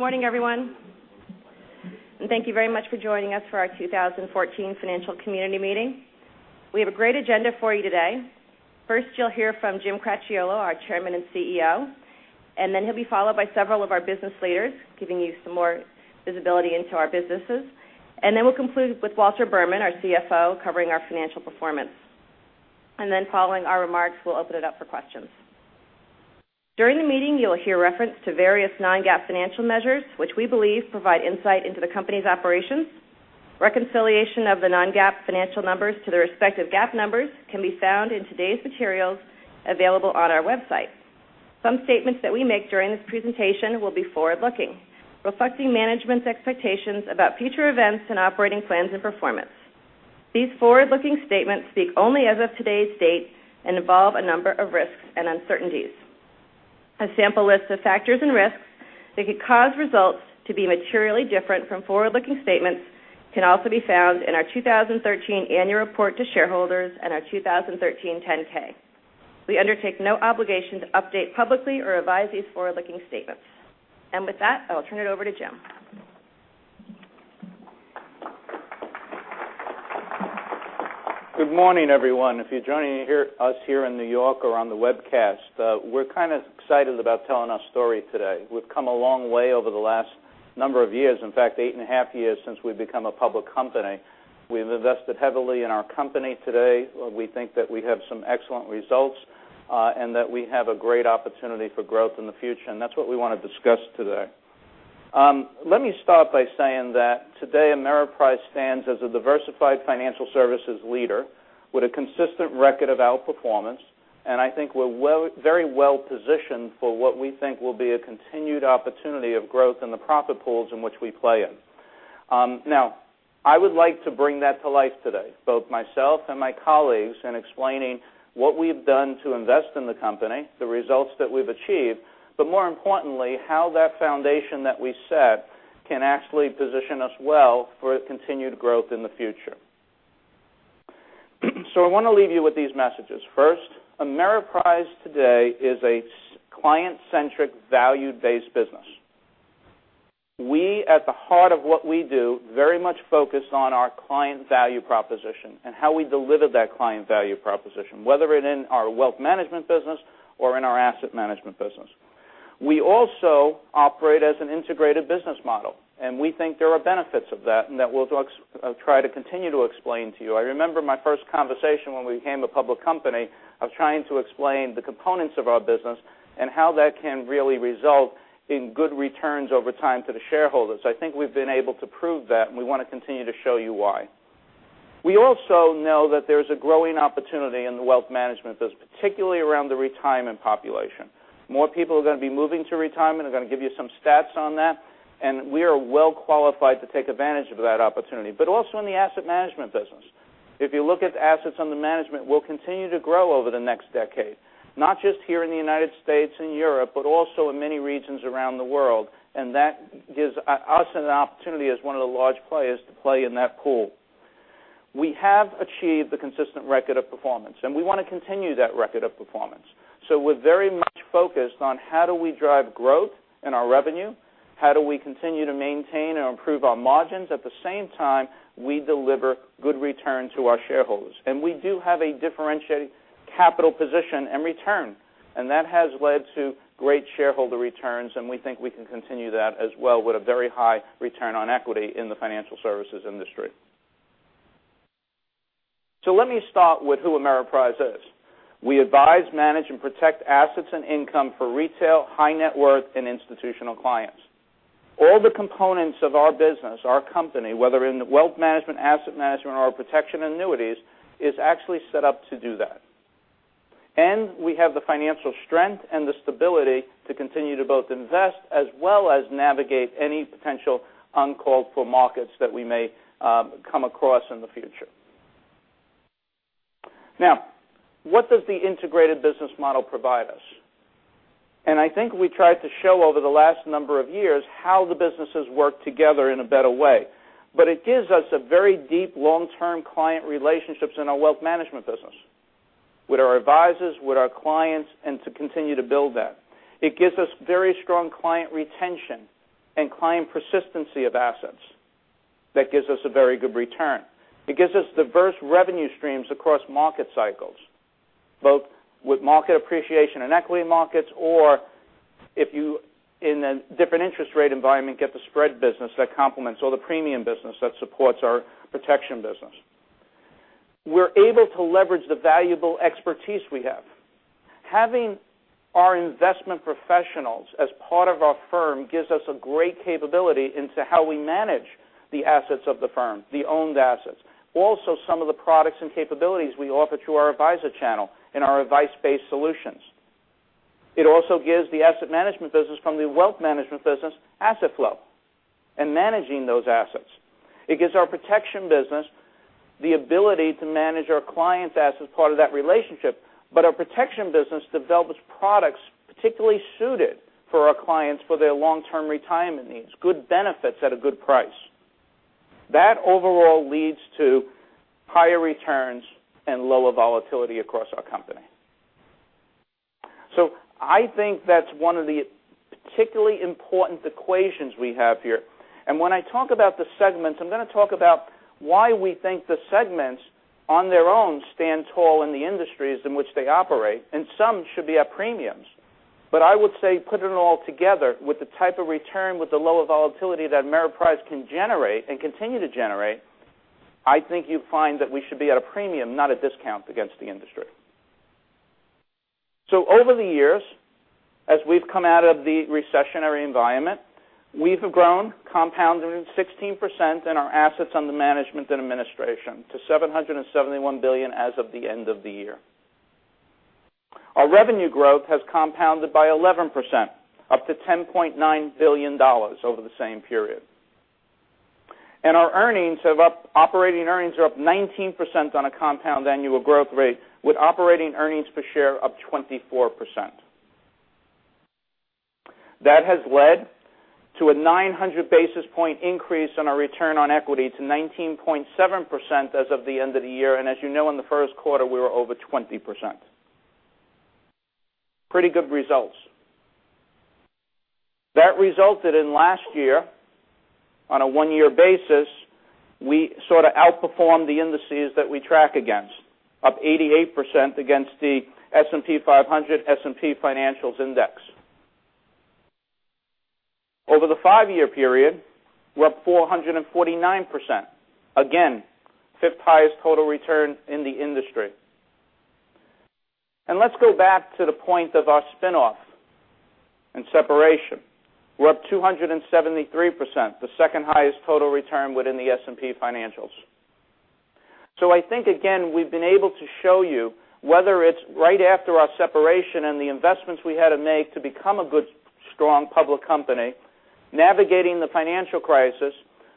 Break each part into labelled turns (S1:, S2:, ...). S1: Good morning, everyone. Thank you very much for joining us for our 2014 financial community meeting. We have a great agenda for you today. First, you'll hear from Jim Cracchiolo, our Chairman and CEO. He'll be followed by several of our business leaders, giving you some more visibility into our businesses. We'll conclude with Walter Berman, our CFO, covering our financial performance. Following our remarks, we'll open it up for questions. During the meeting, you'll hear reference to various non-GAAP financial measures, which we believe provide insight into the company's operations. Reconciliation of the non-GAAP financial numbers to their respective GAAP numbers can be found in today's materials available on our website. Some statements that we make during this presentation will be forward-looking, reflecting management's expectations about future events and operating plans and performance. These forward-looking statements speak only as of today's date and involve a number of risks and uncertainties. A sample list of factors and risks that could cause results to be materially different from forward-looking statements can also be found in our 2013 Annual Report to Shareholders and our 2013 10-K. We undertake no obligation to update publicly or revise these forward-looking statements. With that, I'll turn it over to Jim.
S2: Good morning, everyone. If you're joining us here in New York or on the webcast, we're kind of excited about telling our story today. We've come a long way over the last number of years. In fact, eight and a half years since we've become a public company. We've invested heavily in our company today. We think that we have some excellent results, and that we have a great opportunity for growth in the future, and that's what we want to discuss today. Let me start by saying that today, Ameriprise stands as a diversified financial services leader with a consistent record of outperformance, and I think we're very well-positioned for what we think will be a continued opportunity of growth in the profit pools in which we play in. Now, I would like to bring that to life today, both myself and my colleagues, in explaining what we've done to invest in the company, the results that we've achieved, but more importantly, how that foundation that we set can actually position us well for continued growth in the future. I want to leave you with these messages. First, Ameriprise today is a client-centric, value-based business. We, at the heart of what we do, very much focus on our client value proposition and how we deliver that client value proposition, whether in our wealth management business or in our asset management business. We also operate as an integrated business model, and we think there are benefits of that, and that we'll try to continue to explain to you. I remember my first conversation when we became a public company of trying to explain the components of our business and how that can really result in good returns over time for the shareholders. I think we've been able to prove that, and we want to continue to show you why. We also know that there's a growing opportunity in the wealth management business, particularly around the retirement population. More people are going to be moving to retirement. I'm going to give you some stats on that, and we are well qualified to take advantage of that opportunity. Also in the asset management business. If you look at the assets under management, we'll continue to grow over the next decade, not just here in the U.S. and Europe, but also in many regions around the world. That gives us an opportunity as one of the large players to play in that pool. We have achieved a consistent record of performance, and we want to continue that record of performance. We're very much focused on how do we drive growth in our revenue? How do we continue to maintain and improve our margins? At the same time, we deliver good return to our shareholders. We do have a differentiated capital position and return, and that has led to great shareholder returns, and we think we can continue that as well with a very high return on equity in the financial services industry. Let me start with who Ameriprise is. We advise, manage, and protect assets and income for retail, high net worth, and institutional clients. All the components of our business, our company, whether in wealth management, asset management, or our protection annuities, is actually set up to do that. We have the financial strength and the stability to continue to both invest as well as navigate any potential uncalled-for markets that we may come across in the future. Now, what does the integrated business model provide us? I think we tried to show over the last number of years how the businesses work together in a better way. It gives us a very deep, long-term client relationships in our wealth management business with our advisors, with our clients, and to continue to build that. It gives us very strong client retention and client persistency of assets that gives us a very good return. It gives us diverse revenue streams across market cycles, both with market appreciation and equity markets or if you, in a different interest rate environment, get the spread business that complements all the premium business that supports our protection business. We're able to leverage the valuable expertise we have. Having our investment professionals as part of our firm gives us a great capability into how we manage the assets of the firm, the owned assets. Also, some of the products and capabilities we offer through our advisor channel and our advice-based solutions. It also gives the asset management business from the wealth management business asset flow and managing those assets. It gives our protection business the ability to manage our clients as part of that relationship. Our protection business develops products particularly suited for our clients for their long-term retirement needs, good benefits at a good price. That overall leads to higher returns and lower volatility across our company. I think that's one of the particularly important equations we have here. When I talk about the segments, I'm going to talk about why we think the segments on their own stand tall in the industries in which they operate, and some should be at premiums. I would say put it all together with the type of return, with the lower volatility that Ameriprise can generate and continue to generate, I think you find that we should be at a premium, not a discount against the industry. Over the years, as we've come out of the recessionary environment, we have grown, compounded 16% in our assets under management and administration to $771 billion as of the end of the year. Our revenue growth has compounded by 11%, up to $10.9 billion over the same period. Our operating earnings are up 19% on a compound annual growth rate, with operating earnings per share up 24%. That has led to a 900 basis point increase on our return on equity to 19.7% as of the end of the year. As you know, in the first quarter, we were over 20%. Pretty good results. That resulted in last year, on a one-year basis, we sort of outperformed the indices that we track against. Up 88% against the S&P 500, S&P Financials Index. Over the five-year period, we're up 449%. Again, fifth highest total return in the industry. Let's go back to the point of our spinoff and separation. We're up 273%, the second highest total return within the S&P Financials. I think, again, we've been able to show you whether it's right after our separation and the investments we had to make to become a good, strong public company, navigating the financial crisis,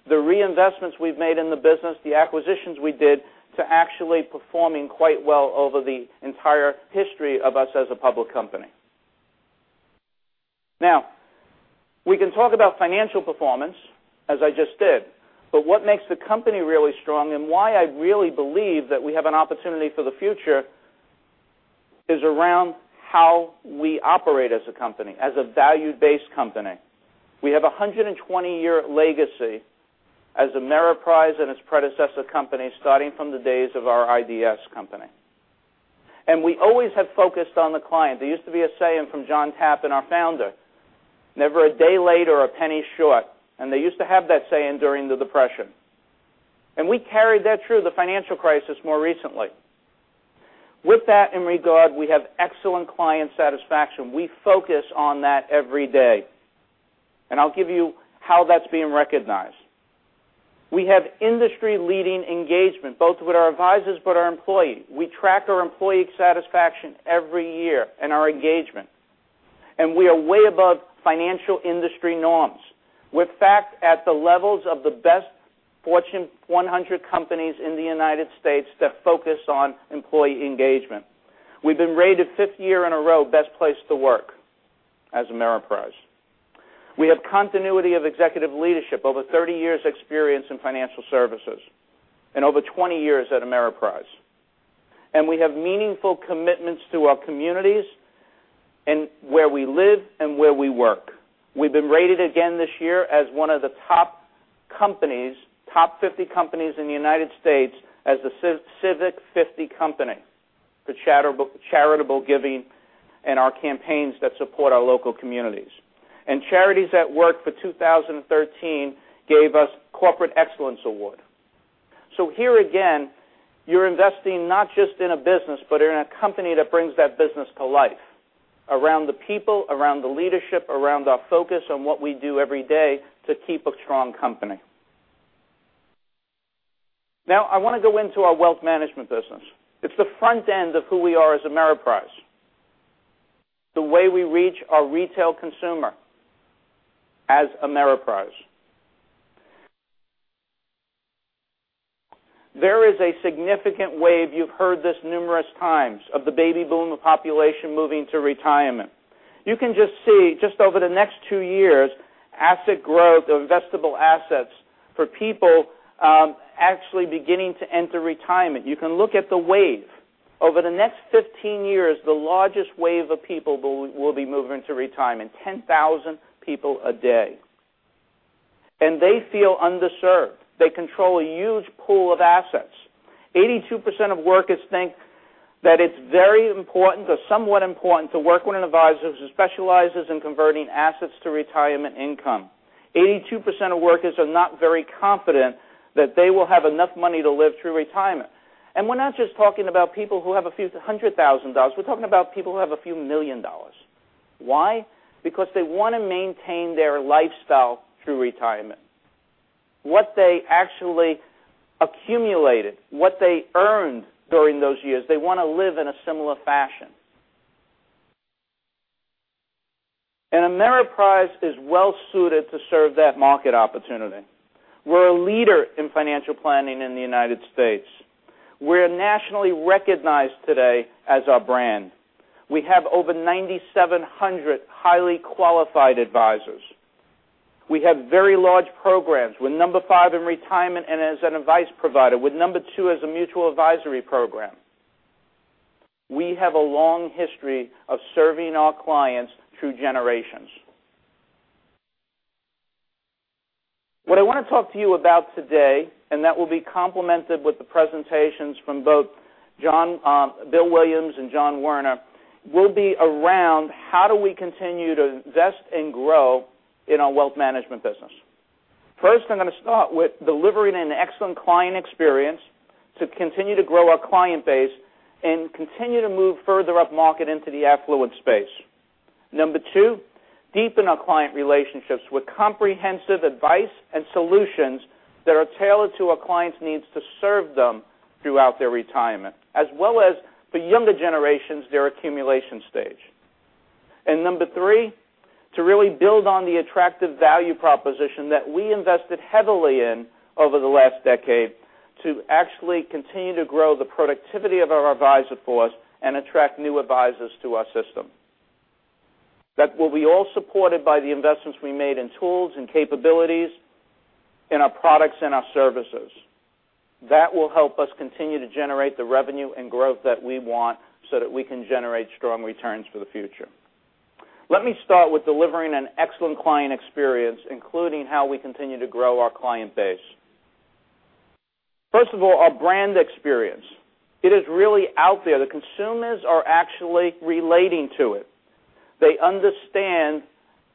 S2: the reinvestments we've made in the business, the acquisitions we did to actually performing quite well over the entire history of us as a public company. Now, we can talk about financial performance, as I just did, but what makes the company really strong and why I really believe that we have an opportunity for the future is around how we operate as a company, as a value-based company. We have 120-year legacy as Ameriprise and its predecessor companies, starting from the days of our IDS company. We always have focused on the client. There used to be a saying from John Tappan, our founder, "Never a day late or a penny short." They used to have that saying during the Depression. We carried that through the financial crisis more recently. With that in regard, we have excellent client satisfaction. We focus on that every day. I'll give you how that's being recognized. We have industry-leading engagement, both with our advisors but our employee. We track our employee satisfaction every year and our engagement, and we are way above financial industry norms. We're, in fact, at the levels of the best Fortune 100 companies in the U.S. that focus on employee engagement. We've been rated fifth year in a row best place to work as Ameriprise. We have continuity of executive leadership, over 30 years experience in financial services and over 20 years at Ameriprise. We have meaningful commitments to our communities and where we live and where we work. We've been rated again this year as one of the top 50 companies in the U.S. as a The Civic 50 company for charitable giving and our campaigns that support our local communities. Charities@Work for 2013 gave us Corporate Excellence Award. Here again, you're investing not just in a business, but in a company that brings that business to life around the people, around the leadership, around our focus on what we do every day to keep a strong company. I want to go into our wealth management business. It's the front end of who we are as Ameriprise, the way we reach our retail consumer as Ameriprise. There is a significant wave, you've heard this numerous times, of the baby boomer population moving to retirement. You can just see, just over the next 2 years, asset growth of investable assets for people actually beginning to enter retirement. You can look at the wave. Over the next 15 years, the largest wave of people will be moving to retirement, 10,000 people a day. They feel underserved. They control a huge pool of assets. 82% of workers think that it's very important or somewhat important to work with an advisor who specializes in converting assets to retirement income. 82% of workers are not very confident that they will have enough money to live through retirement. We're not just talking about people who have a few hundred thousand dollars. We're talking about people who have a few million dollars. Why? Because they want to maintain their lifestyle through retirement. What they actually accumulated, what they earned during those years, they want to live in a similar fashion. Ameriprise is well-suited to serve that market opportunity. We're a leader in financial planning in the U.S. We're nationally recognized today as a brand. We have over 9,700 highly qualified advisors. We have very large programs. We're number 5 in retirement and as an advice provider. We're number 2 as a mutual advisory program. We have a long history of serving our clients through generations. What I want to talk to you about today, and that will be complemented with the presentations from both Bill Williams and John Woerner, will be around how do we continue to invest and grow in our wealth management business. First, I'm going to start with delivering an excellent client experience to continue to grow our client base and continue to move further upmarket into the affluent space. Number 2, deepen our client relationships with comprehensive advice and solutions that are tailored to our clients' needs to serve them throughout their retirement, as well as for younger generations, their accumulation stage. Number 3, to really build on the attractive value proposition that we invested heavily in over the last decade to actually continue to grow the productivity of our advisor force and attract new advisors to our system. That will be all supported by the investments we made in tools and capabilities, in our products and our services. That will help us continue to generate the revenue and growth that we want so that we can generate strong returns for the future. Let me start with delivering an excellent client experience, including how we continue to grow our client base. First of all, our brand experience, it is really out there. The consumers are actually relating to it. They understand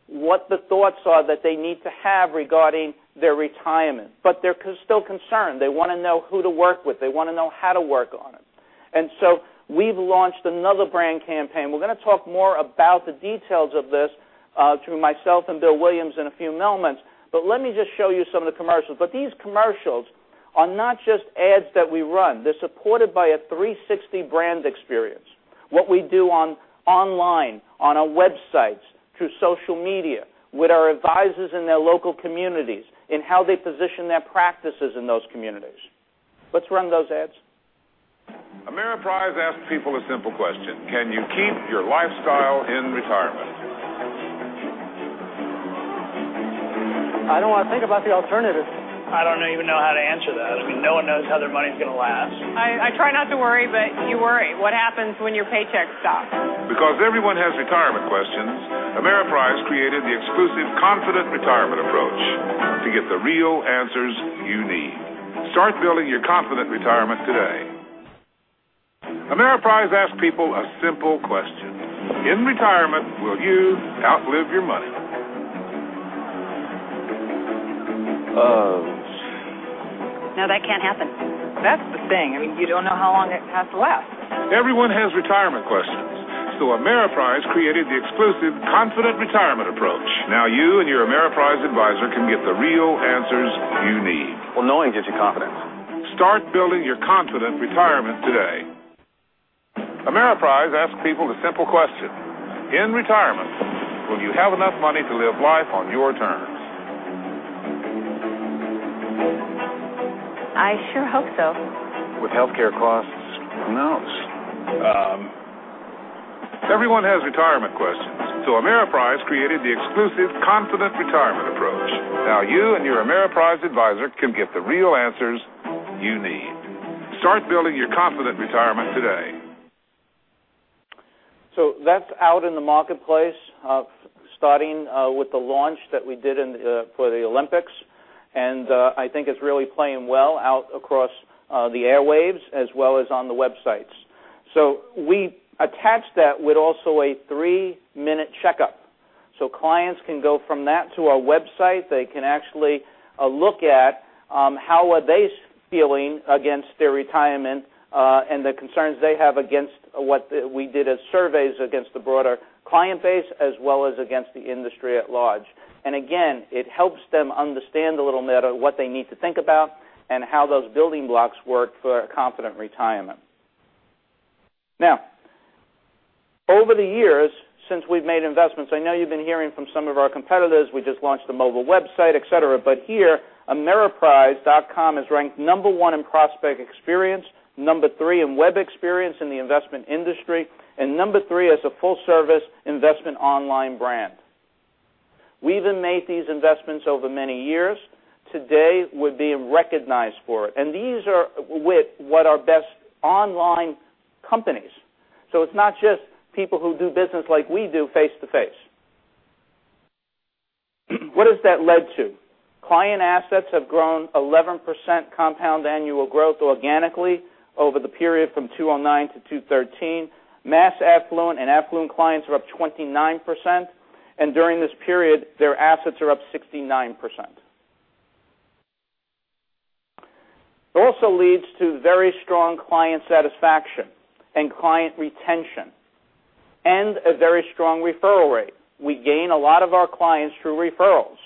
S2: what the thoughts are that they need to have regarding their retirement, but they're still concerned. They want to know who to work with. They want to know how to work on it. We've launched another brand campaign. We're going to talk more about the details of this, through myself and Bill Williams in a few moments, but let me just show you some of the commercials. These commercials are not just ads that we run. They're supported by a 360 brand experience. What we do online, on our websites, through social media, with our advisors in their local communities, in how they position their practices in those communities. Let's run those ads.
S3: Ameriprise asks people a simple question: Can you keep your lifestyle in retirement?
S4: I don't want to think about the alternative. I don't even know how to answer that. I mean, no one knows how their money's going to last. I try not to worry, but you worry. What happens when your paycheck stops?
S3: Because everyone has retirement questions, Ameriprise created the exclusive Confident Retirement approach to get the real answers you need. Start building your Confident Retirement today. Ameriprise asks people a simple question: In retirement, will you outlive your money?
S4: No, that can't happen. That's the thing. I mean, you don't know how long it has to last. Everyone has retirement questions. Ameriprise created the exclusive Confident Retirement approach. Now you and your Ameriprise advisor can get the real answers you need. Well, knowing gives you confidence.
S3: Start building your Confident Retirement today. Ameriprise asks people a simple question: In retirement, will you have enough money to live life on your terms?
S4: I sure hope so. With healthcare costs? Who knows?
S3: Everyone has retirement questions, Ameriprise created the exclusive Confident Retirement approach. Now you and your Ameriprise advisor can get the real answers you need. Start building your Confident Retirement today.
S2: That's out in the marketplace, starting with the launch that we did for the Olympics, and I think it's really playing well out across the airwaves as well as on the websites. We attached that with also a Three-Minute Checkup. Clients can go from that to our website. They can actually look at how are they feeling against their retirement, and the concerns they have against what we did as surveys against the broader client base, as well as against the industry at large. Again, it helps them understand a little better what they need to think about and how those building blocks work for a Confident Retirement. Over the years, since we've made investments, I know you've been hearing from some of our competitors. We just launched a mobile website, et cetera, but here, ameriprise.com is ranked number 1 in prospect experience, number 3 in web experience in the investment industry, and number 3 as a full-service investment online brand. We've made these investments over many years. Today, we're being recognized for it. These are with what are best online companies. It's not just people who do business like we do face-to-face. What has that led to? Client assets have grown 11% compound annual growth organically over the period from 2009 to 2013. Mass affluent and affluent clients are up 29%, and during this period, their assets are up 69%. It also leads to very strong client satisfaction and client retention, and a very strong referral rate. We gain a lot of our clients through referrals.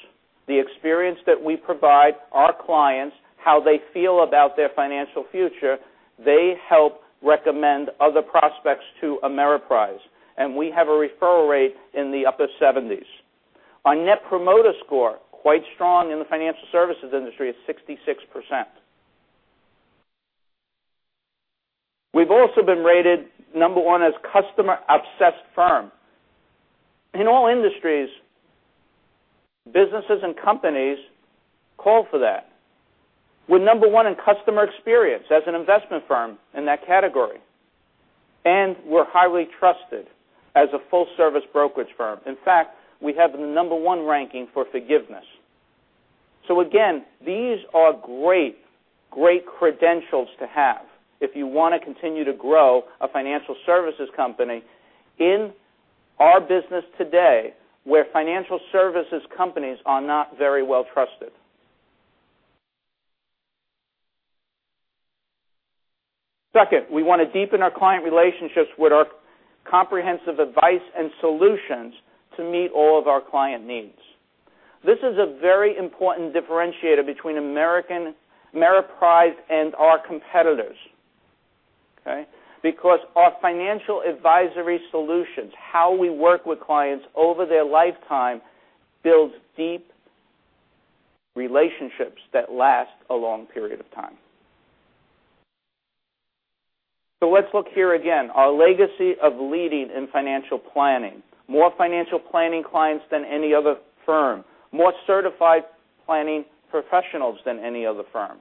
S2: The experience that we provide our clients, how they feel about their financial future, they help recommend other prospects to Ameriprise, and we have a referral rate in the upper 70s. Our Net Promoter Score, quite strong in the financial services industry at 66%. We've also been rated number 1 as customer-obsessed firm. In all industries, businesses and companies call for that. We're number 1 in customer experience as an investment firm in that category, and we're highly trusted as a full-service brokerage firm. In fact, we have the number 1 ranking for forgiveness. Again, these are great credentials to have if you want to continue to grow a financial services company in our business today, where financial services companies are not very well trusted. Second, we want to deepen our client relationships with our comprehensive advice and solutions to meet all of our client needs. This is a very important differentiator between Ameriprise and our competitors. Okay? Because our financial advisory solutions, how we work with clients over their lifetime, builds deep relationships that last a long period of time. Let's look here again, our legacy of leading in financial planning. More financial planning clients than any other firm, more certified planning professionals than any other firm.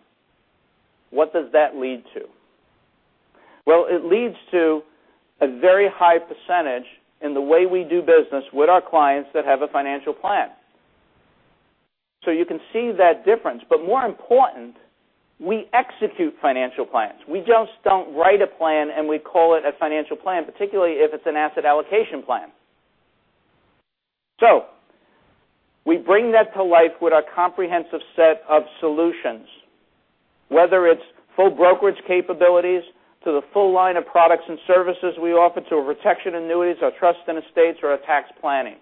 S2: What does that lead to? It leads to a very high percentage in the way we do business with our clients that have a financial plan. You can see that difference. More important, we execute financial plans. We just don't write a plan, and we call it a financial plan, particularly if it's an asset allocation plan. We bring that to life with our comprehensive set of solutions, whether it's full brokerage capabilities to the full line of products and services we offer to our protection annuities, our trust and estates, or our tax planning.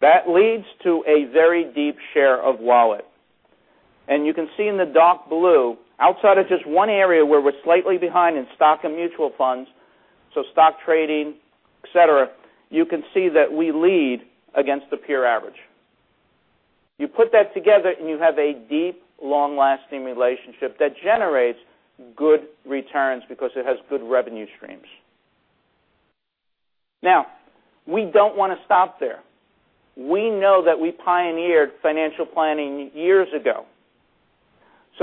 S2: That leads to a very deep share of wallet. You can see in the dark blue, outside of just one area where we're slightly behind in stock and mutual funds, so stock trading, et cetera, you can see that we lead against the peer average. You put that together, and you have a deep, long-lasting relationship that generates good returns because it has good revenue streams. Now, we don't want to stop there. We know that we pioneered financial planning years ago.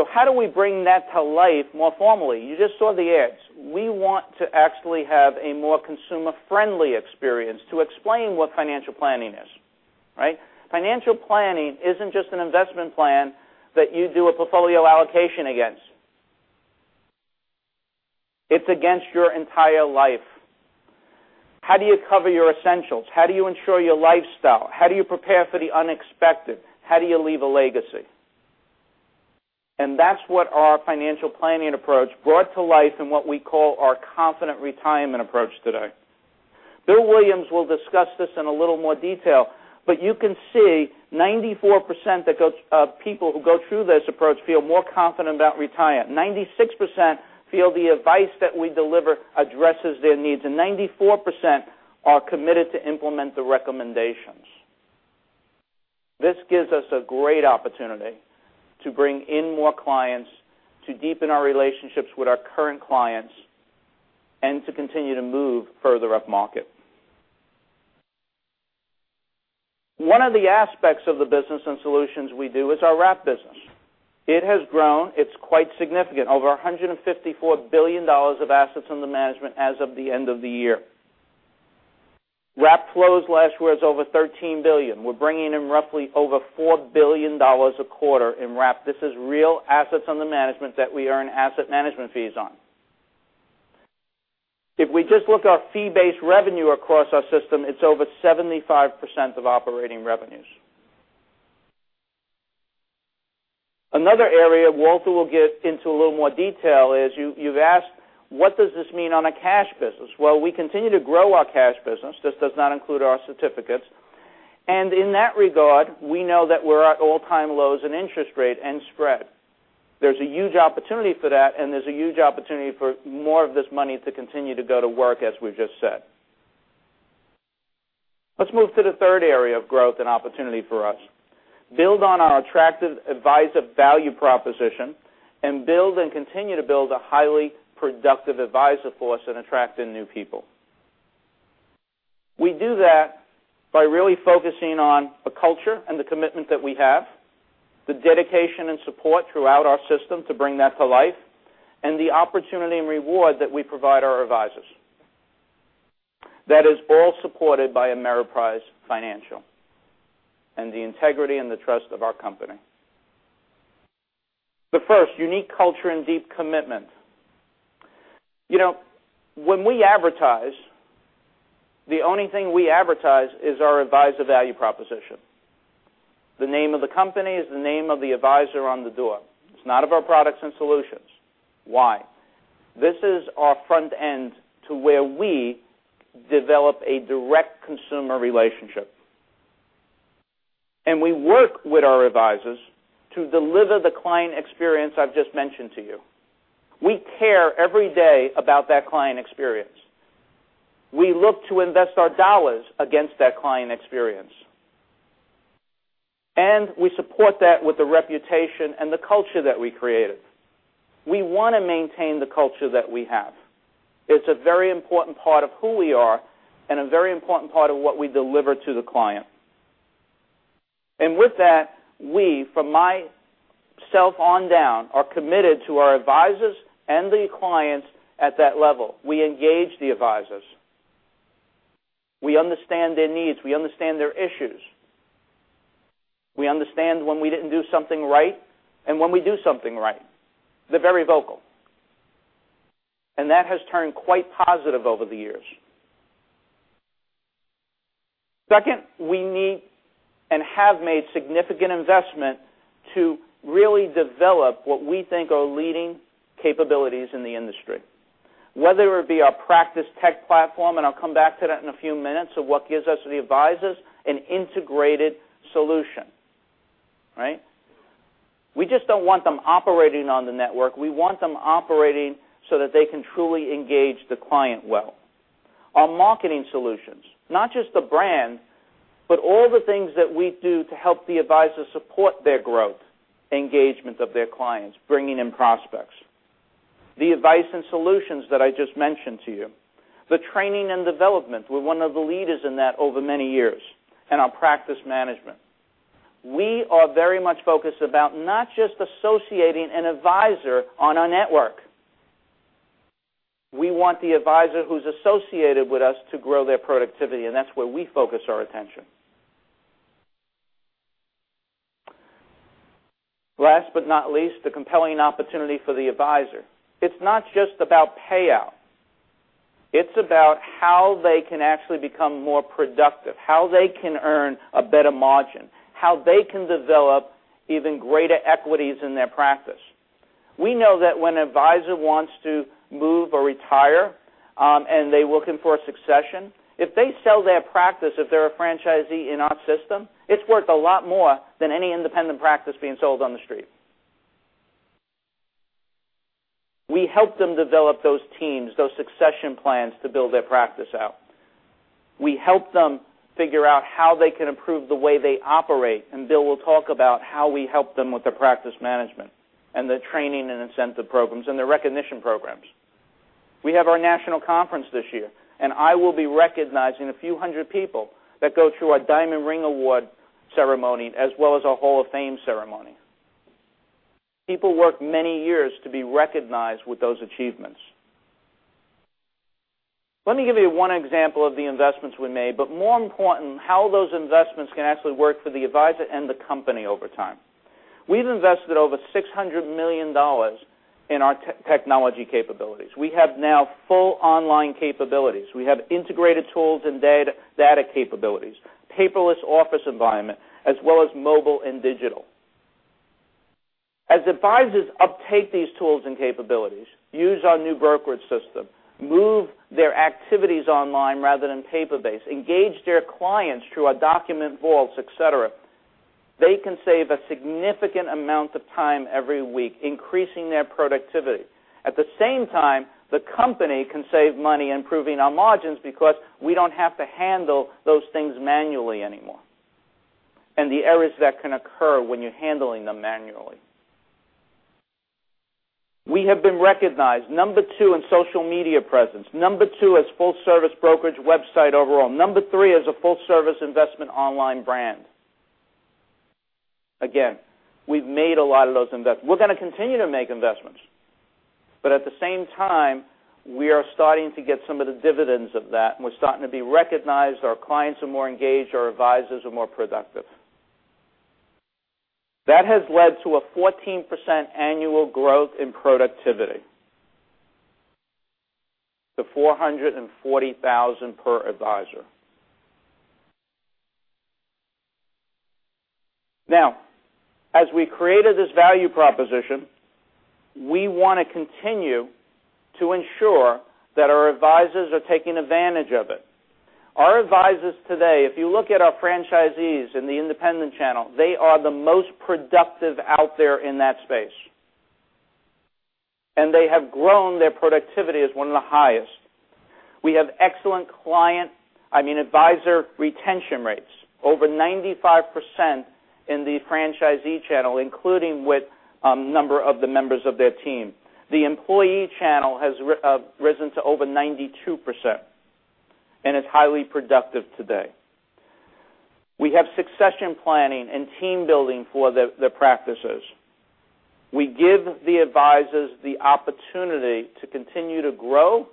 S2: How do we bring that to life more formally? You just saw the ads. We want to actually have a more consumer-friendly experience to explain what financial planning is. Right? Financial planning isn't just an investment plan that you do a portfolio allocation against. It's against your entire life. How do you cover your essentials? How do you ensure your lifestyle? How do you prepare for the unexpected? How do you leave a legacy? That's what our financial planning approach brought to life in what we call our Confident Retirement approach today. Bill Williams will discuss this in a little more detail, but you can see 94% of people who go through this approach feel more confident about retiring. 96% feel the advice that we deliver addresses their needs, and 94% are committed to implement the recommendations. This gives us a great opportunity to bring in more clients, to deepen our relationships with our current clients, and to continue to move further upmarket. One of the aspects of the business and solutions we do is our wrap business. It has grown. It's quite significant. Over $154 billion of assets under management as of the end of the year. Wrap flows last year is over $13 billion. We're bringing in roughly over $4 billion a quarter in wrap. This is real assets under management that we earn asset management fees on. If we just look at our fee-based revenue across our system, it's over 75% of operating revenues. Another area Walter will get into a little more detail is you've asked, what does this mean on a cash business? We continue to grow our cash business. This does not include our certificates. In that regard, we know that we're at all-time lows in interest rate and spread. There's a huge opportunity for that, and there's a huge opportunity for more of this money to continue to go to work, as we just said. Let's move to the third area of growth and opportunity for us. Build on our attractive advisor value proposition, and build and continue to build a highly productive advisor force and attract in new people. We do that by really focusing on the culture and the commitment that we have, the dedication and support throughout our system to bring that to life, and the opportunity and reward that we provide our advisors. That is all supported by Ameriprise Financial, and the integrity and the trust of our company. The first, unique culture and deep commitment. When we advertise, the only thing we advertise is our advisor value proposition. The name of the company is the name of the advisor on the door. It's not of our products and solutions. Why? This is our front end to where we develop a direct consumer relationship. We work with our advisors to deliver the client experience I've just mentioned to you. We care every day about that client experience. We look to invest our dollars against that client experience. We support that with the reputation and the culture that we created. We want to maintain the culture that we have. It's a very important part of who we are and a very important part of what we deliver to the client. With that, we, from myself on down, are committed to our advisors and the clients at that level. We engage the advisors. We understand their needs. We understand their issues. We understand when we didn't do something right, and when we do something right. They're very vocal. That has turned quite positive over the years. Second, we need and have made significant investment to really develop what we think are leading capabilities in the industry, whether it be our practice tech platform, and I'll come back to that in a few minutes, of what gives us the advisors an integrated solution. Right. We just don't want them operating on the network. We want them operating so that they can truly engage the client well. Our marketing solutions, not just the brand, but all the things that we do to help the advisor support their growth, engagement of their clients, bringing in prospects. The advice and solutions that I just mentioned to you. The training and development. We're one of the leaders in that over many years. Our practice management. We are very much focused about not just associating an advisor on our network. We want the advisor who's associated with us to grow their productivity, and that's where we focus our attention. Last but not least, the compelling opportunity for the advisor. It's not just about payout. It's about how they can actually become more productive, how they can earn a better margin, how they can develop even greater equities in their practice. We know that when an advisor wants to move or retire, and they're looking for a succession, if they sell their practice, if they're a franchisee in our system, it's worth a lot more than any independent practice being sold on the street. We help them develop those teams, those succession plans to build their practice out. We help them figure out how they can improve the way they operate. Bill will talk about how we help them with their practice management and their training and incentive programs and their recognition programs. We have our national conference this year. I will be recognizing a few hundred people that go through our Diamond Ring Award ceremony as well as our Hall of Fame ceremony. People work many years to be recognized with those achievements. Let me give you one example of the investments we made, but more important, how those investments can actually work for the advisor and the company over time. We've invested over $600 million in our technology capabilities. We have now full online capabilities. We have integrated tools and data capabilities, paperless office environment, as well as mobile and digital. As advisors uptake these tools and capabilities, use our new brokerage system, move their activities online rather than paper-based, engage their clients through our document vaults, et cetera, they can save a significant amount of time every week, increasing their productivity. At the same time, the company can save money improving our margins because we don't have to handle those things manually anymore, and the errors that can occur when you're handling them manually. We have been recognized number 2 in social media presence, number 2 as full-service brokerage website overall, number 3 as a full-service investment online brand. Again, we've made a lot of those investments. We're going to continue to make investments. At the same time, we are starting to get some of the dividends of that, and we're starting to be recognized. Our clients are more engaged. Our advisors are more productive. That has led to a 14% annual growth in productivity to 440,000 per advisor. As we created this value proposition, we want to continue to ensure that our advisors are taking advantage of it. Our advisors today, if you look at our franchisees in the independent channel, they are the most productive out there in that space, and they have grown their productivity as one of the highest. We have excellent client, I mean, advisor retention rates, over 95% in the franchisee channel, including with a number of the members of their team. The employee channel has risen to over 92% and is highly productive today. We have succession planning and team building for the practices. We give the advisors the opportunity to continue to grow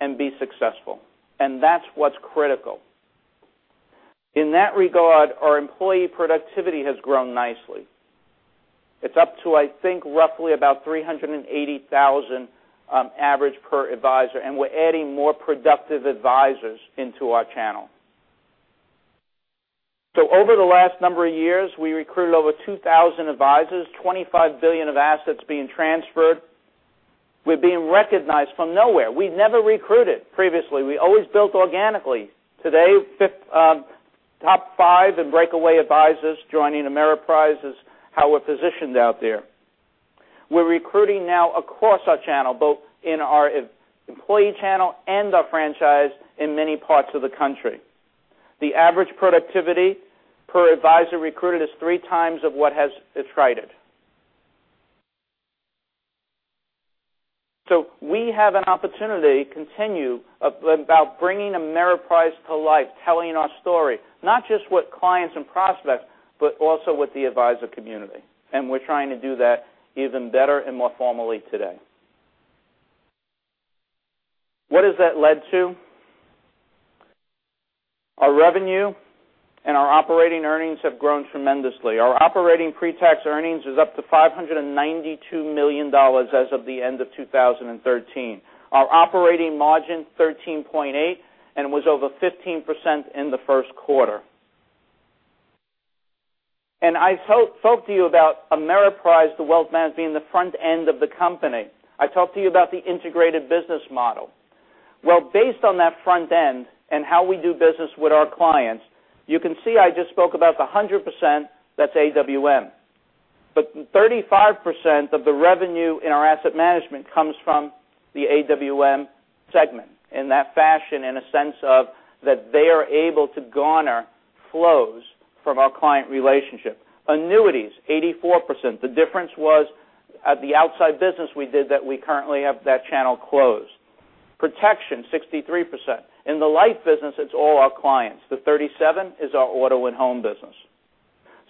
S2: and be successful, and that's what's critical. In that regard, our employee productivity has grown nicely. It's up to, I think, roughly about 380,000 average per advisor, we're adding more productive advisors into our channel. Over the last number of years, we recruited over 2,000 advisors, 25 billion of assets being transferred. We're being recognized from nowhere. We never recruited previously. We always built organically. Today, top five in breakaway advisors joining Ameriprise is how we're positioned out there. We're recruiting now across our channel, both in our employee channel and our franchise in many parts of the country. The average productivity per advisor recruited is three times of what has attrited. We have an opportunity continue about bringing Ameriprise to life, telling our story, not just with clients and prospects, but also with the advisor community, and we're trying to do that even better and more formally today. What has that led to? Our revenue and our operating earnings have grown tremendously. Our operating pre-tax earnings is up to $592 million as of the end of 2013. Our operating margin, 13.8%, and was over 15% in the first quarter. I spoke to you about Ameriprise, the wealth management being the front end of the company. I talked to you about the integrated business model. Based on that front end and how we do business with our clients, you can see I just spoke about the 100% that's AWM. 35% of the revenue in our asset management comes from the AWM segment in that fashion, in a sense of that they are able to garner flows from our client relationship. Annuities, 84%. The difference was at the outside business we did that we currently have that channel closed. Protection, 63%. In the life business, it's all our clients. The 37% is our auto and home business.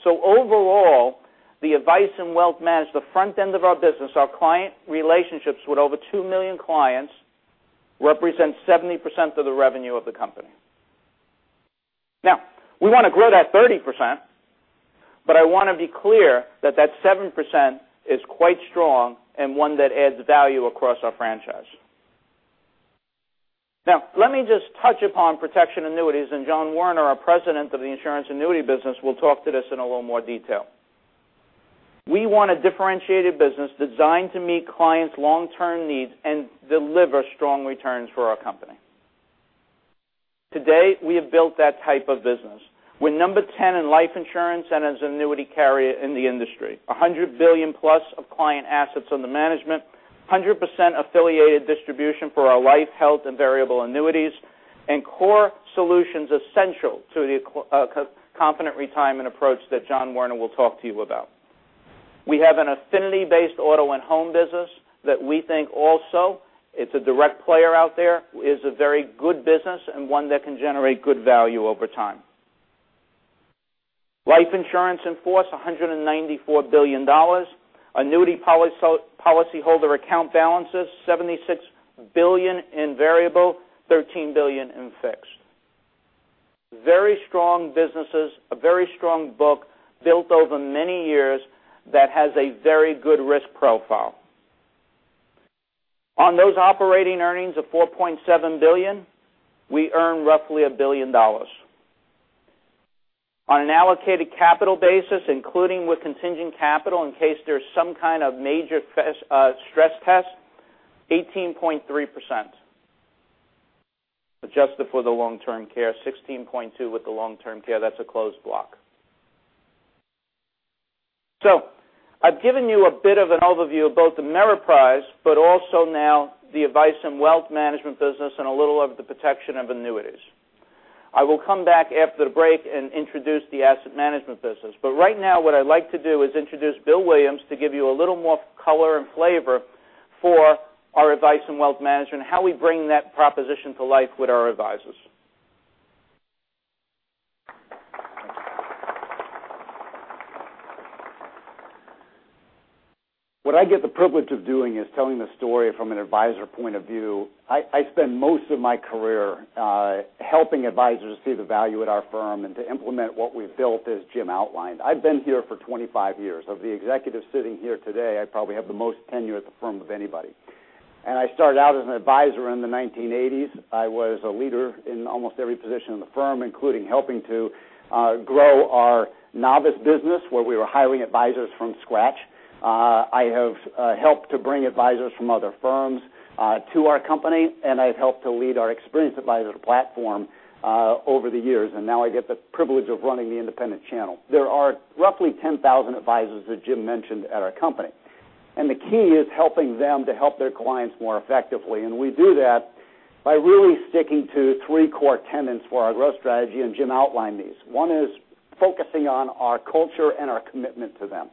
S2: Overall, the advice and wealth management the front end of our business. Our client relationships with over two million clients represent 70% of the revenue of the company. We want to grow that 30%, I want to be clear that that 7% is quite strong and one that adds value across our franchise. Let me just touch upon protection annuities, and John Woerner, our president of the insurance annuity business, will talk to this in a little more detail. We want a differentiated business designed to meet clients' long-term needs and deliver strong returns for our company. Today, we have built that type of business. We're number 10 in life insurance and as annuity carrier in the industry, $100 billion plus of client assets under management, 100% affiliated distribution for our life, health, and variable annuities, and core solutions essential to the Confident Retirement approach that John Woerner will talk to you about. We have an affinity-based auto and home business that we think also it's a direct player out there, is a very good business and one that can generate good value over time. Life insurance in force, $194 billion. Annuity policyholder account balances, $76 billion in variable, $13 billion in fixed. Very strong businesses, a very strong book built over many years that has a very good risk profile. On those operating earnings of $4.7 billion, we earn roughly $1 billion. On an allocated capital basis, including with contingent capital in case there's some kind of major stress test, 18.3%. Adjusted for the long-term care, 16.2% with the long-term care, that's a closed block. I've given you a bit of an overview of both Ameriprise, but also now the advice and wealth management business and a little of the protection of annuities. I will come back after the break and introduce the asset management business. Right now, what I'd like to do is introduce Bill Williams to give you a little more color and flavor for our advice in wealth management and how we bring that proposition to life with our advisors.
S5: What I get the privilege of doing is telling the story from an advisor point of view. I spent most of my career helping advisors see the value at our firm and to implement what we've built as Jim outlined. I've been here for 25 years. Of the executives sitting here today, I probably have the most tenure at the firm of anybody. I started out as an advisor in the 1980s. I was a leader in almost every position in the firm, including helping to grow our novice business, where we were hiring advisors from scratch. I have helped to bring advisors from other firms to our company, and I've helped to lead our experienced advisor platform over the years, and now I get the privilege of running the independent channel. There are roughly 10,000 advisors that Jim mentioned at our company, the key is helping them to help their clients more effectively. We do that by really sticking to three core tenets for our growth strategy, and Jim outlined these. One is focusing on our culture and our commitment to them.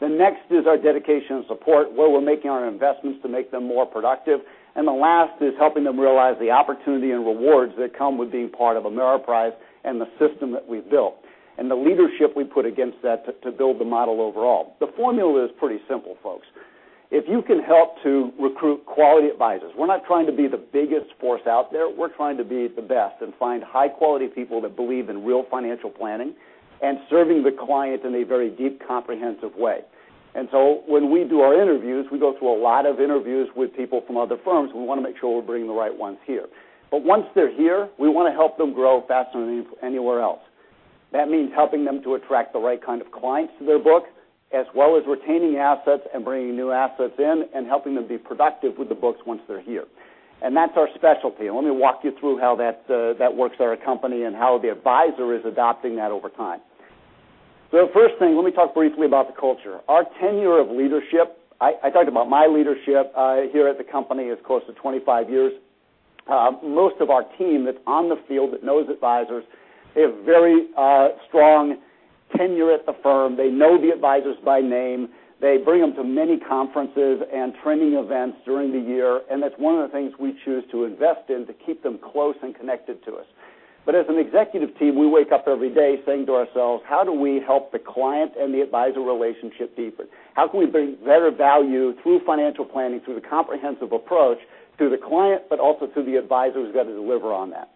S5: The next is our dedication and support, where we're making our investments to make them more productive. The last is helping them realize the opportunity and rewards that come with being part of Ameriprise and the system that we've built, and the leadership we put against that to build the model overall. The formula is pretty simple, folks. If you can help to recruit quality advisors, we're not trying to be the biggest force out there. We're trying to be the best and find high-quality people that believe in real financial planning and serving the client in a very deep, comprehensive way. When we do our interviews, we go through a lot of interviews with people from other firms. We want to make sure we're bringing the right ones here. Once they're here, we want to help them grow faster than anywhere else. That means helping them to attract the right kind of clients to their book, as well as retaining assets and bringing new assets in and helping them be productive with the books once they're here. That's our specialty. Let me walk you through how that works at our company and how the advisor is adopting that over time. First thing, let me talk briefly about the culture. Our tenure of leadership, I talked about my leadership here at the company, is close to 25 years. Most of our team that's on the field that knows advisors, they have very strong tenure at the firm. They know the advisors by name. That's one of the things we choose to invest in to keep them close and connected to us. As an executive team, we wake up every day saying to ourselves, "How do we help the client and the advisor relationship deeper? How can we bring better value through financial planning, through the comprehensive approach to the client, but also to the advisor who's got to deliver on that?"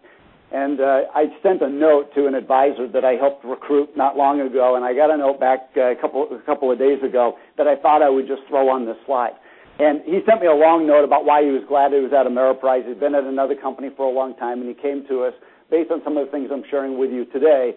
S5: I sent a note to an advisor that I helped recruit not long ago, I got a note back a couple of days ago that I thought I would just throw on the slide. He sent me a long note about why he was glad he was at Ameriprise. He'd been at another company for a long time, he came to us based on some of the things I'm sharing with you today.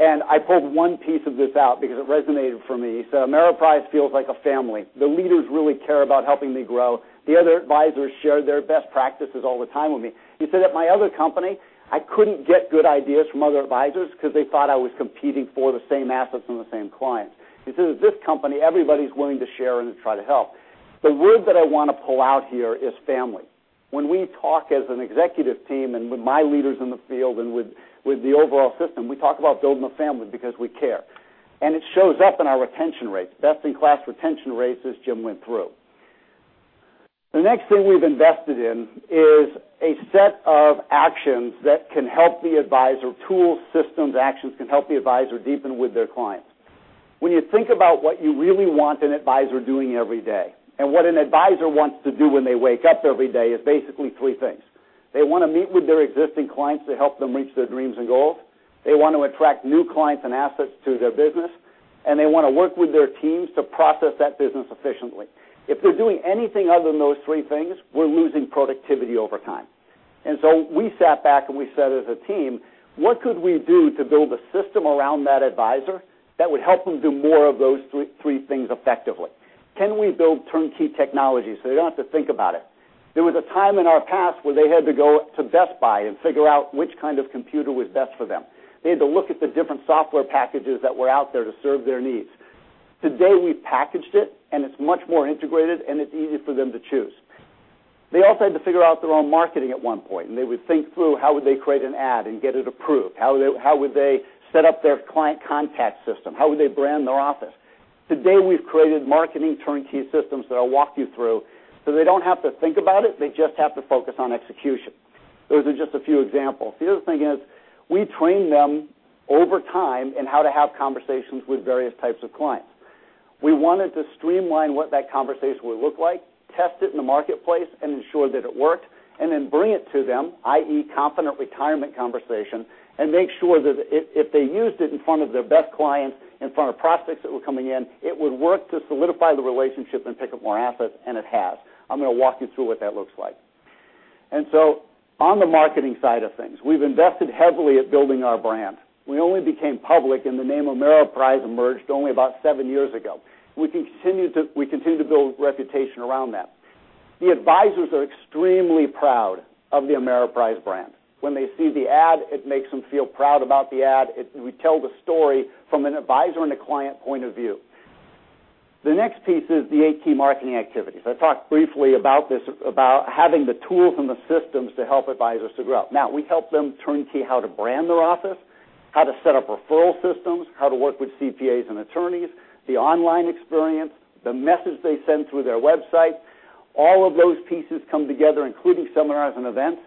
S5: I pulled one piece of this out because it resonated for me. He said, "Ameriprise feels like a family. The leaders really care about helping me grow. The other advisors share their best practices all the time with me." He said, "At my other company, I couldn't get good ideas from other advisors because they thought I was competing for the same assets and the same clients." He said, "At this company, everybody's willing to share and to try to help." The word that I want to pull out here is family. When we talk as an executive team and with my leaders in the field and with the overall system, we talk about building a family because we care. It shows up in our retention rates, best-in-class retention rates as Jim went through. The next thing we've invested in is a set of actions that can help the advisor, tools, systems, actions, can help the advisor deepen with their clients. When you think about what you really want an advisor doing every day, and what an advisor wants to do when they wake up every day is basically three things. They want to meet with their existing clients to help them reach their dreams and goals. They want to attract new clients and assets to their business, and they want to work with their teams to process that business efficiently. If they're doing anything other than those three things, we're losing productivity over time. We sat back and we said as a team, "What could we do to build a system around that advisor that would help them do more of those three things effectively? Can we build turnkey technology so they don't have to think about it?" There was a time in our past where they had to go to Best Buy and figure out which kind of computer was best for them. They had to look at the different software packages that were out there to serve their needs. Today we packaged it, and it's much more integrated, and it's easier for them to choose. They also had to figure out their own marketing at one point, and they would think through how would they create an ad and get it approved. How would they set up their client contact system? How would they brand their office? Today we've created marketing turnkey systems that I'll walk you through, so they don't have to think about it. They just have to focus on execution. Those are just a few examples. The other thing is, we train them over time in how to have conversations with various types of clients. We wanted to streamline what that conversation would look like, test it in the marketplace, and ensure that it worked, and then bring it to them, i.e., Confident Retirement conversation, and make sure that if they used it in front of their best clients, in front of prospects that were coming in, it would work to solidify the relationship and pick up more assets, and it has. I'm going to walk you through what that looks like. On the marketing side of things, we've invested heavily at building our brand. We only became public, and the name Ameriprise emerged only about seven years ago. We continue to build reputation around that. The advisors are extremely proud of the Ameriprise brand. When they see the ad, it makes them feel proud about the ad. We tell the story from an advisor and a client point of view. The next piece is the eight key marketing activities. I talked briefly about this, about having the tools and the systems to help advisors to grow. Now, we help them turnkey how to brand their office, how to set up referral systems, how to work with CPAs and attorneys, the online experience, the message they send through their website. All of those pieces come together, including seminars and events.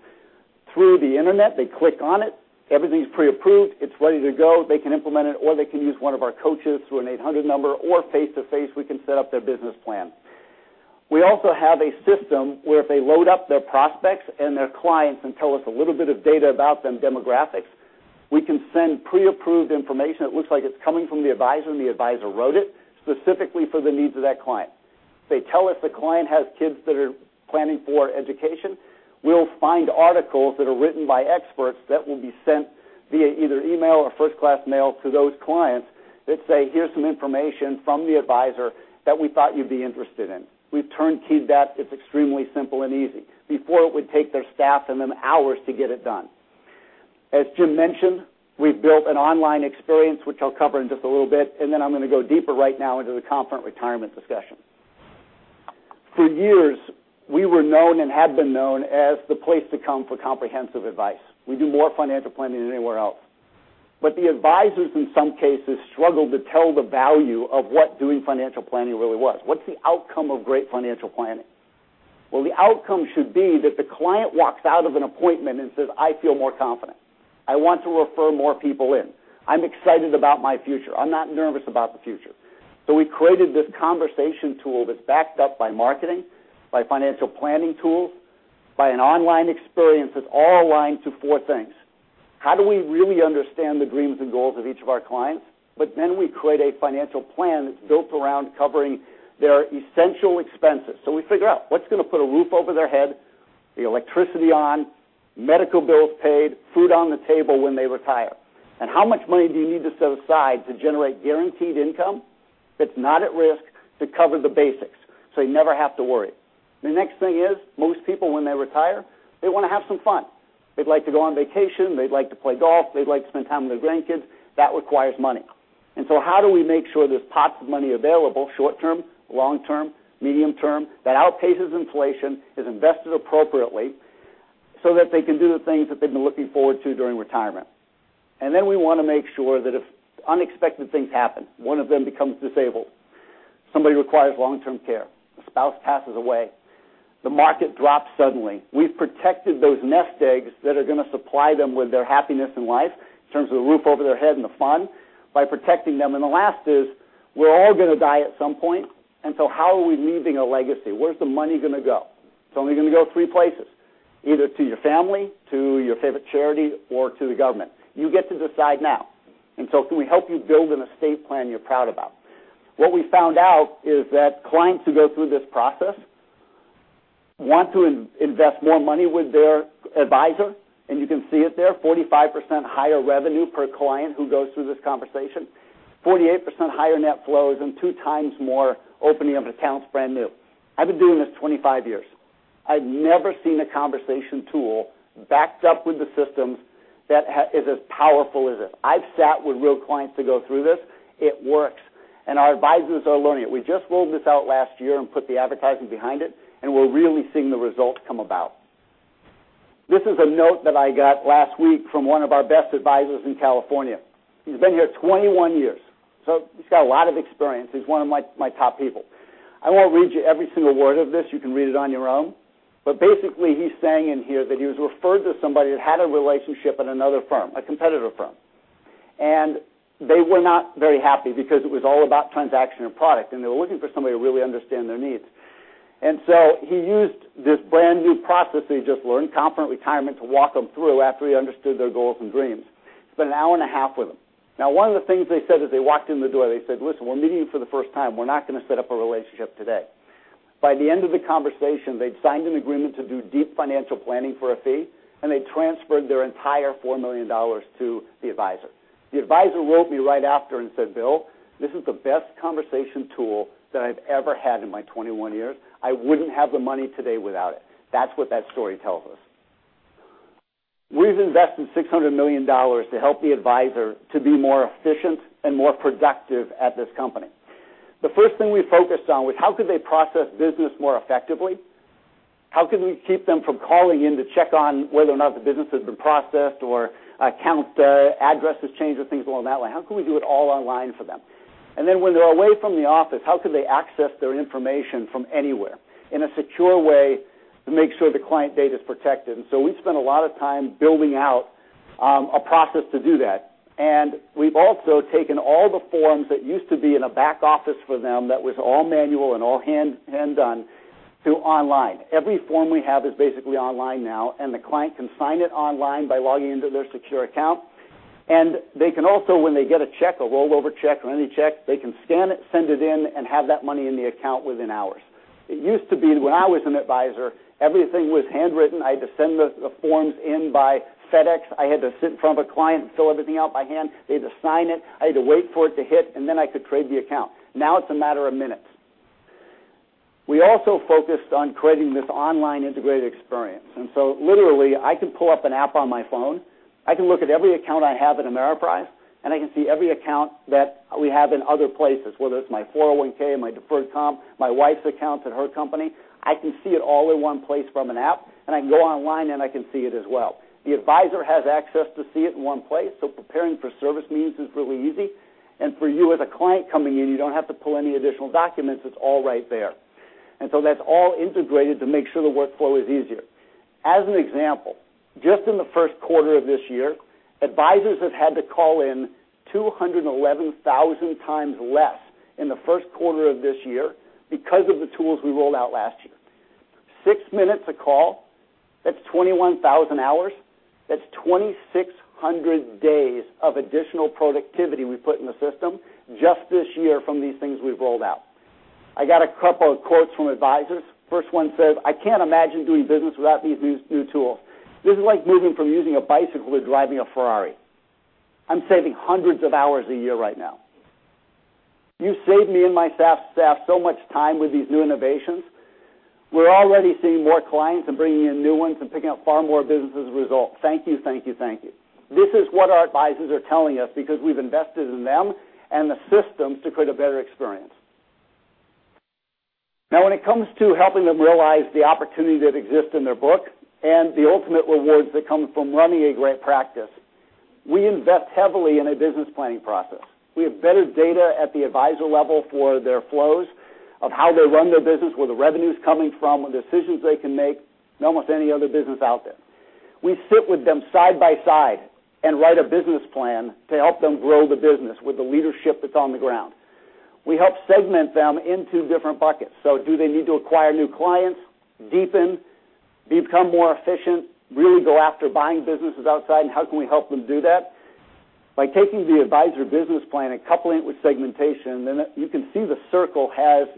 S5: Through the Internet, they click on it. Everything's pre-approved. It's ready to go. They can implement it, or they can use one of our coaches through an 800 number or face to face, we can set up their business plan. We also have a system where if they load up their prospects and their clients and tell us a little bit of data about them, demographics, we can send pre-approved information that looks like it's coming from the advisor and the advisor wrote it, specifically for the needs of that client. If they tell us the client has kids that are planning for education, we'll find articles that are written by experts that will be sent via either email or first-class mail to those clients that say, "Here's some information from the advisor that we thought you'd be interested in." We've turnkeyed that. It's extremely simple and easy. Before, it would take their staff and them hours to get it done. As Jim mentioned, we've built an online experience, which I'll cover in just a little bit, then I'm going to go deeper right now into the Confident Retirement discussion. For years, we were known and had been known as the place to come for comprehensive advice. We do more financial planning than anywhere else. The advisors, in some cases, struggled to tell the value of what doing financial planning really was. What's the outcome of great financial planning? Well, the outcome should be that the client walks out of an appointment and says, "I feel more confident. I want to refer more people in. I'm excited about my future. I'm not nervous about the future." We created this conversation tool that's backed up by marketing, by financial planning tools, by an online experience that's all aligned to four things. How do we really understand the dreams and goals of each of our clients? We create a financial plan that's built around covering their essential expenses. We figure out what's going to put a roof over their head, the electricity on, medical bills paid, food on the table when they retire. How much money do you need to set aside to generate guaranteed income? That's not at risk to cover the basics, so you never have to worry. The next thing is, most people when they retire, they want to have some fun. They'd like to go on vacation. They'd like to play golf. They'd like to spend time with their grandkids. That requires money. How do we make sure there's pots of money available, short-term, long-term, medium-term, that outpaces inflation, is invested appropriately, so that they can do the things that they've been looking forward to during retirement? We want to make sure that if unexpected things happen, one of them becomes disabled, somebody requires long-term care, a spouse passes away, the market drops suddenly. We've protected those nest eggs that are going to supply them with their happiness in life, in terms of the roof over their head and the fun, by protecting them. The last is, we're all going to die at some point, how are we leaving a legacy? Where's the money going to go? It's only going to go three places, either to your family, to your favorite charity, or to the government. You get to decide now. Can we help you build an estate plan you're proud about? What we found out is that clients who go through this process want to invest more money with their advisor, and you can see it there, 45% higher revenue per client who goes through this conversation, 48% higher net flows and two times more opening up accounts brand new. I've been doing this 25 years. I've never seen a conversation tool backed up with the systems that is as powerful as this. I've sat with real clients to go through this. It works. Our advisors are learning it. We just rolled this out last year and put the advertising behind it, and we're really seeing the results come about. This is a note that I got last week from one of our best advisors in California. He's been here 21 years, so he's got a lot of experience. He's one of my top people. I won't read you every single word of this. You can read it on your own. Basically, he's saying in here that he was referred to somebody that had a relationship at another firm, a competitor firm. They were not very happy because it was all about transaction and product, and they were looking for somebody to really understand their needs. He used this brand-new process he just learned, Confident Retirement, to walk them through after he understood their goals and dreams. Spent an hour and a half with them. Now, one of the things they said as they walked in the door, they said, "Listen, we're meeting you for the first time. We're not going to set up a relationship today." By the end of the conversation, they'd signed an agreement to do deep financial planning for a fee, and they transferred their entire $4 million to the advisor. The advisor wrote me right after and said, "Bill, this is the best conversation tool that I've ever had in my 21 years. I wouldn't have the money today without it." That's what that story tells us. We've invested $600 million to help the advisor to be more efficient and more productive at this company. The first thing we focused on was how could they process business more effectively? How can we keep them from calling in to check on whether or not the business has been processed or account address has changed or things along that line? How can we do it all online for them? When they're away from the office, how could they access their information from anywhere in a secure way to make sure the client data is protected? We spent a lot of time building out a process to do that. We've also taken all the forms that used to be in a back office for them that was all manual and all hand done, to online. Every form we have is basically online now, and the client can sign it online by logging into their secure account. They can also, when they get a check, a rollover check or any check, they can scan it, send it in, and have that money in the account within hours. It used to be, when I was an advisor, everything was handwritten. I had to send the forms in by FedEx. I had to sit in front of a client and fill everything out by hand. They had to sign it. I had to wait for it to hit, then I could trade the account. Now it's a matter of minutes. We also focused on creating this online integrated experience. Literally, I can pull up an app on my phone. I can look at every account I have at Ameriprise, and I can see every account that we have in other places, whether it's my 401 or my deferred comp, my wife's accounts at her company. I can see it all in one place from an app, and I can go online and I can see it as well. The advisor has access to see it in one place, preparing for service meetings is really easy. For you as a client coming in, you don't have to pull any additional documents. It's all right there. That's all integrated to make sure the workflow is easier. As an example, just in the first quarter of this year, advisors have had to call in 211,000 times less in the first quarter of this year because of the tools we rolled out last year. Six minutes a call, that's 21,000 hours. That's 2,600 days of additional productivity we put in the system just this year from these things we've rolled out. I got a couple of quotes from advisors. First one says, "I can't imagine doing business without these new tools. This is like moving from using a bicycle to driving a Ferrari. I'm saving hundreds of hours a year right now." "You saved me and my staff so much time with these new innovations. We're already seeing more clients and bringing in new ones and picking up far more business as a result. Thank you, thank you, thank you." This is what our advisors are telling us because we've invested in them and the systems to create a better experience. When it comes to helping them realize the opportunity that exists in their book and the ultimate rewards that come from running a great practice, we invest heavily in a business planning process. We have better data at the advisor level for their flows, of how they run their business, where the revenue's coming from, what decisions they can make than almost any other business out there. We sit with them side by side and write a business plan to help them grow the business with the leadership that's on the ground. We help segment them into different buckets. Do they need to acquire new clients, deepen, become more efficient, really go after buying businesses outside, and how can we help them do that? By taking the advisor business plan and coupling it with segmentation, you can see the circle has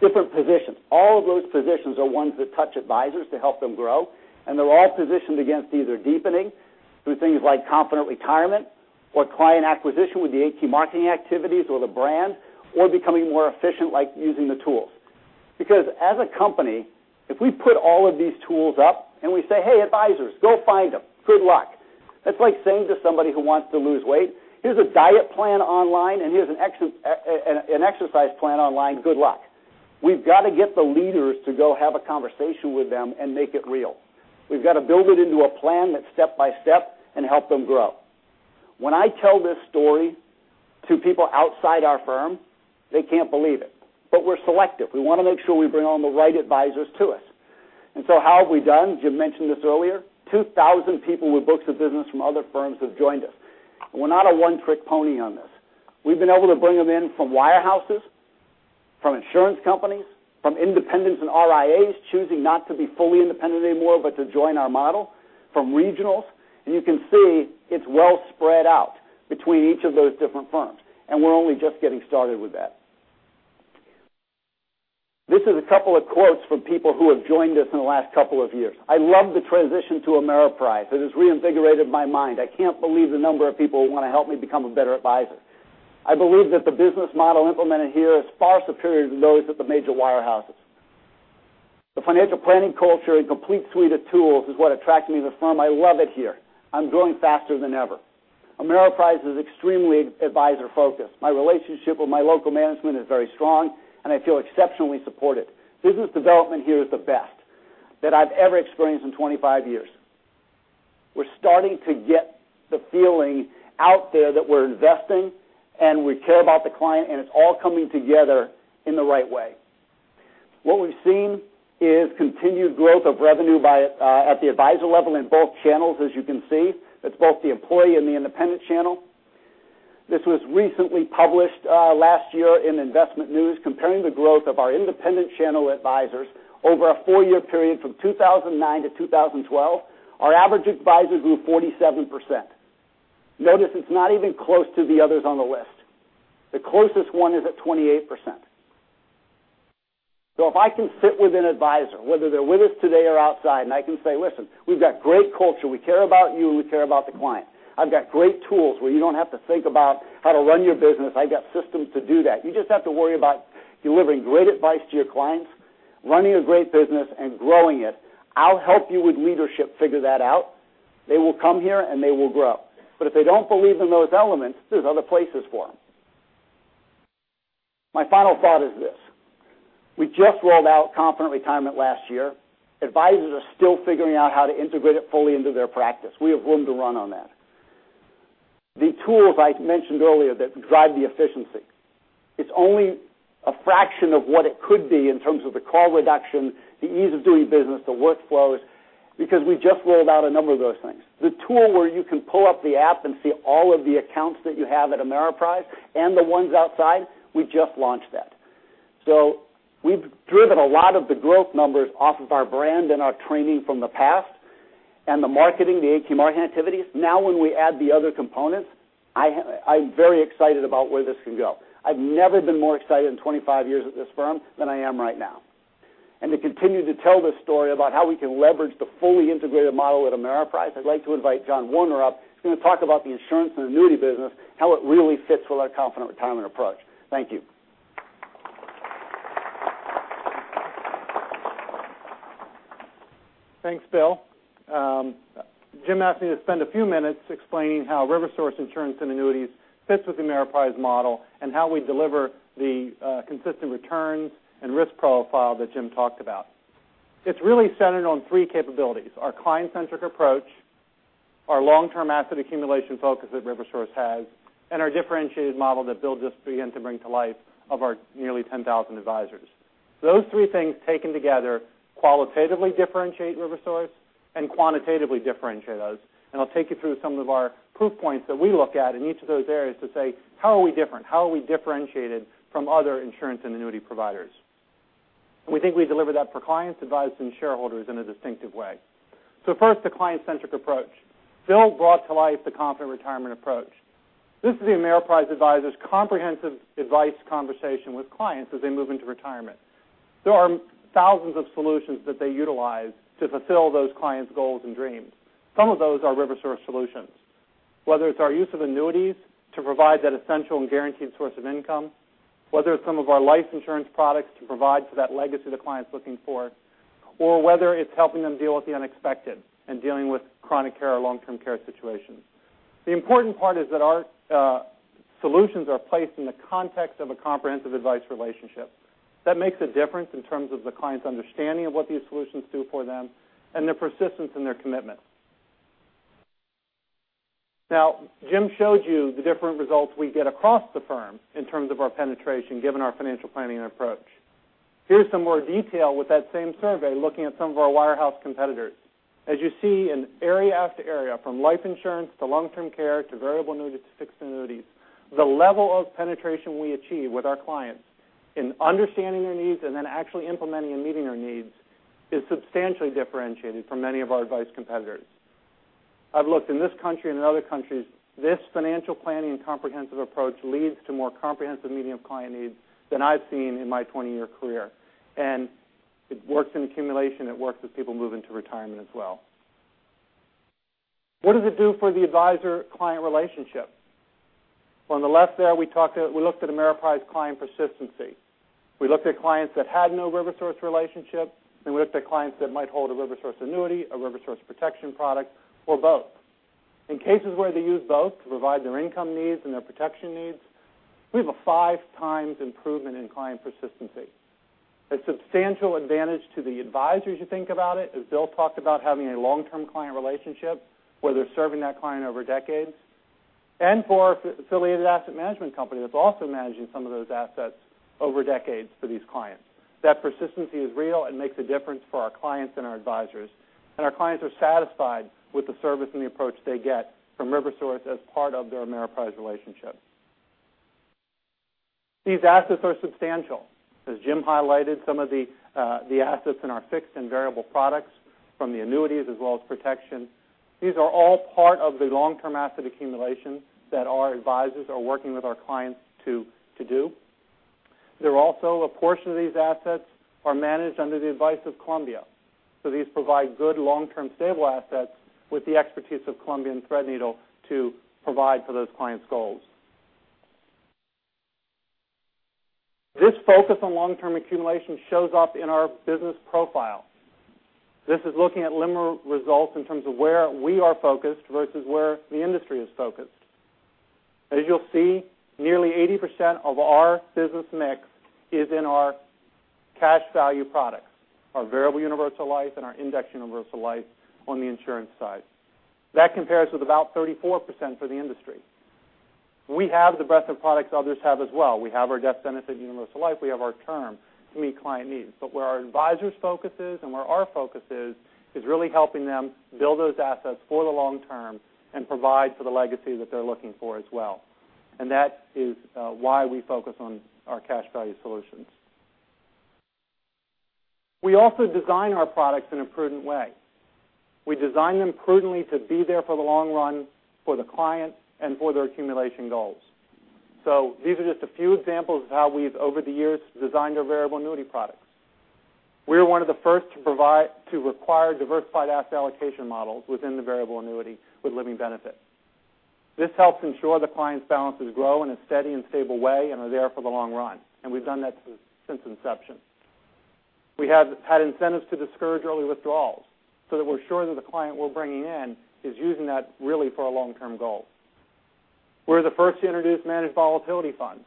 S5: different positions. All of those positions are ones that touch advisors to help them grow, and they're all positioned against either deepening Through things like Confident Retirement or client acquisition with the key marketing activities or the brand, or becoming more efficient, like using the tools. As a company, if we put all of these tools up and we say, "Hey, advisors, go find them. Good luck." That's like saying to somebody who wants to lose weight, "Here's a diet plan online, and here's an exercise plan online. Good luck." We've got to get the leaders to go have a conversation with them and make it real. We've got to build it into a plan that's step by step and help them grow. When I tell this story to people outside our firm, they can't believe it. We're selective. We want to make sure we bring on the right advisors to us. How have we done? Jim mentioned this earlier, 2,000 people with books of business from other firms have joined us. We're not a one-trick pony on this. We've been able to bring them in from wirehouses, from insurance companies, from independents and RIAs choosing not to be fully independent anymore, but to join our model, from regionals. You can see it's well spread out between each of those different firms, and we're only just getting started with that. This is a couple of quotes from people who have joined us in the last couple of years. "I love the transition to Ameriprise. It has reinvigorated my mind. I can't believe the number of people who want to help me become a better advisor." "I believe that the business model implemented here is far superior to those at the major wirehouses." "The financial planning culture and complete suite of tools is what attracted me to the firm. I love it here. I'm growing faster than ever." "Ameriprise is extremely advisor-focused. My relationship with my local management is very strong, and I feel exceptionally supported. Business development here is the best that I've ever experienced in 25 years." We're starting to get the feeling out there that we're investing and we care about the client, and it's all coming together in the right way. What we've seen is continued growth of revenue at the advisor level in both channels, as you can see. That's both the employee and the independent channel. This was recently published last year in InvestmentNews comparing the growth of our independent channel advisors over a four-year period from 2009 to 2012. Our average advisor grew 47%. Notice it's not even close to the others on the list. The closest one is at 28%. If I can sit with an advisor, whether they're with us today or outside, and I can say, "Listen, we've got great culture. We care about you, and we care about the client. I've got great tools where you don't have to think about how to run your business. I've got systems to do that. You just have to worry about delivering great advice to your clients, running a great business, and growing it. I'll help you with leadership, figure that out." They will come here, and they will grow. If they don't believe in those elements, there's other places for them. My final thought is this. We just rolled out Confident Retirement last year. Advisors are still figuring out how to integrate it fully into their practice. We have room to run on that. The tools I mentioned earlier that drive the efficiency, it's only a fraction of what it could be in terms of the call reduction, the ease of doing business, the workflows, because we just rolled out a number of those things. The tool where you can pull up the app and see all of the accounts that you have at Ameriprise and the ones outside, we just launched that. We've driven a lot of the growth numbers off of our brand and our training from the past and the marketing, the key marketing activities. Now, when we add the other components, I'm very excited about where this can go. I've never been more excited in 25 years at this firm than I am right now. To continue to tell this story about how we can leverage the fully integrated model at Ameriprise, I'd like to invite John Woerner up. He's going to talk about the insurance and annuity business, how it really fits with our Confident Retirement approach. Thank you.
S6: Thanks, Bill. Jim asked me to spend a few minutes explaining how RiverSource Insurance and Annuities fits with the Ameriprise model and how we deliver the consistent returns and risk profile that Jim talked about. It's really centered on three capabilities: our client-centric approach, our long-term asset accumulation focus that RiverSource has, and our differentiated model that Bill just began to bring to life of our nearly 10,000 advisors. Those three things taken together qualitatively differentiate RiverSource and quantitatively differentiate us. I'll take you through some of our proof points that we look at in each of those areas to say, how are we different? How are we differentiated from other insurance and annuity providers? We think we deliver that for clients, advisors, and shareholders in a distinctive way. First, the client-centric approach. Bill brought to life the Confident Retirement approach. This is the Ameriprise advisor's comprehensive advice conversation with clients as they move into retirement. There are thousands of solutions that they utilize to fulfill those clients' goals and dreams. Some of those are RiverSource solutions, whether it's our use of annuities to provide that essential and guaranteed source of income, whether it's some of our life insurance products to provide for that legacy the client's looking for, or whether it's helping them deal with the unexpected and dealing with chronic care or long-term care situations. The important part is that our solutions are placed in the context of a comprehensive advice relationship. That makes a difference in terms of the client's understanding of what these solutions do for them and their persistence and their commitment. Jim showed you the different results we get across the firm in terms of our penetration, given our financial planning approach. Here's some more detail with that same survey, looking at some of our wire house competitors. As you see, in area after area, from life insurance to long-term care to variable annuities to fixed annuities, the level of penetration we achieve with our clients in understanding their needs and then actually implementing and meeting their needs is substantially differentiated from many of our advice competitors. I've looked in this country and in other countries. This financial planning and comprehensive approach leads to more comprehensive meeting of client needs than I've seen in my 20-year career. It works in accumulation, it works as people move into retirement as well. What does it do for the advisor-client relationship? On the left there, we looked at Ameriprise client persistency. We looked at clients that had no RiverSource relationship, and we looked at clients that might hold a RiverSource annuity, a RiverSource protection product, or both. In cases where they use both to provide their income needs and their protection needs, we have a 5 times improvement in client persistency. A substantial advantage to the advisors, you think about it, as Bill talked about having a long-term client relationship where they're serving that client over decades. And for affiliated asset management company, that's also managing some of those assets over decades for these clients. That persistency is real and makes a difference for our clients and our advisors. Our clients are satisfied with the service and the approach they get from RiverSource as part of their Ameriprise relationship. These assets are substantial. As Jim highlighted, some of the assets in our fixed and variable products from the annuities as well as protection, these are all part of the long-term asset accumulation that our advisors are working with our clients to do. A portion of these assets are managed under the advice of Columbia. So these provide good long-term stable assets with the expertise of Columbia and Threadneedle to provide for those clients' goals. This focus on long-term accumulation shows up in our business profile. This is looking at limited results in terms of where we are focused versus where the industry is focused. As you'll see, nearly 80% of our business mix is in our cash value products, our variable universal life, and our index universal life on the insurance side. That compares with about 34% for the industry. We have the breadth of products others have as well. We have our death benefit universal life. We have our term to meet client needs. But where our advisors' focus is and where our focus is really helping them build those assets for the long term and provide for the legacy that they're looking for as well. That is why we focus on our cash value solutions. We also design our products in a prudent way. We design them prudently to be there for the long run for the client and for their accumulation goals. So these are just a few examples of how we've, over the years, designed our variable annuity products. We were one of the first to require diversified asset allocation models within the variable annuity with living benefits. This helps ensure the client's balances grow in a steady and stable way and are there for the long run. We've done that since inception. We have had incentives to discourage early withdrawals so that we're sure that the client we're bringing in is using that really for a long-term goal. We're the first to introduce managed volatility funds.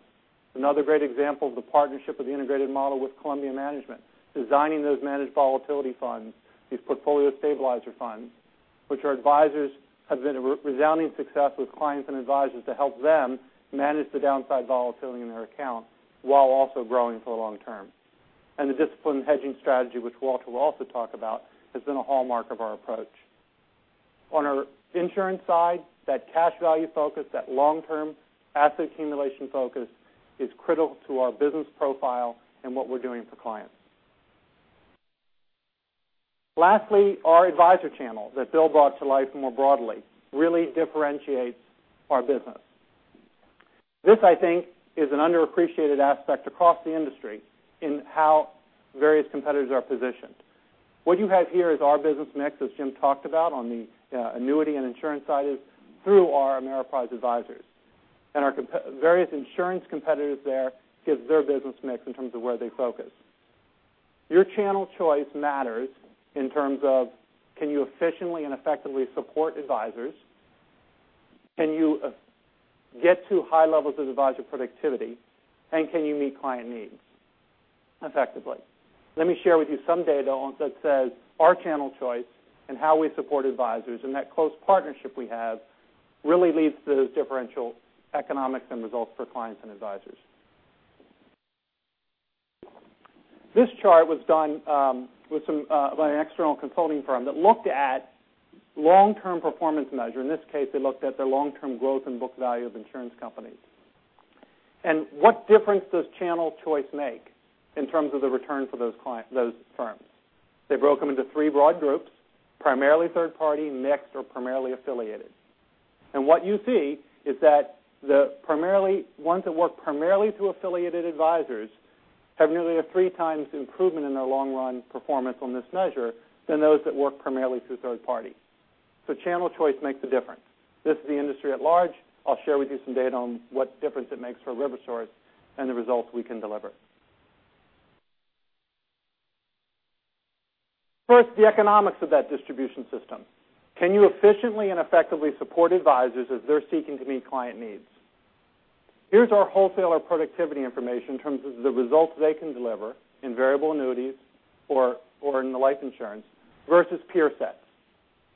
S6: Another great example of the partnership of the integrated model with Columbia Management, designing those managed volatility funds, these Portfolio Stabilizer funds, which our advisors have been a resounding success with clients and advisors to help them manage the downside volatility in their accounts while also growing for the long term. The disciplined hedging strategy, which Walter will also talk about, has been a hallmark of our approach. On our insurance side, that cash value focus, that long-term asset accumulation focus, is critical to our business profile and what we're doing for clients. Lastly, our advisor channel that Bill brought to life more broadly really differentiates our business. This, I think, is an underappreciated aspect across the industry in how various competitors are positioned. What you have here is our business mix, as Jim talked about on the annuity and insurance side is through our Ameriprise advisors. Our various insurance competitors there give their business mix in terms of where they focus. Your channel choice matters in terms of can you efficiently and effectively support advisors? Can you get to high levels of advisor productivity? Can you meet client needs effectively? Let me share with you some data that says our channel choice and how we support advisors and that close partnership we have really leads to those differential economics and results for clients and advisors. This chart was done by an external consulting firm that looked at long-term performance measure. In this case, they looked at the long-term growth and book value of insurance companies. What difference does channel choice make in terms of the return for those firms? They broke them into three broad groups, primarily third party, mixed, or primarily affiliated. What you see is that the ones that work primarily through affiliated advisors have nearly a three times improvement in their long run performance on this measure than those that work primarily through third party. Channel choice makes a difference. This is the industry at large. I'll share with you some data on what difference it makes for RiverSource and the results we can deliver. First, the economics of that distribution system. Can you efficiently and effectively support advisors as they're seeking to meet client needs? Here's our wholesaler productivity information in terms of the results they can deliver in variable annuities or in the life insurance versus peer sets.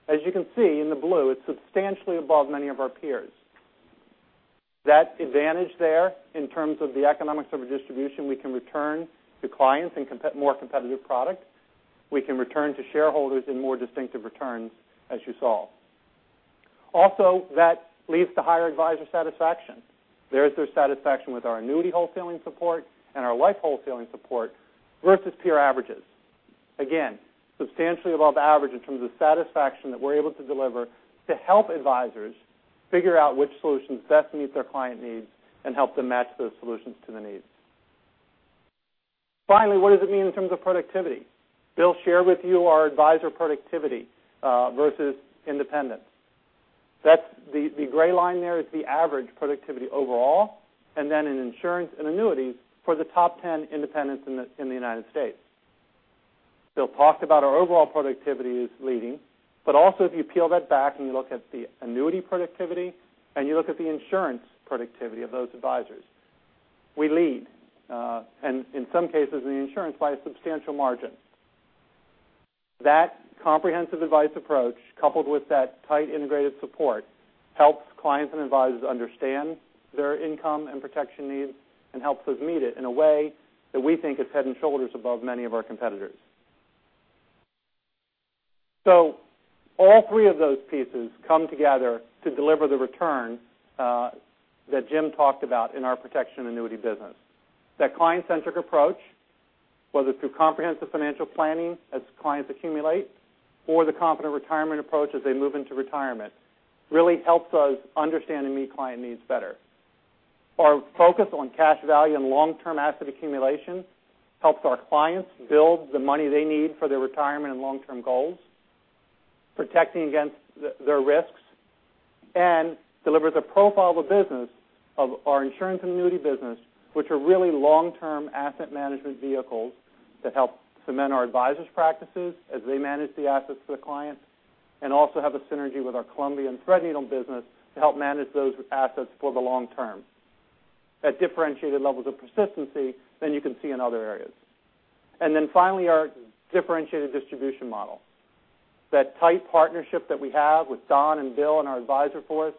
S6: As you can see in the blue, it's substantially above many of our peers. That advantage there in terms of the economics of a distribution we can return to clients in more competitive products, we can return to shareholders in more distinctive returns, as you saw. Also, that leads to higher advisor satisfaction. There's their satisfaction with our annuity wholesaling support and our life wholesaling support versus peer averages. Again, substantially above average in terms of satisfaction that we're able to deliver to help advisors figure out which solutions best meet their client needs and help them match those solutions to the needs. Finally, what does it mean in terms of productivity? Bill shared with you our advisor productivity versus independents. The gray line there is the average productivity overall, and then in insurance and annuities for the top 10 independents in the U.S. Bill talked about our overall productivity is leading, but also if you peel that back and you look at the annuity productivity and you look at the insurance productivity of those advisors, we lead. In some cases, in insurance, by a substantial margin. That comprehensive advice approach, coupled with that tight integrated support, helps clients and advisors understand their income and protection needs and helps us meet it in a way that we think is head and shoulders above many of our competitors. All three of those pieces come together to deliver the return that Jim talked about in our protection annuity business. That client-centric approach, whether through comprehensive financial planning as clients accumulate, or the Confident Retirement approach as they move into retirement, really helps us understand and meet client needs better. Our focus on cash value and long-term asset accumulation helps our clients build the money they need for their retirement and long-term goals, protecting against their risks, and delivers a profile of the business of our insurance and annuity business, which are really long-term asset management vehicles that help cement our advisors' practices as they manage the assets for the clients. Also have a synergy with our Columbia Threadneedle business to help manage those assets for the long term at differentiated levels of persistency than you can see in other areas. Finally, our differentiated distribution model. That tight partnership that we have with Don and Bill and our advisor force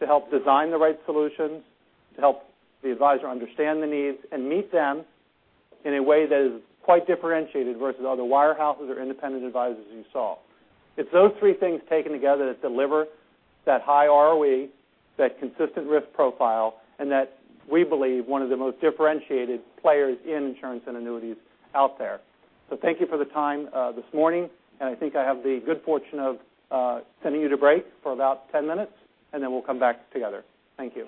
S6: to help design the right solutions, to help the advisor understand the needs and meet them in a way that is quite differentiated versus other wirehouses or independent advisors you saw. It's those three things taken together that deliver that high ROE, that consistent risk profile, and that we believe one of the most differentiated players in insurance and annuities out there. Thank you for the time this morning. I think I have the good fortune of sending you to break for about 10 minutes. We'll come back together. Thank you.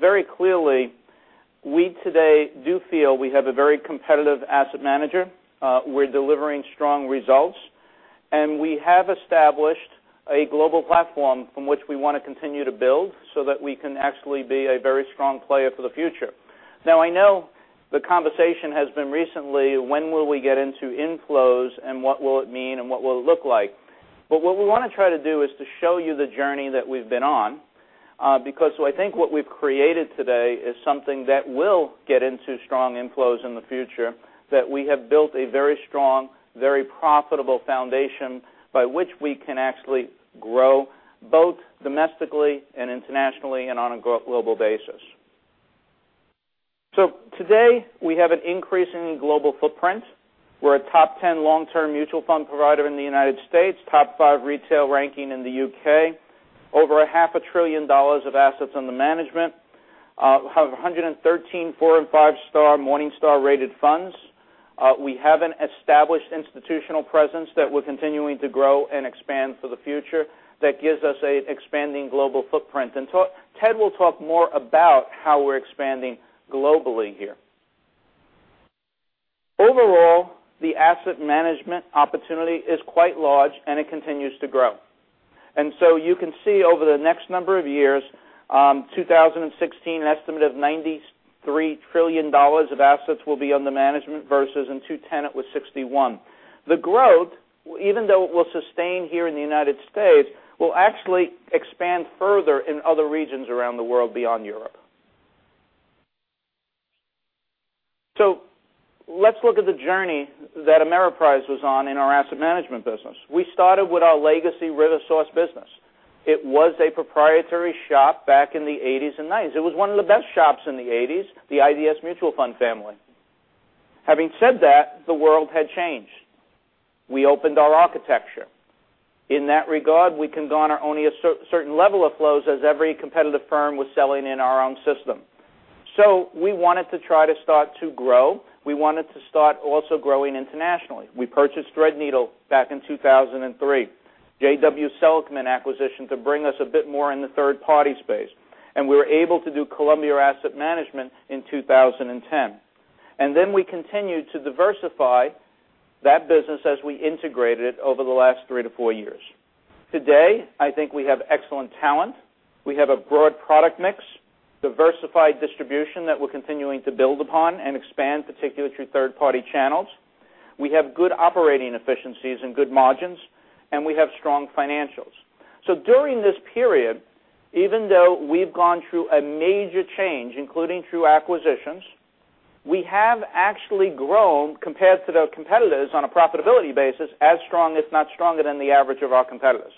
S2: Very clearly, we today do feel we have a very competitive asset manager. We're delivering strong results, we have established a global platform from which we want to continue to build so that we can actually be a very strong player for the future. I know the conversation has been recently, when will we get into inflows and what will it mean and what will it look like? What we want to try to do is to show you the journey that we've been on, because I think what we've created today is something that will get into strong inflows in the future. That we have built a very strong, very profitable foundation by which we can actually grow both domestically and internationally, on a global basis. Today, we have an increasing global footprint. We're a top 10 long-term mutual fund provider in the U.S., top five retail ranking in the U.K. Over a half a trillion dollars of assets under management. We have 113 four and five-star Morningstar rated funds. We have an established institutional presence that we're continuing to grow and expand for the future. That gives us an expanding global footprint. Ted will talk more about how we're expanding globally here. Overall, the asset management opportunity is quite large, and it continues to grow. You can see over the next number of years, 2016, an estimate of $93 trillion of assets will be under management versus in 2010 it was 61. The growth, even though it will sustain here in the U.S., will actually expand further in other regions around the world beyond Europe. Let's look at the journey that Ameriprise was on in our asset management business. We started with our legacy RiverSource business. It was a proprietary shop back in the 80s and 90s. It was one of the best shops in the 80s, the IDS Mutual Fund family. Having said that, the world had changed. We opened our architecture. In that regard, we can go on our only a certain level of flows as every competitive firm was selling in our own system. We wanted to try to start to grow. We wanted to start also growing internationally. We purchased Threadneedle back in 2003. J. & W. Seligman acquisition to bring us a bit more in the third-party space. We were able to do Columbia Management in 2010. We continued to diversify that business as we integrated it over the last three to four years. Today, I think we have excellent talent. We have a broad product mix, diversified distribution that we're continuing to build upon and expand, particularly through third-party channels. We have good operating efficiencies and good margins, we have strong financials. During this period, even though we've gone through a major change, including through acquisitions, we have actually grown compared to the competitors on a profitability basis, as strong, if not stronger than the average of our competitors.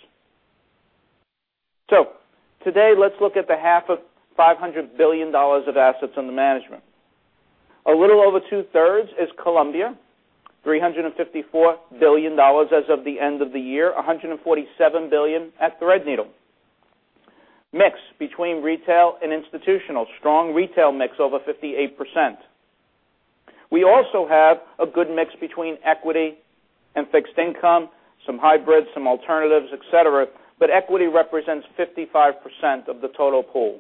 S2: Today, let's look at the half of $500 billion of assets under management. A little over two-thirds is Columbia, $354 billion as of the end of the year, $147 billion at Threadneedle. mix between retail and institutional. Strong retail mix, over 58%. We also have a good mix between equity and fixed income, some hybrids, some alternatives, et cetera, but equity represents 55% of the total pool.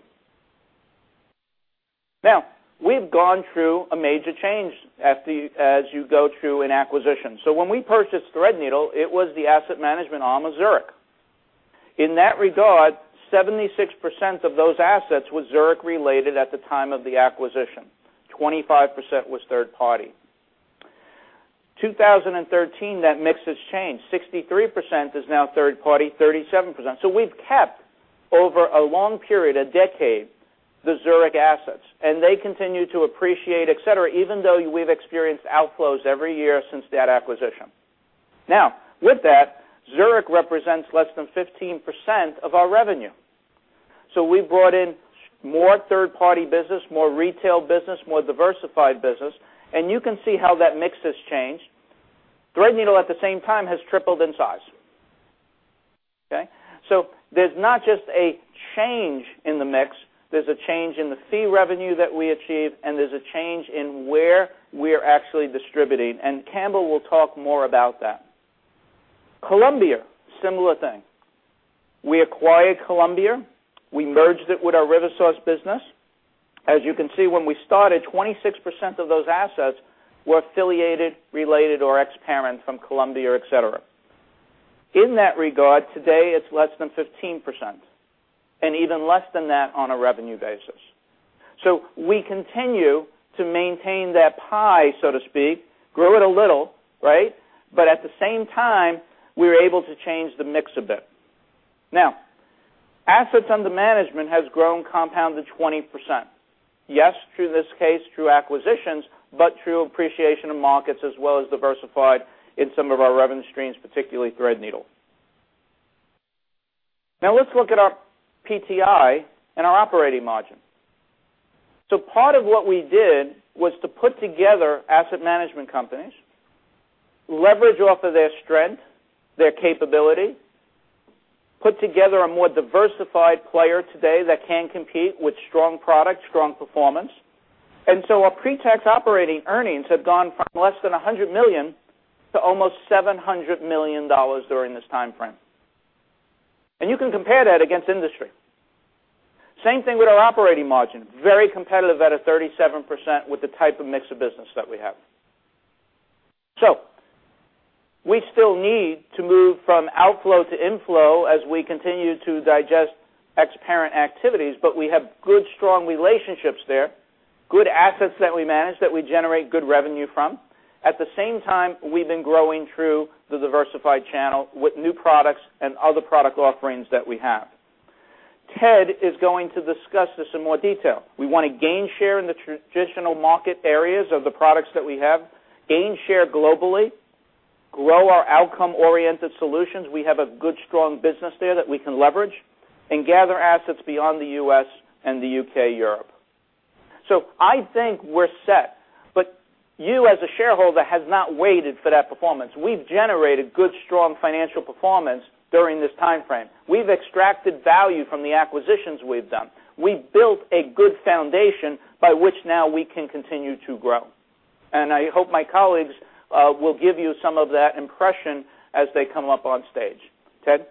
S2: We've gone through a major change as you go through an acquisition. When we purchased Threadneedle, it was the asset management arm of Zurich. In that regard, 76% of those assets were Zurich-related at the time of the acquisition, 25% was third party. 2013, that mix has changed. 63% is now third party, 37%. We've kept, over a long period, a decade, the Zurich assets, and they continue to appreciate, et cetera, even though we've experienced outflows every year since that acquisition. With that, Zurich represents less than 15% of our revenue. We brought in more third-party business, more retail business, more diversified business, and you can see how that mix has changed. Threadneedle, at the same time, has tripled in size. Okay? There's not just a change in the mix, there's a change in the fee revenue that we achieve, and there's a change in where we're actually distributing. Campbell will talk more about that. Columbia, similar thing. We acquired Columbia. We merged it with our RiverSource business. As you can see, when we started, 26% of those assets were affiliated, related or ex-parent from Columbia, et cetera. In that regard, today it's less than 15%, and even less than that on a revenue basis. We continue to maintain that pie, so to speak, grow it a little. At the same time, we were able to change the mix a bit. Assets under management has grown compounded 20%. Yes, through this case, through acquisitions, but through appreciation of markets as well as diversified in some of our revenue streams, particularly Threadneedle. Let's look at our PTI and our operating margin. Part of what we did was to put together asset management companies, leverage off of their strength, their capability, put together a more diversified player today that can compete with strong products, strong performance. Our pre-tax operating earnings have gone from less than $100 million to almost $700 million during this timeframe. You can compare that against industry. Same thing with our operating margin, very competitive at a 37% with the type of mix of business that we have. We still need to move from outflow to inflow as we continue to digest ex-parent activities, but we have good, strong relationships there, good assets that we manage, that we generate good revenue from. At the same time, we've been growing through the diversified channel with new products and other product offerings that we have. Ted is going to discuss this in more detail. We want to gain share in the traditional market areas of the products that we have, gain share globally, grow our outcome-oriented solutions. We have a good, strong business there that we can leverage, gather assets beyond the U.S. and the U.K., Europe. I think we're set, you as a shareholder have not waited for that performance. We've generated good, strong financial performance during this timeframe. We've extracted value from the acquisitions we've done. We built a good foundation by which now we can continue to grow. I hope my colleagues will give you some of that impression as they come up on stage. Ted?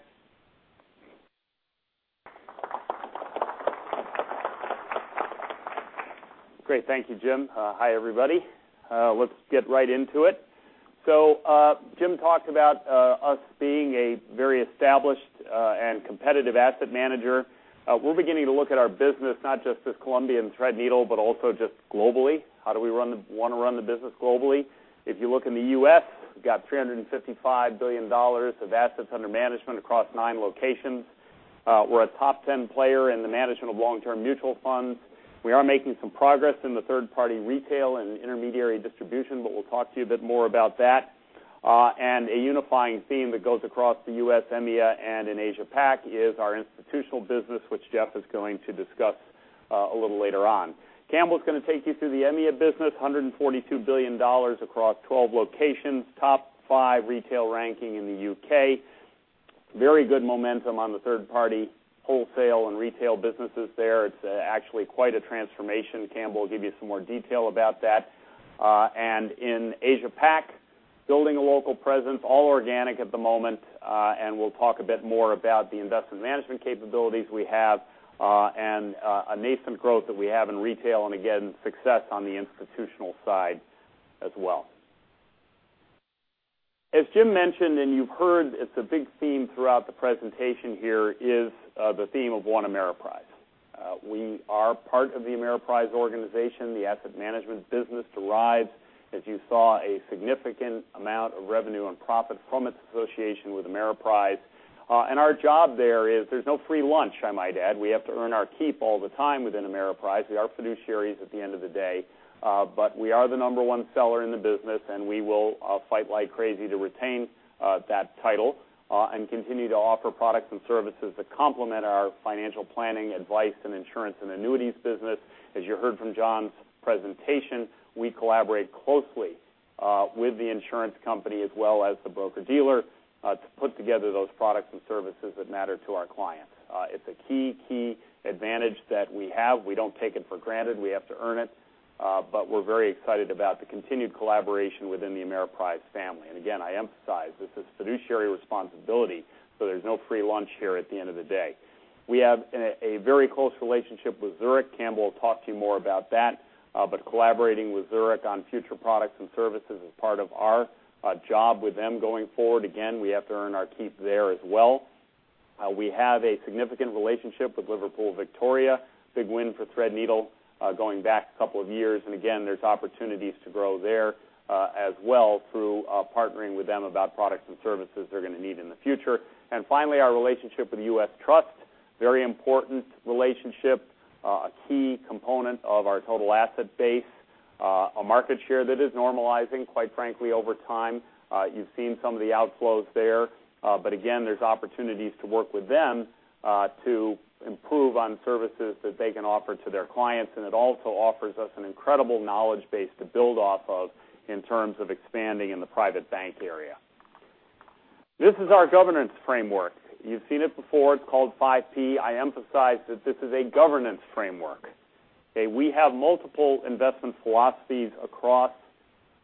S7: Great. Thank you, Jim. Hi, everybody. Let's get right into it. Jim talked about us being a very established and competitive asset manager. We're beginning to look at our business, not just as Columbia and Threadneedle, but also just globally. How do we want to run the business globally? If you look in the U.S., we've got $355 billion of assets under management across nine locations. We're a top 10 player in the management of long-term mutual funds. We are making some progress in the third-party retail and intermediary distribution, we'll talk to you a bit more about that. A unifying theme that goes across the U.S., EMEA, and in Asia Pac is our institutional business, which Jeff is going to discuss a little later on. Campbell is going to take you through the EMEA business, $142 billion across 12 locations, top five retail ranking in the U.K. Very good momentum on the third party wholesale and retail businesses there. It's actually quite a transformation. Campbell will give you some more detail about that. In Asia Pac, building a local presence, all organic at the moment. We'll talk a bit more about the investment management capabilities we have, and a nascent growth that we have in retail, and again, success on the institutional side as well. As Jim mentioned, and you've heard it's a big theme throughout the presentation here is the theme of One Ameriprise. We are part of the Ameriprise organization. The asset management business derives, as you saw, a significant amount of revenue and profit from its association with Ameriprise. Our job there is, there's no free lunch, I might add. We have to earn our keep all the time within Ameriprise. We are fiduciaries at the end of the day. We are the number 1 seller in the business, and we will fight like crazy to retain that title, and continue to offer products and services that complement our financial planning advice and insurance and annuities business. As you heard from John's presentation, we collaborate closely with the insurance company as well as the broker-dealer, to put together those products and services that matter to our clients. It's a key advantage that we have. We don't take it for granted. We have to earn it, but we're very excited about the continued collaboration within the Ameriprise family. Again, I emphasize, this is fiduciary responsibility, so there's no free lunch here at the end of the day. We have a very close relationship with Zurich. Campbell will talk to you more about that. Collaborating with Zurich on future products and services is part of our job with them going forward. Again, we have to earn our keep there as well. We have a significant relationship with Liverpool Victoria, big win for Threadneedle going back a couple of years. Again, there's opportunities to grow there, as well through partnering with them about products and services they're going to need in the future. Finally, our relationship with U.S. Trust, very important relationship, a key component of our total asset base. A market share that is normalizing, quite frankly, over time. You've seen some of the outflows there. Again, there's opportunities to work with them, to improve on services that they can offer to their clients, and it also offers us an incredible knowledge base to build off of in terms of expanding in the private bank area. This is our governance framework. You've seen it before. It's called Five P. I emphasize that this is a governance framework. Okay? We have multiple investment philosophies across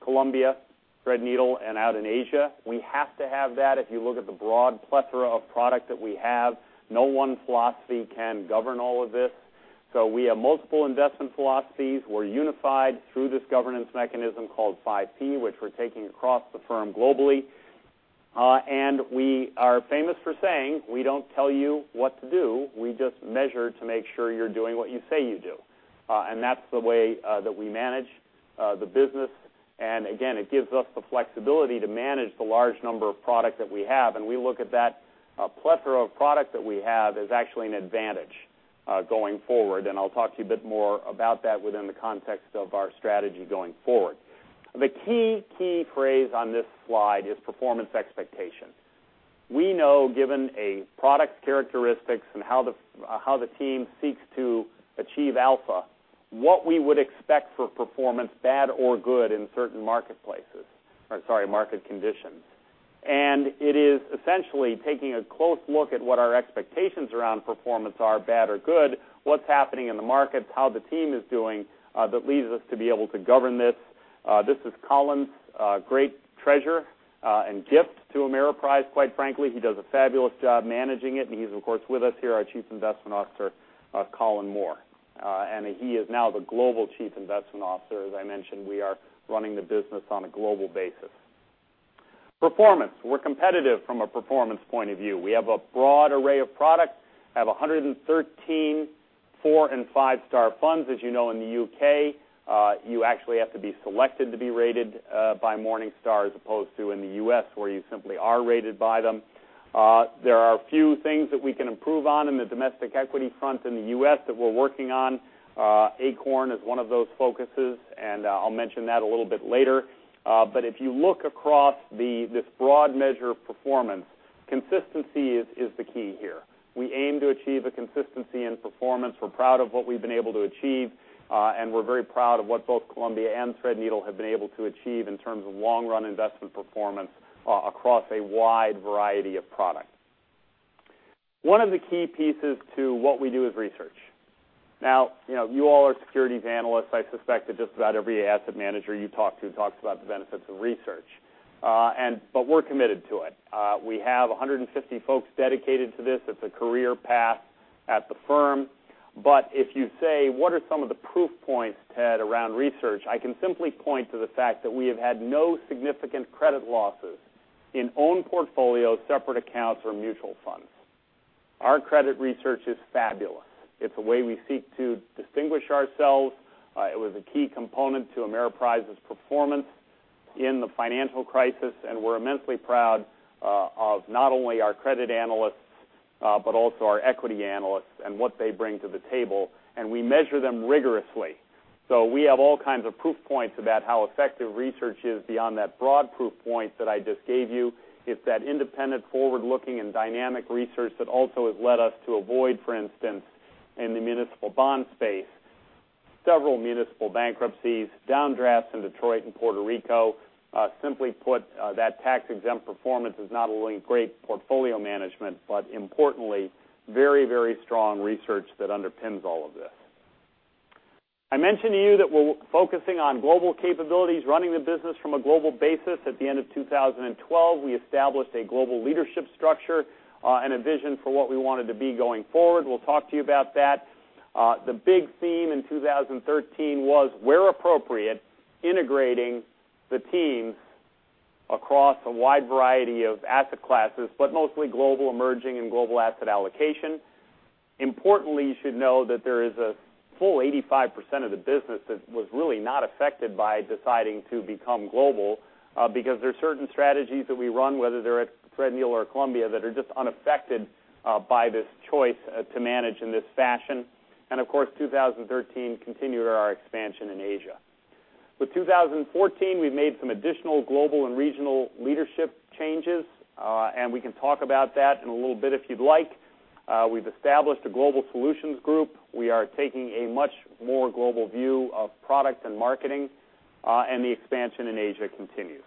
S7: Columbia, Threadneedle, and out in Asia. We have to have that. If you look at the broad plethora of product that we have, no one philosophy can govern all of this. We have multiple investment philosophies. We're unified through this governance mechanism called Five P, which we're taking across the firm globally. We are famous for saying, we don't tell you what to do, we just measure to make sure you're doing what you say you do. That's the way that we manage the business. Again, it gives us the flexibility to manage the large number of product that we have. We look at that plethora of product that we have as actually an advantage, going forward. I'll talk to you a bit more about that within the context of our strategy going forward. The key phrase on this slide is performance expectation. We know, given a product's characteristics and how the team seeks to achieve alpha, what we would expect for performance, bad or good, in certain market conditions. It is essentially taking a close look at what our expectations around performance are, bad or good, what's happening in the markets, how the team is doing, that leads us to be able to govern this. This is Colin's great treasure, and gift to Ameriprise, quite frankly. He does a fabulous job managing it, he's of course with us here, our Chief Investment Officer, Colin Moore. He is now the Global Chief Investment Officer. As I mentioned, we are running the business on a global basis. Performance. We're competitive from a performance point of view. We have a broad array of products, have 113 four and five-star funds. As you know, in the U.K., you actually have to be selected to be rated by Morningstar, as opposed to in the U.S., where you simply are rated by them. There are a few things that we can improve on in the domestic equity front in the U.S. that we're working on. Acorn is one of those focuses, I'll mention that a little bit later. If you look across this broad measure of performance, consistency is the key here. We aim to achieve a consistency in performance. We're proud of what we've been able to achieve, we're very proud of what both Columbia and Threadneedle have been able to achieve in terms of long-run investment performance across a wide variety of products. One of the key pieces to what we do is research. You all are securities analysts. I suspect that just about every asset manager you talk to talks about the benefits of research. We're committed to it. We have 150 folks dedicated to this. It's a career path at the firm. If you say, "What are some of the proof points, Ted, around research?" I can simply point to the fact that we have had no significant credit losses in own portfolios, separate accounts, or mutual funds. Our credit research is fabulous. It's a way we seek to distinguish ourselves. It was a key component to Ameriprise's performance in the financial crisis, we're immensely proud of not only our credit analysts, but also our equity analysts and what they bring to the table, we measure them rigorously. We have all kinds of proof points about how effective research is beyond that broad proof point that I just gave you. It's that independent, forward-looking, and dynamic research that also has led us to avoid, for instance, in the municipal bond space, several municipal bankruptcies, downdrafts in Detroit and Puerto Rico. Simply put, that tax-exempt performance is not only great portfolio management, but importantly, very strong research that underpins all of this. I mentioned to you that we're focusing on global capabilities, running the business from a global basis. At the end of 2012, we established a global leadership structure, a vision for what we wanted to be going forward. We'll talk to you about that. The big theme in 2013 was, where appropriate, integrating the teams across a wide variety of asset classes, but mostly global, emerging, and global asset allocation. Importantly, you should know that there is a full 85% of the business that was really not affected by deciding to become global, because there are certain strategies that we run, whether they're at Threadneedle or Columbia, that are just unaffected by this choice, to manage in this fashion. Of course, 2013 continued our expansion in Asia. With 2014, we've made some additional global and regional leadership changes. We can talk about that in a little bit if you'd like. We've established a global solutions group. We are taking a much more global view of product and marketing, and the expansion in Asia continues.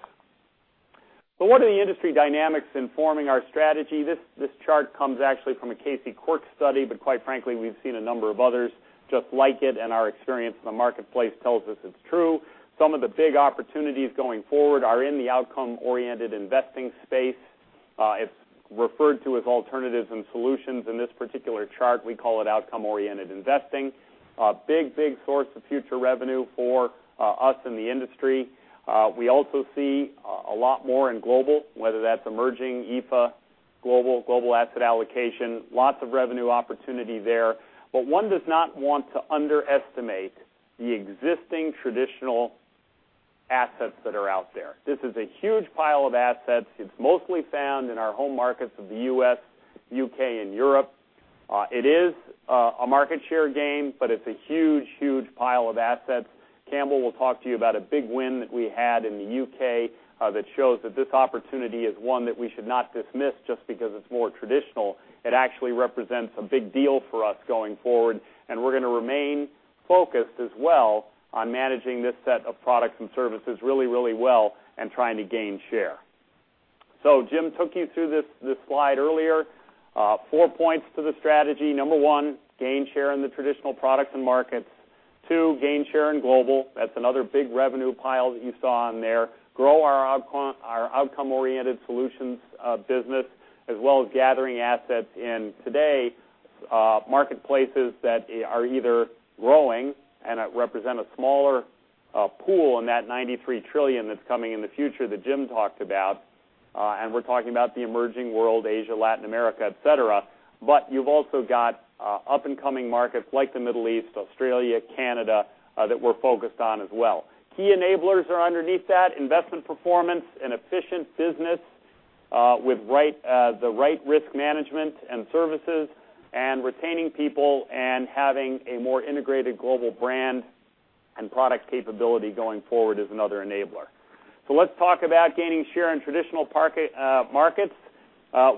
S7: What are the industry dynamics in forming our strategy? This chart comes actually from a Casey Quirk study, but quite frankly, we've seen a number of others just like it, and our experience in the marketplace tells us it's true. Some of the big opportunities going forward are in the outcome-oriented investing space. It's referred to as alternatives and solutions in this particular chart. We call it outcome-oriented investing. Big source of future revenue for us in the industry. We also see a lot more in global, whether that's emerging IFA global asset allocation, lots of revenue opportunity there. One does not want to underestimate the existing traditional assets that are out there. This is a huge pile of assets. It's mostly found in our home markets of the U.S., U.K., and Europe. It is a market share game, but it's a huge pile of assets. Campbell will talk to you about a big win that we had in the U.K. that shows that this opportunity is one that we should not dismiss just because it's more traditional. It actually represents a big deal for us going forward, and we're going to remain focused as well on managing this set of products and services really well and trying to gain share. Jim took you through this slide earlier. Four points to the strategy. Number 1, gain share in the traditional products and markets. 2, gain share in global. That's another big revenue pile that you saw on there. Grow our outcome-oriented solutions business as well as gathering assets in today marketplaces that are either growing and that represent a smaller pool in that $93 trillion that's coming in the future that Jim talked about. We're talking about the emerging world, Asia, Latin America, et cetera. You've also got up-and-coming markets like the Middle East, Australia, Canada, that we're focused on as well. Key enablers are underneath that, investment performance and efficient business with the right risk management and services, and retaining people and having a more integrated global brand and product capability going forward is another enabler. Let's talk about gaining share in traditional markets.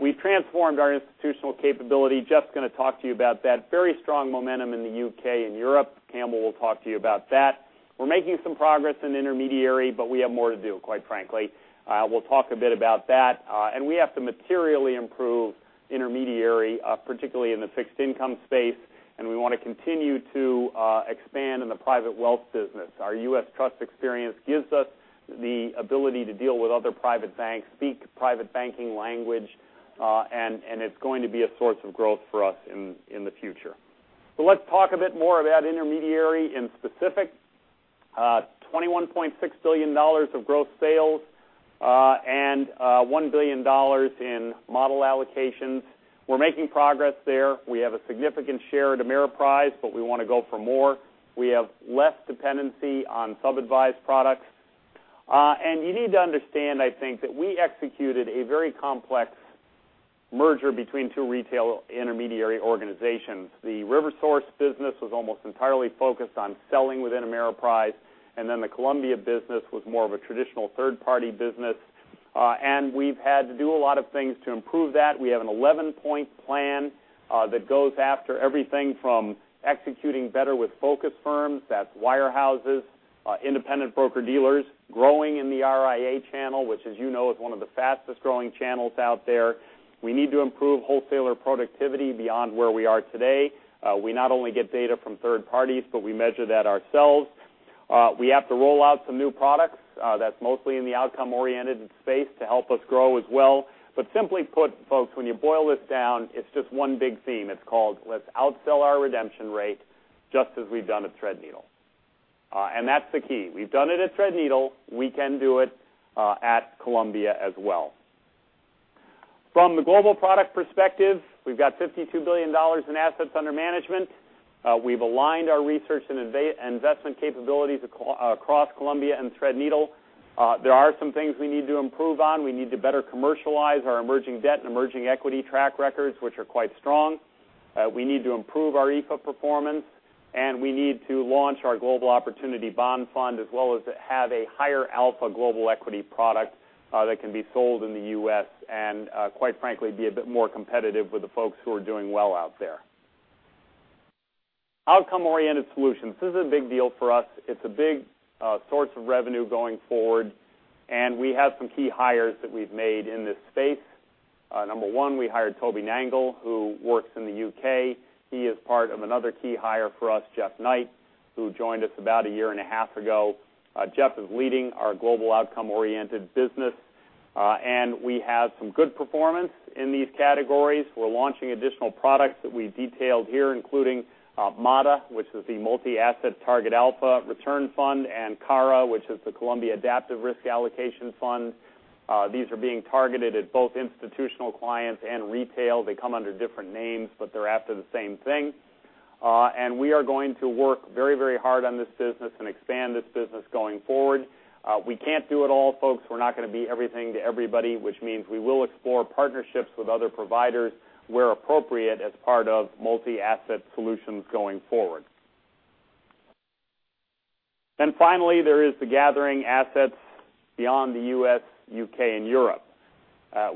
S7: We've transformed our institutional capability. Jeff's going to talk to you about that very strong momentum in the U.K. and Europe. Campbell will talk to you about that. We're making some progress in intermediary, but we have more to do, quite frankly. We'll talk a bit about that. We have to materially improve intermediary, particularly in the fixed income space, and we want to continue to expand in the private wealth business. Our U.S. Trust experience gives us the ability to deal with other private banks, speak private banking language, and it's going to be a source of growth for us in the future. Let's talk a bit more about intermediary in specific. $21.6 billion of gross sales, and $1 billion in model allocations. We're making progress there. We have a significant share at Ameriprise, but we want to go for more. We have less dependency on sub-advised products. You need to understand, I think, that we executed a very complex merger between two retail intermediary organizations. The RiverSource business was almost entirely focused on selling within Ameriprise, the Columbia business was more of a traditional third-party business. We've had to do a lot of things to improve that. We have an 11-point plan that goes after everything from executing better with focus firms, that's wirehouses, independent broker-dealers, growing in the RIA channel, which as you know, is one of the fastest-growing channels out there. We need to improve wholesaler productivity beyond where we are today. We not only get data from third parties, but we measure that ourselves. We have to roll out some new products, that's mostly in the outcome-oriented space to help us grow as well. Simply put, folks, when you boil this down, it's just one big theme. It's called let's outsell our redemption rate, just as we've done at Threadneedle. That's the key. We've done it at Threadneedle. We can do it at Columbia as well. From the global product perspective, we've got $52 billion in assets under management. We've aligned our research and investment capabilities across Columbia and Threadneedle. There are some things we need to improve on. We need to better commercialize our emerging debt and emerging equity track records, which are quite strong. We need to improve our IFA performance, and we need to launch our global opportunity bond fund, as well as have a higher alpha global equity product that can be sold in the U.S. and, quite frankly, be a bit more competitive with the folks who are doing well out there. Outcome-oriented solutions. This is a big deal for us. It's a big source of revenue going forward, and we have some key hires that we've made in this space. Number one, we hired Toby Nangle, who works in the U.K. He is part of another key hire for us, Jeff Knight, who joined us about a year and a half ago. Jeff is leading our global outcome-oriented business. We have some good performance in these categories. We're launching additional products that we detailed here, including MATA, which is the Multi-Asset Target Alpha Return Fund, and CARA, which is the Columbia Adaptive Risk Allocation Fund. These are being targeted at both institutional clients and retail. They come under different names, but they're after the same thing. We are going to work very hard on this business and expand this business going forward. We can't do it all, folks. We're not going to be everything to everybody, which means we will explore partnerships with other providers where appropriate as part of multi-asset solutions going forward. Finally, there is the gathering assets beyond the U.S., U.K., and Europe.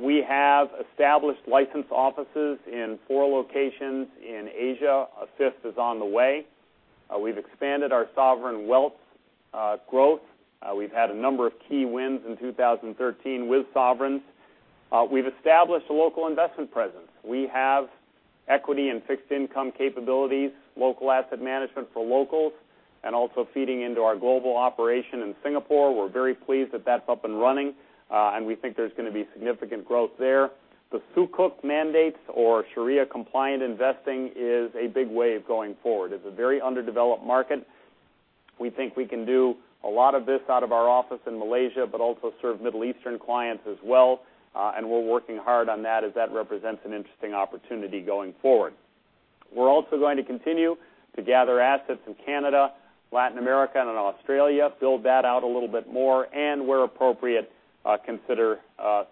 S7: We have established licensed offices in four locations in Asia. A fifth is on the way. We've expanded our sovereign wealth growth. We've had a number of key wins in 2013 with sovereigns. We've established a local investment presence. We have equity and fixed income capabilities, local asset management for locals, and also feeding into our global operation in Singapore. We're very pleased that that's up and running. We think there's going to be significant growth there. The Sukuk mandates or Sharia-compliant investing is a big wave going forward. It's a very underdeveloped market. We think we can do a lot of this out of our office in Malaysia, but also serve Middle Eastern clients as well. We're working hard on that as that represents an interesting opportunity going forward. We're also going to continue to gather assets in Canada, Latin America, and Australia, build that out a little bit more, and where appropriate, consider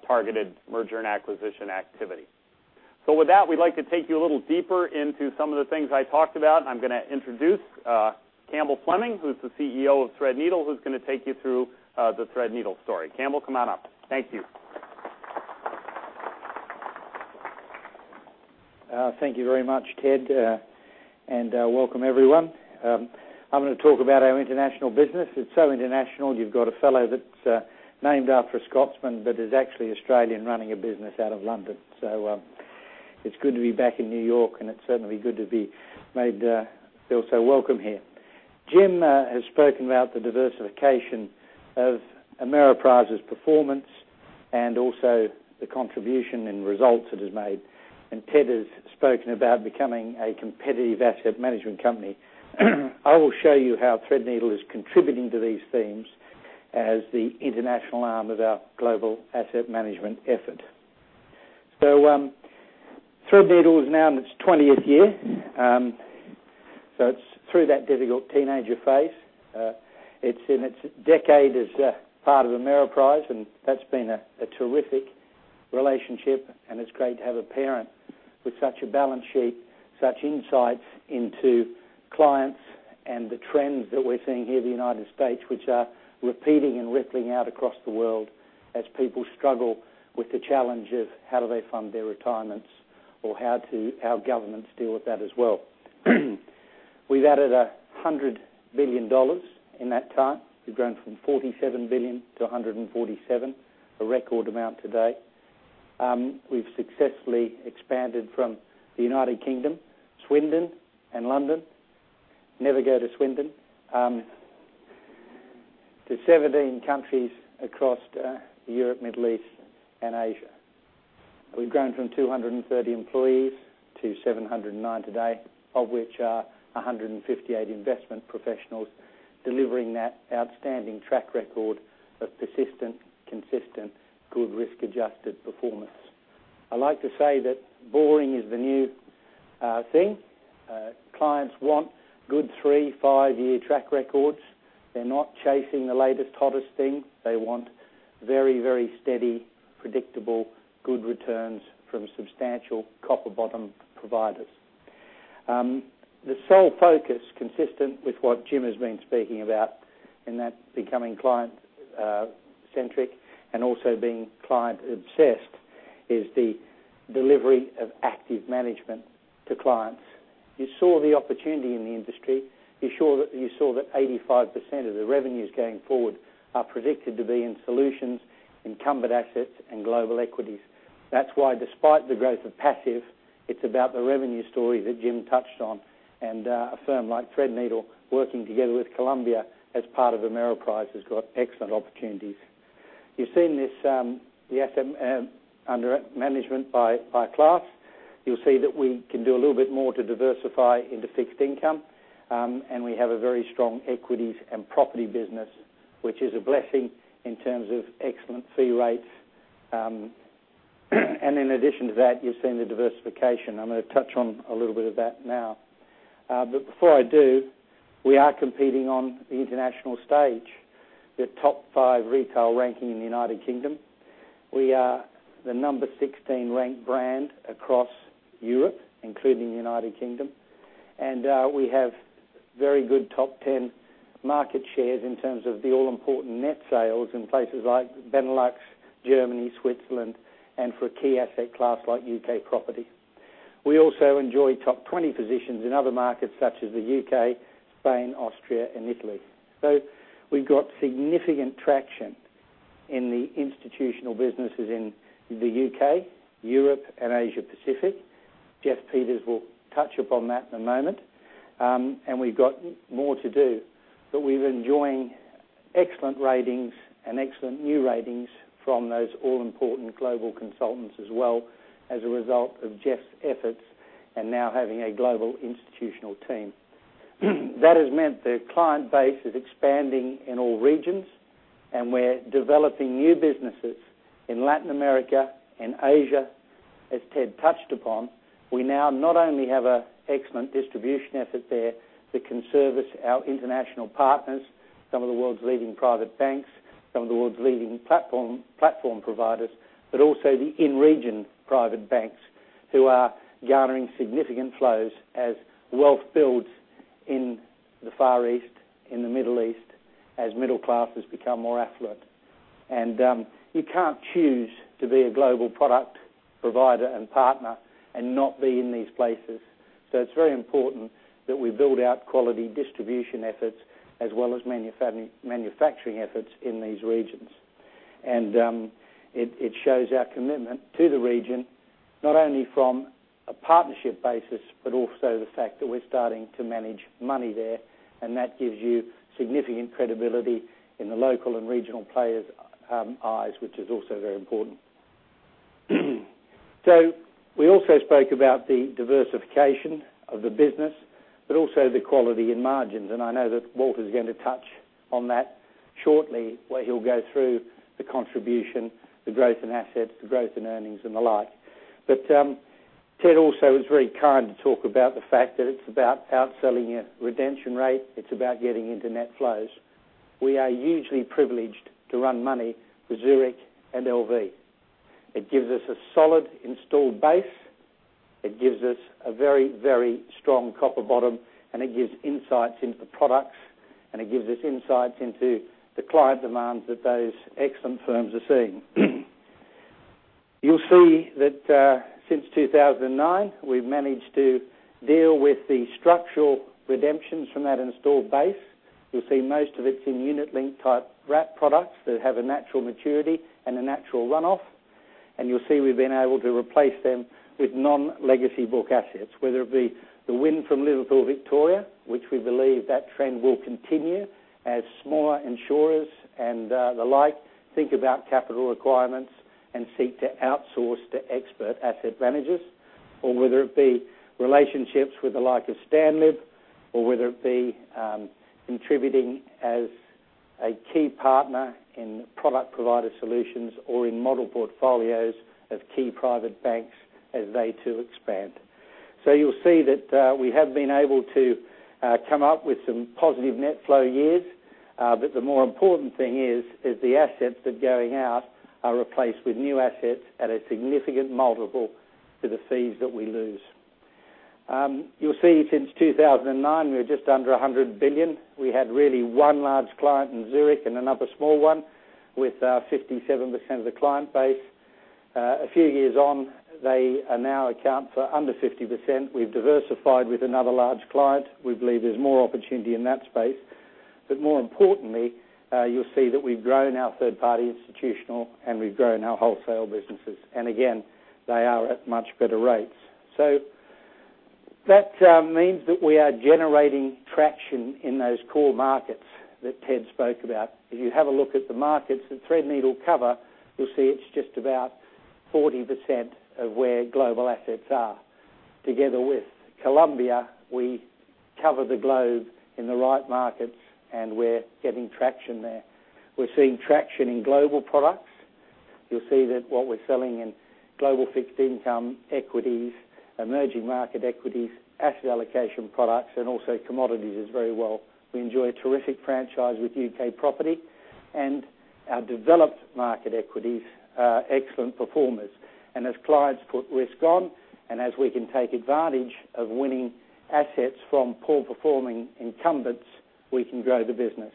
S7: targeted merger and acquisition activity. With that, we'd like to take you a little deeper into some of the things I talked about. I'm going to introduce Campbell Fleming, who's the CEO of Threadneedle, who's going to take you through the Threadneedle story. Campbell, come on up. Thank you.
S8: Thank you very much, Ted, and welcome everyone. I'm going to talk about our international business. It's so international. You've got a fellow that's named after a Scotsman but is actually Australian running a business out of London. It's good to be back in New York, and it's certainly good to be made to feel so welcome here. Jim has spoken about the diversification of Ameriprise's performance and also the contribution and results it has made. Ted has spoken about becoming a competitive asset management company. I will show you how Threadneedle is contributing to these themes as the international arm of our global asset management effort. Threadneedle is now in its 20th year. It's through that difficult teenager phase. It's in its decade as part of Ameriprise, and that's been a terrific relationship, and it's great to have a parent with such a balance sheet, such insights into clients and the trends that we're seeing here in the United States, which are repeating and rippling out across the world as people struggle with the challenge of how do they fund their retirements or how governments deal with that as well. We've added $100 billion in that time. We've grown from $47 billion to $147, a record amount today. We've successfully expanded from the U.K., Swindon, and London. Never go to Swindon. To 17 countries across Europe, Middle East, and Asia. We've grown from 230 employees to 709 today, of which are 158 investment professionals delivering that outstanding track record of persistent, consistent, good risk-adjusted performance. I like to say that boring is the new thing. Clients want good 3, 5-year track records. They're not chasing the latest, hottest thing. They want very steady, predictable, good returns from substantial copper-bottom providers. The sole focus, consistent with what Jim has been speaking about in that becoming client-centric and also being client-obsessed, is the delivery of active management to clients. You saw the opportunity in the industry. You saw that 85% of the revenues going forward are predicted to be in solutions, incumbent assets, and global equities. That's why despite the growth of passive, it's about the revenue story that Jim touched on. A firm like Threadneedle working together with Columbia as part of Ameriprise has got excellent opportunities. You've seen the asset under management by class. You'll see that we can do a little bit more to diversify into fixed income. We have a very strong equities and property business, which is a blessing in terms of excellent fee rates. In addition to that, you've seen the diversification. I'm going to touch on a little bit of that now. But before I do, we are competing on the international stage. The top 5 retail ranking in the U.K. We are the number 16 ranked brand across Europe, including the U.K. And we have very good top 10 market shares in terms of the all-important net sales in places like Benelux, Germany, Switzerland, and for a key asset class like U.K. property. We also enjoy top 20 positions in other markets such as the U.K., Spain, Austria, and Italy. We've got significant traction in the institutional businesses in the U.K., Europe, and Asia Pacific. Jeff Peters will touch upon that in a moment. We've got more to do. But we're enjoying excellent ratings and excellent new ratings from those all-important global consultants as well as a result of Jeff's efforts and now having a global institutional team. That has meant the client base is expanding in all regions, and we're developing new businesses in Latin America and Asia. As Ted touched upon, we now not only have an excellent distribution effort there that can service our international partners, some of the world's leading private banks, some of the world's leading platform providers, but also the in-region private banks who are garnering significant flows as wealth builds in the Far East, in the Middle East, as middle classes become more affluent. And you can't choose to be a global product provider and partner and not be in these places. It's very important that we build out quality distribution efforts as well as manufacturing efforts in these regions. And it shows our commitment to the region, not only from a partnership basis, but also the fact that we're starting to manage money there, and that gives you significant credibility in the local and regional players' eyes, which is also very important. We also spoke about the diversification of the business, but also the quality in margins. And I know that Walter is going to touch on that shortly, where he'll go through the contribution, the growth in assets, the growth in earnings, and the like. Ted also was very kind to talk about the fact that it's about outselling a redemption rate. It's about getting into net flows. We are hugely privileged to run money for Zurich and LV. It gives us a solid installed base. It gives us a very, very strong copper bottom, it gives insights into the products, and it gives us insights into the client demands that those excellent firms are seeing. You'll see that since 2009, we've managed to deal with the structural redemptions from that installed base. You'll see most of it's in unit link type wrap products that have a natural maturity and a natural runoff. You'll see we've been able to replace them with non-legacy book assets, whether it be the win from Liverpool Victoria, which we believe that trend will continue as smaller insurers and the like think about capital requirements and seek to outsource to expert asset managers. Whether it be relationships with the likes of STANLIB, or whether it be contributing as a key partner in product provider solutions or in model portfolios of key private banks as they too expand. You'll see that we have been able to come up with some positive net flow years. The more important thing is the assets that are going out are replaced with new assets at a significant multiple to the fees that we lose. You'll see since 2009, we were just under $100 billion. We had really one large client in Zurich and another small one with 57% of the client base. A few years on, they now account for under 50%. We've diversified with another large client. We believe there's more opportunity in that space. More importantly, you'll see that we've grown our third-party institutional and we've grown our wholesale businesses. Again, they are at much better rates. That means that we are generating traction in those core markets that Ted spoke about. If you have a look at the markets that Threadneedle cover, you'll see it's just about 40% of where global assets are. Together with Columbia, we cover the globe in the right markets and we're getting traction there. We're seeing traction in global products. You'll see that what we're selling in global fixed income equities, emerging market equities, asset allocation products, and also commodities is very well. We enjoy a terrific franchise with U.K. property and our developed market equities are excellent performers. As clients put risk on and as we can take advantage of winning assets from poor performing incumbents, we can grow the business.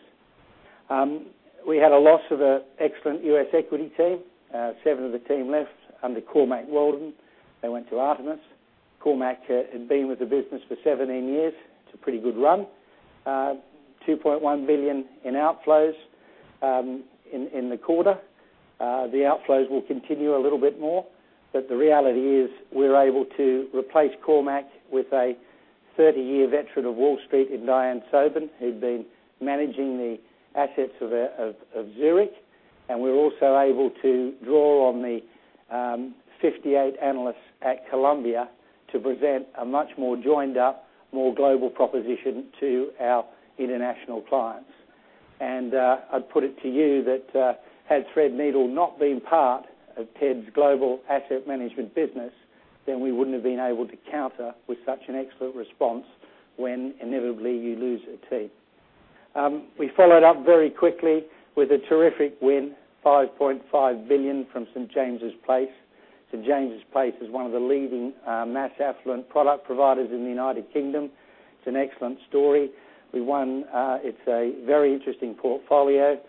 S8: We had a loss of an excellent U.S. equity team. Seven of the team left under Cormac Weldon. They went to Artemis. Cormac had been with the business for 17 years. It's a pretty good run. $2.1 billion in outflows in the quarter. The outflows will continue a little bit more, the reality is we're able to replace Cormac with a 30-year veteran of Wall Street in Diane Sobin, who'd been managing the assets of Zurich. We're also able to draw on the 58 analysts at Columbia to present a much more joined up, more global proposition to our international clients. I'd put it to you that had Threadneedle not been part of Ted's global asset management business, we wouldn't have been able to counter with such an excellent response when inevitably you lose a team. We followed up very quickly with a terrific win, $5.5 billion from St. James's Place. St. James's Place is one of the leading mass affluent product providers in the U.K. It's an excellent story. We won. It's a very interesting portfolio.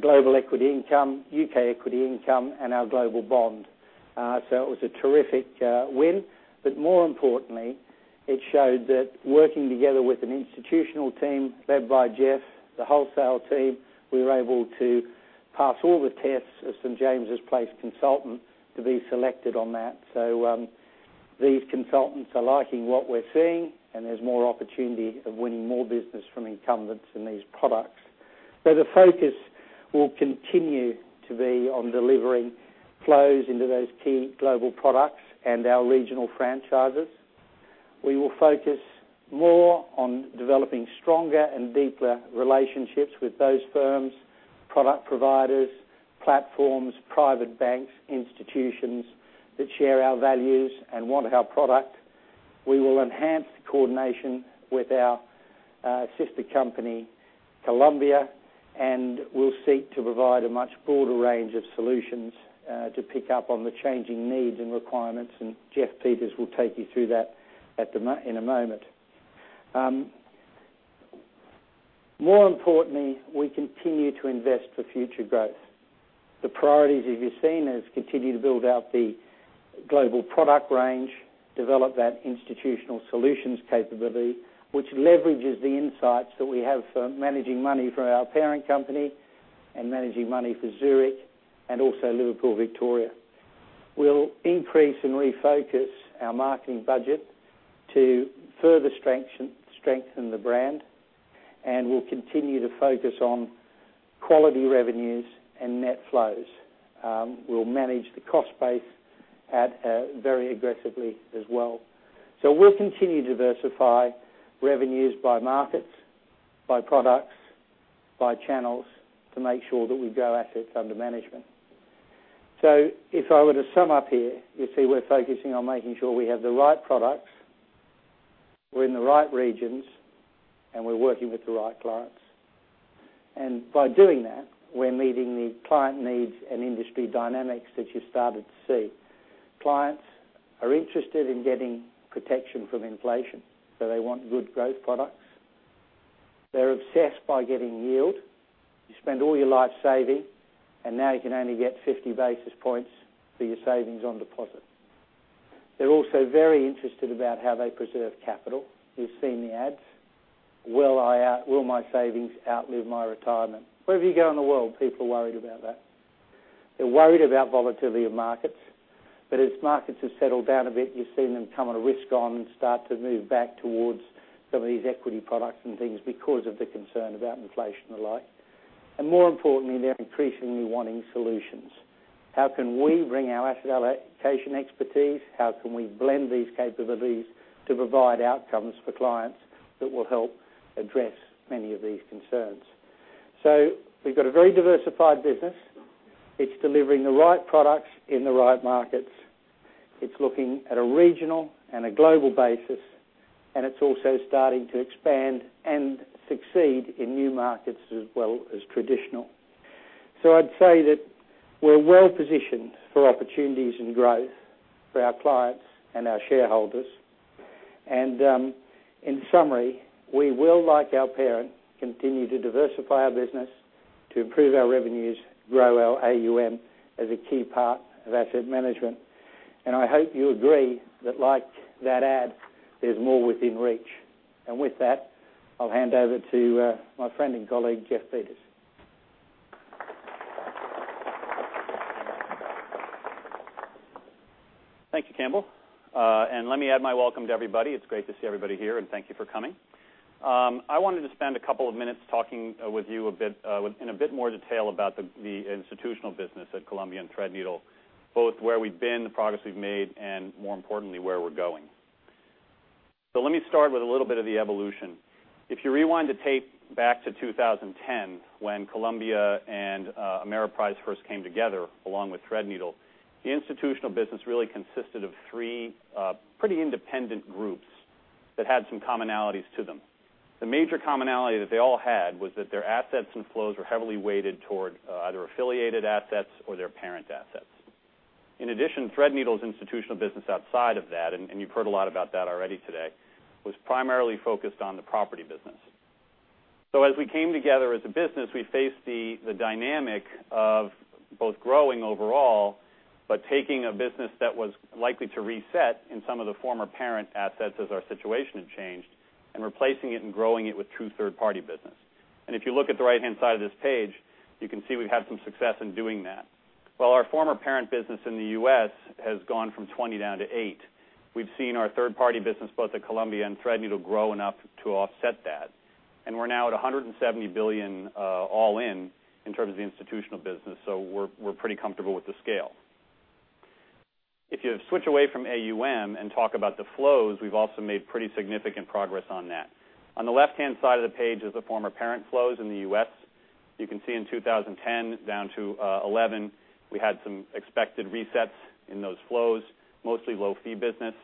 S8: Global equity income, U.K. equity income, and our global bond. It was a terrific win. More importantly, it showed that working together with an institutional team led by Jeff, the wholesale team, we were able to pass all the tests of St. James's Place consultant to be selected on that. These consultants are liking what we're seeing, and there's more opportunity of winning more business from incumbents in these products. The focus will continue to be on delivering flows into those key global products and our regional franchises. We will focus more on developing stronger and deeper relationships with those firms, product providers, platforms, private banks, institutions that share our values and want our product. We will enhance the coordination with our sister company, Columbia, and we'll seek to provide a much broader range of solutions to pick up on the changing needs and requirements, and Jeff Peters will take you through that in a moment. More importantly, we continue to invest for future growth. The priorities you've seen is continue to build out the global product range, develop that institutional solutions capability, which leverages the insights that we have for managing money for our parent company and managing money for Zurich and also Liverpool Victoria. We'll increase and refocus our marketing budget to further strengthen the brand, and we'll continue to focus on quality revenues and net flows. We'll manage the cost base very aggressively as well. We'll continue to diversify revenues by markets, by products, by channels to make sure that we grow assets under management. If I were to sum up here, you see we're focusing on making sure we have the right products, we're in the right regions, and we're working with the right clients. By doing that, we're meeting the client needs and industry dynamics that you've started to see. Clients are interested in getting protection from inflation, they want good growth products. They're obsessed by getting yield. You spend all your life saving, and now you can only get 50 basis points for your savings on deposit. They're also very interested about how they preserve capital. You've seen the ads. Will my savings outlive my retirement? Wherever you go in the world, people are worried about that. They're worried about volatility of markets. As markets have settled down a bit, you've seen them come on a risk on and start to move back towards some of these equity products and things because of the concern about inflation and the like. More importantly, they're increasingly wanting solutions. How can we bring our asset allocation expertise? How can we blend these capabilities to provide outcomes for clients that will help address many of these concerns? We've got a very diversified business. It's delivering the right products in the right markets. It's looking at a regional and a global basis, and it's also starting to expand and succeed in new markets as well as traditional. I'd say that we're well-positioned for opportunities and growth for our clients and our shareholders. In summary, we will, like our parent, continue to diversify our business, to improve our revenues, grow our AUM as a key part of asset management. I hope you agree that like that ad, there's more within reach. With that, I'll hand over to my friend and colleague, Jeff Peters.
S9: Thank you, Campbell. Let me add my welcome to everybody. It's great to see everybody here, and thank you for coming. I wanted to spend a couple of minutes talking with you in a bit more detail about the institutional business at Columbia and Threadneedle, both where we've been, the progress we've made, and more importantly, where we're going. Let me start with a little bit of the evolution. If you rewind the tape back to 2010, when Columbia and Ameriprise first came together along with Threadneedle, the institutional business really consisted of three pretty independent groups that had some commonalities to them. The major commonality that they all had was that their assets and flows were heavily weighted toward either affiliated assets or their parent assets. In addition, Threadneedle's institutional business outside of that, and you've heard a lot about that already today, was primarily focused on the property business. As we came together as a business, we faced the dynamic of both growing overall, but taking a business that was likely to reset in some of the former parent assets as our situation had changed, and replacing it and growing it with true third-party business. If you look at the right-hand side of this page, you can see we've had some success in doing that. While our former parent business in the U.S. has gone from 20 down to eight, we've seen our third-party business, both at Columbia and Threadneedle, grow enough to offset that. We're now at $170 billion all in terms of the institutional business. So we're pretty comfortable with the scale. If you switch away from AUM and talk about the flows, we've also made pretty significant progress on that. On the left-hand side of the page is the former parent flows in the U.S. You can see in 2010 down to 2011, we had some expected resets in those flows, mostly low-fee business.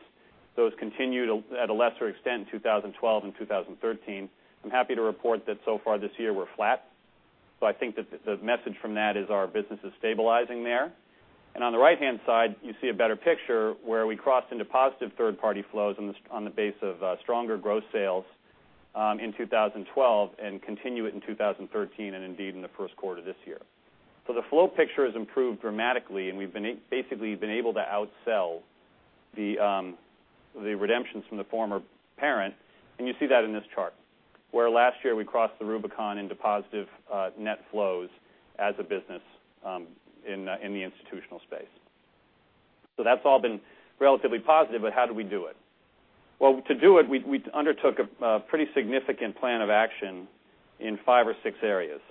S9: Those continued at a lesser extent in 2012 and 2013. I'm happy to report that so far this year, we're flat. I think that the message from that is our business is stabilizing there. On the right-hand side, you see a better picture where we crossed into positive third-party flows on the base of stronger growth sales in 2012 and continue it in 2013 and indeed in the first quarter this year. The flow picture has improved dramatically, and we've basically been able to outsell the redemptions from the former parent, and you see that in this chart, where last year we crossed the Rubicon into positive net flows as a business in the institutional space. That's all been relatively positive, but how do we do it? Well, to do it, we undertook a pretty significant plan of action in five or six areas.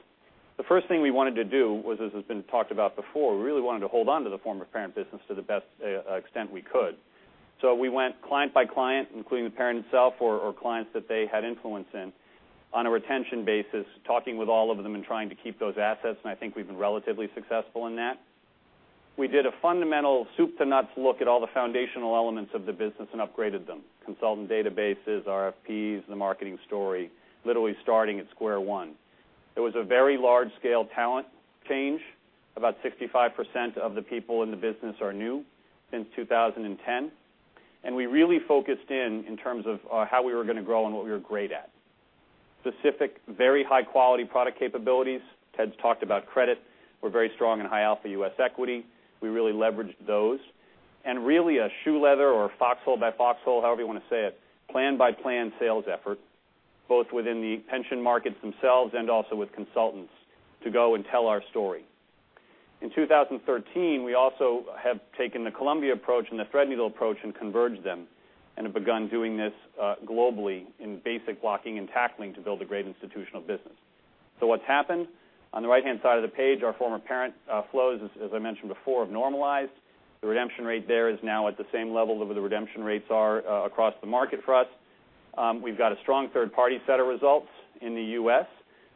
S9: The first thing we wanted to do was, as has been talked about before, we really wanted to hold on to the former parent business to the best extent we could. So we went client by client, including the parent itself or clients that they had influence in, on a retention basis, talking with all of them and trying to keep those assets, and I think we've been relatively successful in that. We did a fundamental soup to nuts look at all the foundational elements of the business and upgraded them. Consultant databases, RFPs, the marketing story, literally starting at square one. It was a very large-scale talent change. About 65% of the people in the business are new since 2010, and we really focused in terms of how we were going to grow and what we were great at. Specific, very high-quality product capabilities. Ted's talked about credit. We're very strong in high alpha U.S. equity. We really leveraged those. Really a shoe leather or foxhole by foxhole, however you want to say it, plan by plan sales effort, both within the pension markets themselves and also with consultants to go and tell our story. In 2013, we also have taken the Columbia approach and the Threadneedle approach and converged them and have begun doing this globally in basic blocking and tackling to build a great institutional business. What's happened? On the right-hand side of the page, our former parent flows, as I mentioned before, have normalized. The redemption rate there is now at the same level that the redemption rates are across the market for us. We've got a strong third party set of results in the U.S.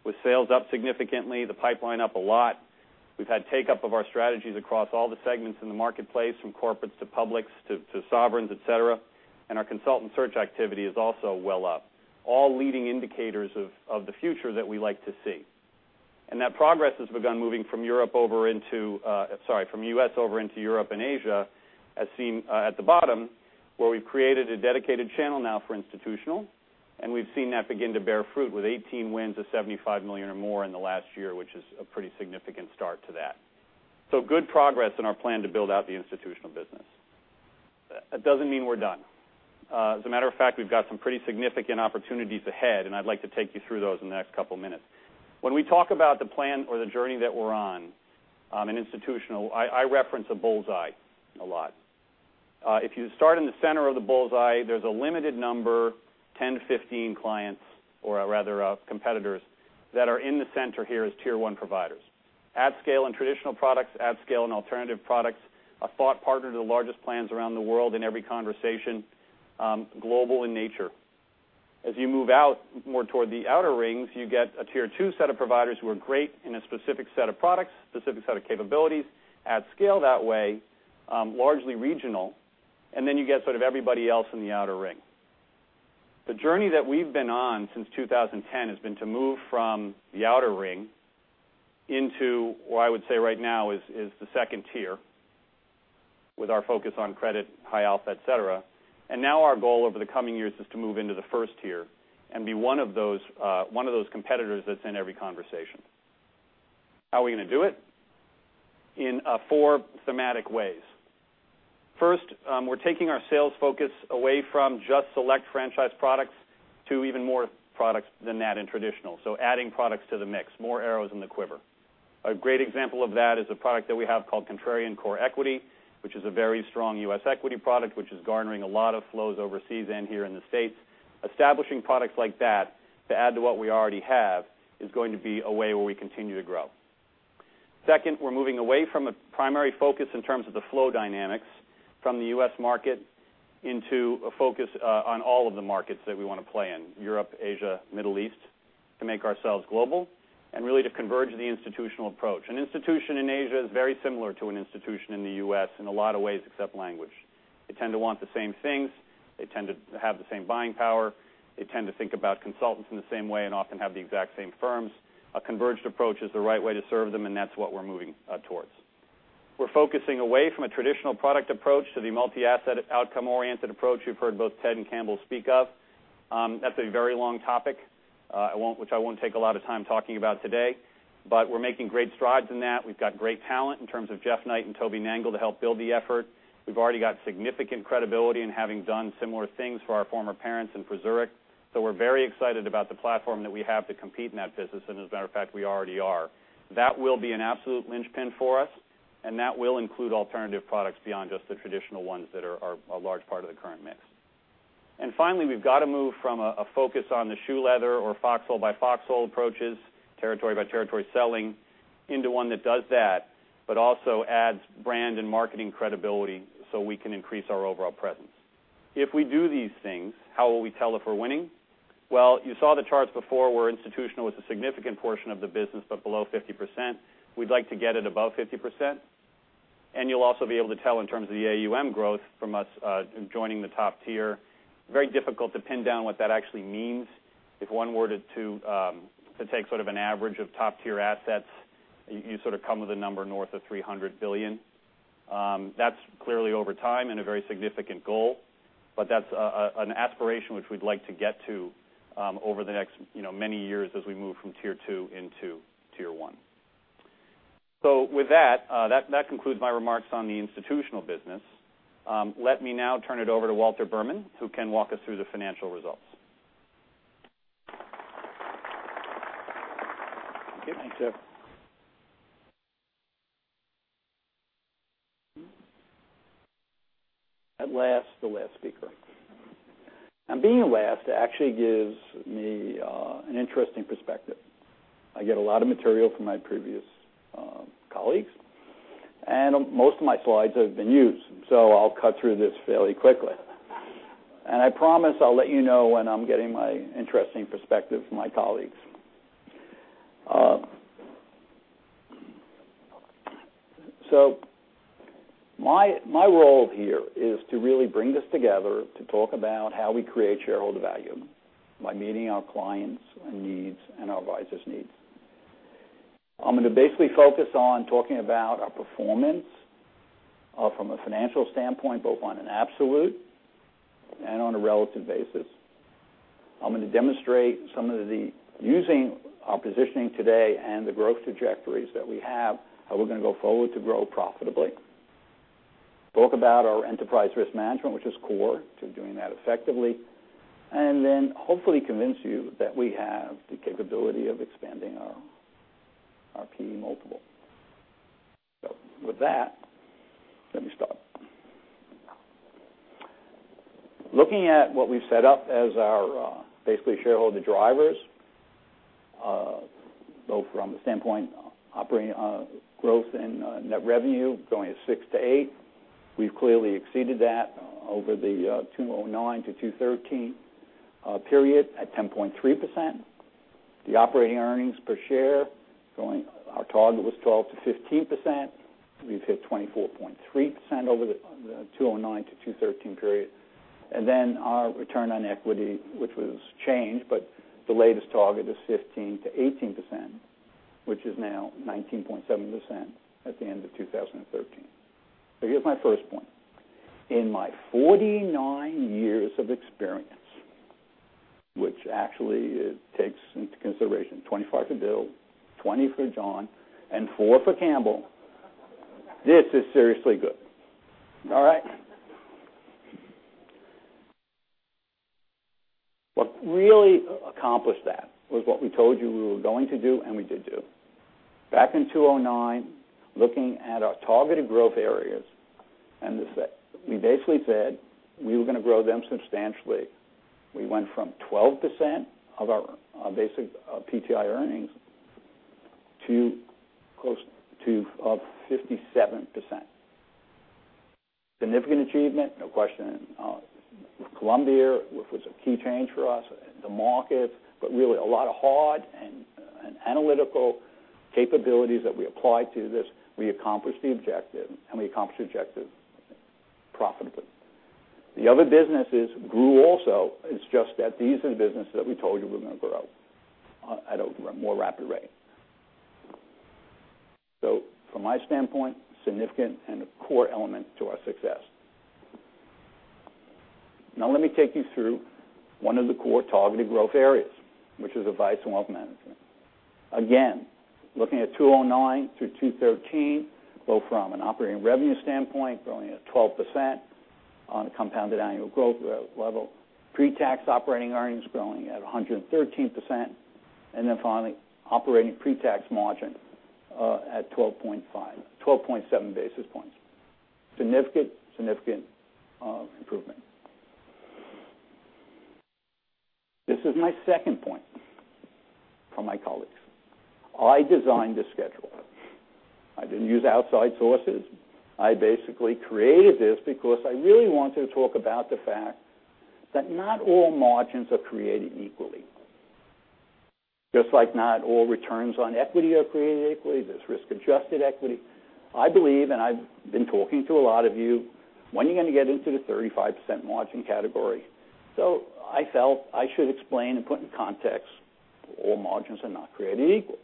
S9: with sales up significantly, the pipeline up a lot. We've had take-up of our strategies across all the segments in the marketplace, from corporates to publics to sovereigns, et cetera, and our consultant search activity is also well up. All leading indicators of the future that we like to see. That progress has begun moving from U.S. over into Europe and Asia, as seen at the bottom, where we've created a dedicated channel now for institutional, and we've seen that begin to bear fruit with 18 wins of $75 million or more in the last year, which is a pretty significant start to that. Good progress in our plan to build out the institutional business. That doesn't mean we're done. As a matter of fact, we've got some pretty significant opportunities ahead, and I'd like to take you through those in the next couple of minutes. When we talk about the plan or the journey that we're on in institutional, I reference a bullseye a lot. If you start in the center of the bullseye, there's a limited number, 10 to 15 clients, or rather, competitors, that are in the center here as tier 1 providers. At scale in traditional products, at scale in alternative products, a thought partner to the largest plans around the world in every conversation, global in nature. You move out more toward the outer rings, you get a tier 2 set of providers who are great in a specific set of products, specific set of capabilities, at scale that way, largely regional, and then you get sort of everybody else in the outer ring. The journey that we've been on since 2010 has been to move from the outer ring into what I would say right now is the tier 2 with our focus on credit, high alpha, et cetera. Now our goal over the coming years is to move into the tier 1 and be one of those competitors that's in every conversation. How are we going to do it? In four thematic ways. First, we're taking our sales focus away from just select franchise products to even more products than that in traditional. Adding products to the mix, more arrows in the quiver. A great example of that is a product that we have called Contrarian Core Equity, which is a very strong U.S. equity product, which is garnering a lot of flows overseas and here in the States. Establishing products like that to add to what we already have is going to be a way where we continue to grow. Second, we're moving away from a primary focus in terms of the flow dynamics from the U.S. market into a focus on all of the markets that we want to play in, Europe, Asia, Middle East, to make ourselves global and really to converge the institutional approach. An institution in Asia is very similar to an institution in the U.S. in a lot of ways except language. They tend to want the same things. They tend to have the same buying power. They tend to think about consultants in the same way and often have the exact same firms. A converged approach is the right way to serve them, and that's what we're moving towards. We're focusing away from a traditional product approach to the multi-asset outcome-oriented approach you've heard both Ted and Campbell speak of. That's a very long topic which I won't take a lot of time talking about today, but we're making great strides in that. We've got great talent in terms of Jeff Knight and Toby Nangle to help build the effort. We've already got significant credibility in having done similar things for our former parents and for Zurich. We're very excited about the platform that we have to compete in that business, and as a matter of fact, we already are. That will be an absolute linchpin for us, and that will include alternative products beyond just the traditional ones that are a large part of the current mix. Finally, we've got to move from a focus on the shoe leather or foxhole by foxhole approaches, territory by territory selling, into one that does that, but also adds brand and marketing credibility so we can increase our overall presence. If we do these things, how will we tell if we're winning? Well, you saw the charts before where institutional was a significant portion of the business, but below 50%. We'd like to get it above 50%, and you'll also be able to tell in terms of the AUM growth from us joining the top tier. Very difficult to pin down what that actually means. If one were to take sort of an average of top-tier assets, you sort of come with a number north of $300 billion. That's clearly over time and a very significant goal, but that's an aspiration which we'd like to get to over the next many years as we move from tier 2 into tier 1. With that concludes my remarks on the institutional business. Let me now turn it over to Walter Berman, who can walk us through the financial results.
S10: Thank you. Thanks, Jeff. At last, the last speaker. Being last actually gives me an interesting perspective. I get a lot of material from my previous colleagues. Most of my slides have been used, so I'll cut through this fairly quickly. I promise I'll let you know when I'm getting my interesting perspective from my colleagues. My role here is to really bring this together to talk about how we create shareholder value by meeting our clients' needs and our advisors' needs. I'm going to basically focus on talking about our performance from a financial standpoint, both on an absolute and on a relative basis. I'm going to demonstrate using our positioning today and the growth trajectories that we have, how we're going to go forward to grow profitably. Talk about our enterprise risk management, which is core to doing that effectively. Then hopefully convince you that we have the capability of expanding our P/E multiple. With that, let me start. Looking at what we've set up as our basically shareholder drivers, both from the standpoint operating growth and net revenue growing at 6% to 8%. We've clearly exceeded that over the 2009 to 2013 period at 10.3%. The operating earnings per share growing, our target was 12% to 15%, we've hit 24.3% over the 2009 to 2013 period. Our return on equity, which was changed, but the latest target is 15% to 18%, which is now 19.7% at the end of 2013. Here's my first point. In my 49 years of experience, which actually takes into consideration 25 for Bill, 20 for John, and four for Campbell, this is seriously good. All right. What really accomplished that was what we told you we were going to do, we did do. Back in 2009, looking at our targeted growth areas, we basically said we were going to grow them substantially. We went from 12% of our basic PTI earnings to close to 57%. Significant achievement, no question. Columbia was a key change for us, the market, really a lot of hard and analytical capabilities that we applied to this. We accomplished the objective, we accomplished the objective profitably. The other businesses grew also, it's just that these are the businesses that we told you were going to grow at a more rapid rate. From my standpoint, significant and a core element to our success. Let me take you through one of the core targeted growth areas, which is advice and wealth management. Looking at 2009 through 2013, both from an operating revenue standpoint, growing at 12% on a compounded annual growth rate level. Pre-tax operating earnings growing at 113%, finally, operating pre-tax margin at 12.7 basis points. Significant improvement. This is my second point for my colleagues. I designed this schedule. I didn't use outside sources. I basically created this because I really want to talk about the fact that not all margins are created equally. Just like not all returns on equity are created equally, there's risk-adjusted equity. I believe, I've been talking to a lot of you, when are you going to get into the 35% margin category? I felt I should explain and put in context all margins are not created equal.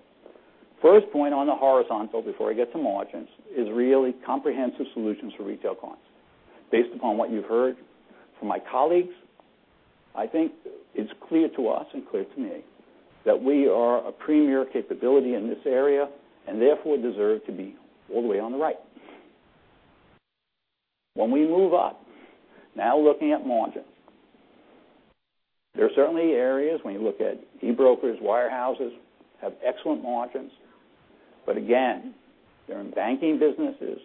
S10: First point on the horizontal before I get to margins, is really comprehensive solutions for retail clients. Based upon what you've heard from my colleagues, I think it's clear to us and clear to me that we are a premier capability in this area and therefore deserve to be all the way on the right. Looking at margins. There are certainly areas when you look at e-brokers, wire houses have excellent margins. They're in banking businesses,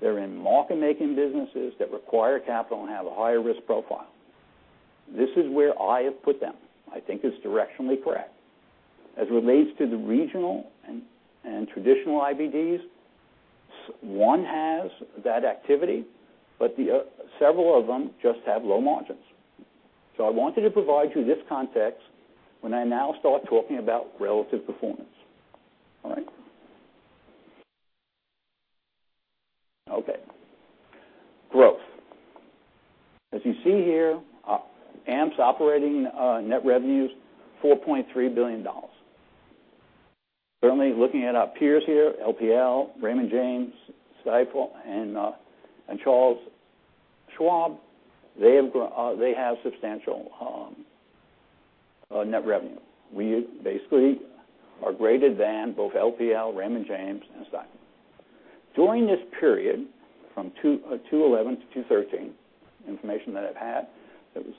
S10: they're in market-making businesses that require capital and have a higher risk profile. This is where I have put them. I think it's directionally correct. As it relates to the regional and traditional IBDs, one has that activity, several of them just have low margins. I wanted to provide you this context when I now start talking about relative performance. Growth. As you see here, AMP's operating net revenues, $4.3 billion. Certainly looking at our peers here, LPL, Raymond James, Stifel, Charles Schwab, they have substantial net revenue. We basically are greater than both LPL, Raymond James, Stifel. During this period, from 2011 to 2013, information that I've had that was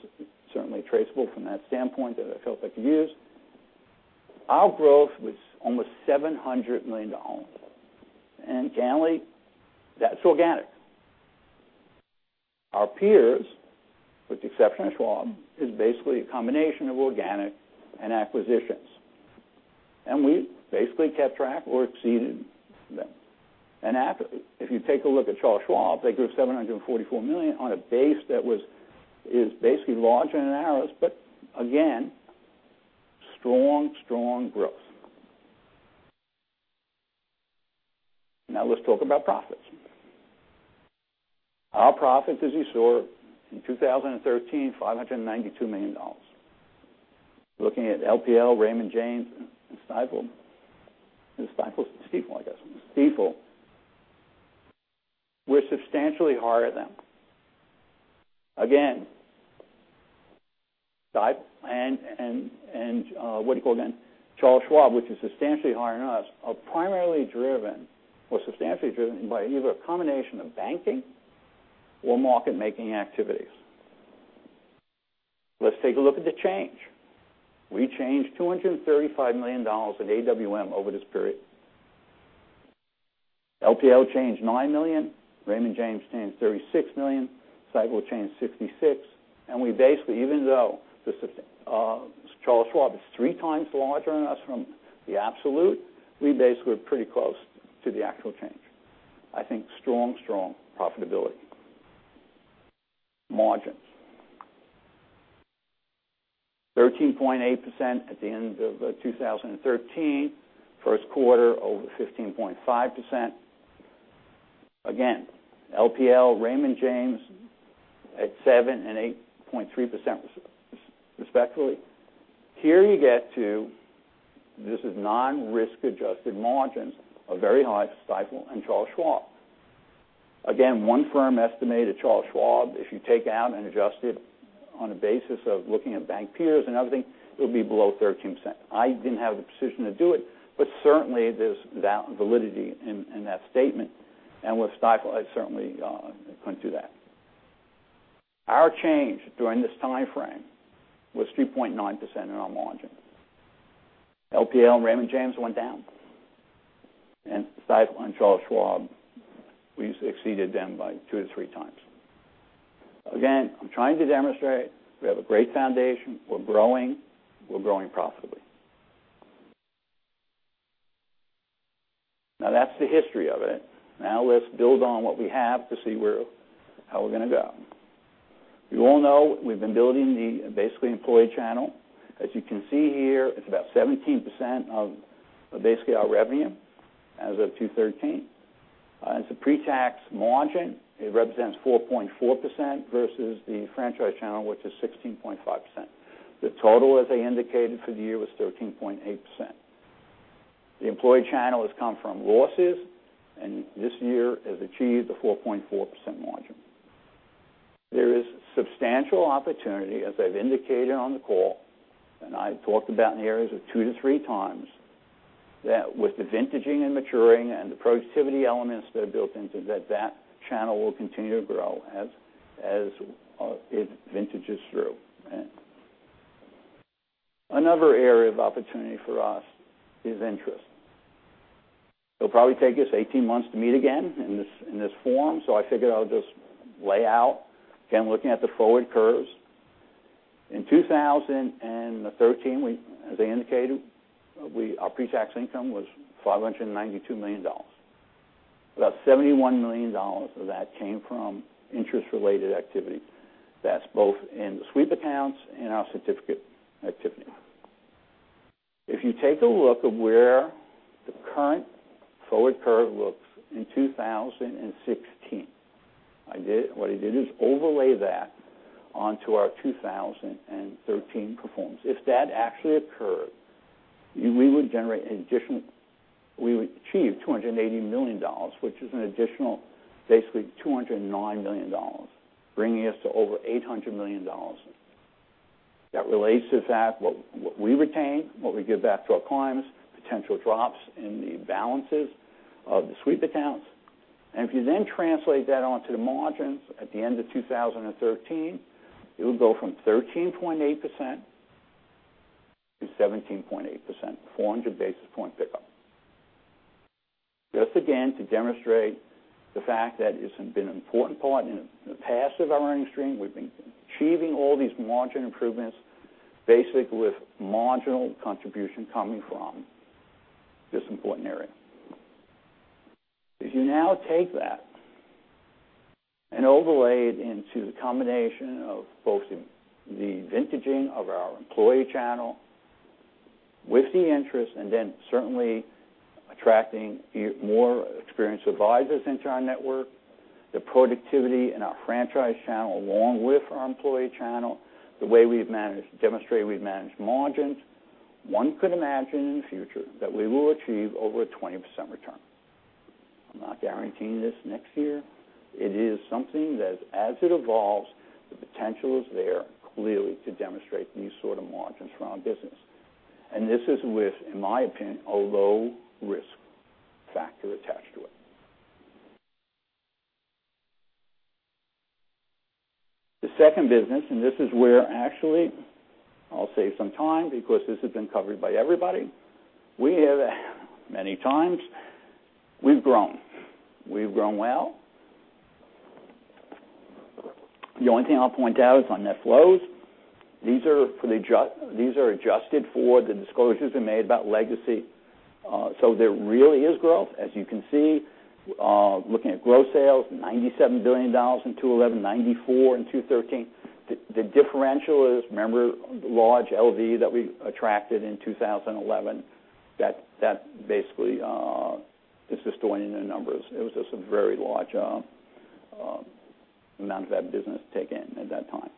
S10: certainly traceable from that standpoint that I felt I could use, our growth was almost $700 million. Generally, that's organic. Our peers, with the exception of Schwab, is basically a combination of organic acquisitions. We basically kept track or exceeded them. If you take a look at Charles Schwab, they grew $744 million on a base that is basically larger than ours, strong growth. Let's talk about profits. Our profits, as you saw in 2013, $592 million. Looking at LPL, Raymond James, Stifel. We're substantially higher than them. Stifel and Charles Schwab, which is substantially higher than us, are primarily driven or substantially driven by either a combination of banking or market-making activities. Let's take a look at the change. We changed $235 million at AWM over this period. LPL changed $9 million, Raymond James changed $36 million, Stifel changed $66 million, and even though Charles Schwab is 3 times larger than us from the absolute, we basically are pretty close to the actual change. I think strong profitability. Margins. 13.8% at the end of 2013. First quarter over 15.5%. LPL, Raymond James at 7% and 8.3%, respectively. Here you get to, this is non-risk adjusted margins, are very high for Stifel and Charles Schwab. 1 firm estimated Charles Schwab, if you take out and adjust it on a basis of looking at bank peers and everything, it would be below 13%. I didn't have the position to do it, certainly there's validity in that statement, with Stifel, I certainly couldn't do that. Our change during this timeframe was 3.9% in our margin. LPL and Raymond James went down. Stifel and Charles Schwab, we've exceeded them by 2 to 3 times. I'm trying to demonstrate we have a great foundation. We're growing. We're growing profitably. That's the history of it. Let's build on what we have to see how we're going to go. You all know we've been building the employee channel. As you can see here, it's about 17% of our revenue as of 2013. As a pre-tax margin, it represents 4.4% versus the franchise channel, which is 16.5%. The total, as I indicated for the year, was 13.8%. The employee channel has come from losses, and this year has achieved a 4.4% margin. There is substantial opportunity, as I've indicated on the call, and I've talked about in the areas of 2 to 3 times, that with the vintaging and maturing and the productivity elements that are built into that channel will continue to grow as it vintages through. Another area of opportunity for us is interest. It'll probably take us 18 months to meet again in this form, I figured I'll just lay out, again, looking at the forward curves. In 2013, as I indicated, our pre-tax income was $592 million. About $71 million of that came from interest-related activity. That's both in the sweep accounts and our certificate activity. If you take a look of where the current forward curve looks in 2016. What I did is overlay that onto our 2013 performance. If that actually occurred, we would achieve $280 million, which is an additional $209 million, bringing us to over $800 million. That relates to that what we retain, what we give back to our clients, potential drops in the balances of the sweep accounts. If you then translate that onto the margins at the end of 2013, it would go from 13.8% to 17.8%, a 400 basis point pickup. Just again, to demonstrate the fact that it's been an important part in the past of our earning stream. We've been achieving all these margin improvements, basically with marginal contribution coming from this important area. If you now take that and overlay it into the combination of both the vintaging of our employee channel with the interest, then certainly attracting more experienced advisors into our network, the productivity in our franchise channel along with our employee channel, the way we have demonstrated we have managed margins. One could imagine in the future that we will achieve over a 20% return. I am not guaranteeing this next year. It is something that as it evolves, the potential is there clearly to demonstrate these sort of margins for our business. This is with, in my opinion, a low risk factor attached to it. The second business, this is where actually I will save some time because this has been covered by everybody many times. We have grown. We have grown well. The only thing I will point out is on net flows. These are adjusted for the disclosures they made about legacy. There really is growth, as you can see, looking at growth sales, $97 billion in 2011, $94 billion in 2013. The differential is, remember, large LV= that we attracted in 2011, that basically is just throwing in the numbers. It was just a very large amount of that business to take in at that time.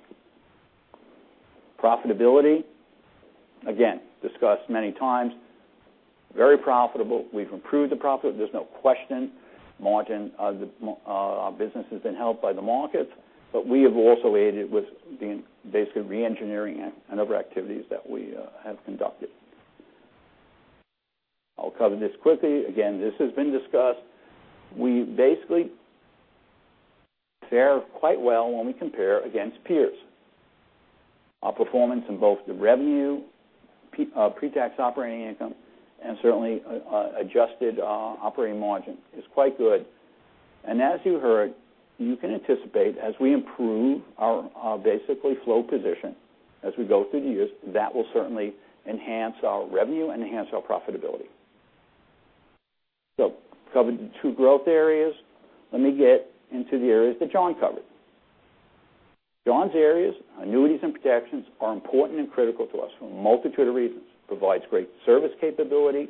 S10: Profitability, again, discussed many times, very profitable. We have improved the profit. There is no question. Our business has been helped by the markets, but we have also aided with basically re-engineering and other activities that we have conducted. I will cover this quickly. Again, this has been discussed. We basically fare quite well when we compare against peers. Our performance in both the revenue, pre-tax operating income, and certainly adjusted operating margin is quite good. As you heard, you can anticipate as we improve our basically flow position as we go through the years, that will certainly enhance our revenue and enhance our profitability. So covered the two growth areas. Let me get into the areas that John covered. John's areas, annuities and protections, are important and critical to us for a multitude of reasons. Provides great service capability,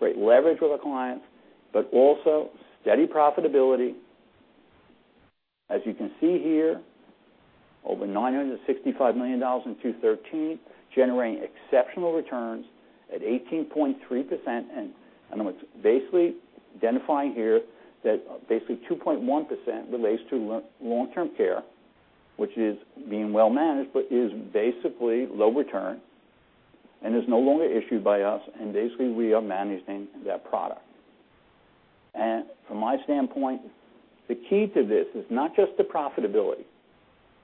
S10: great leverage with our clients, but also steady profitability. As you can see here, over $965 million in 2013, generating exceptional returns at 18.3%. I am basically identifying here that basically 2.1% relates to long-term care, which is being well managed, but is basically low return and is no longer issued by us, and basically, we are managing that product. From my standpoint, the key to this is not just the profitability,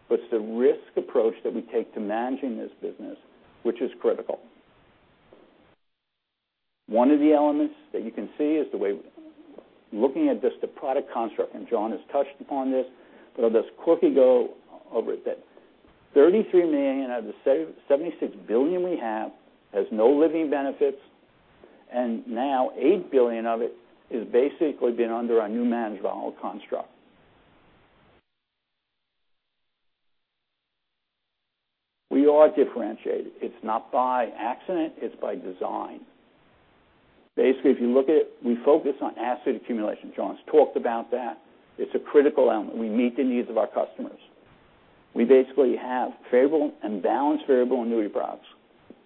S10: but it is the risk approach that we take to managing this business, which is critical. One of the elements that you can see is the way, looking at just the product construct, and John has touched upon this, but I will just quickly go over that. $33 million out of the $76 billion we have has no living benefits, and now $8 billion of it is basically been under our new management construct. We are differentiated. It is not by accident. It is by design. Basically, if you look at, we focus on asset accumulation. John has talked about that. It is a critical element. We meet the needs of our customers. We basically have variable and balanced variable annuity products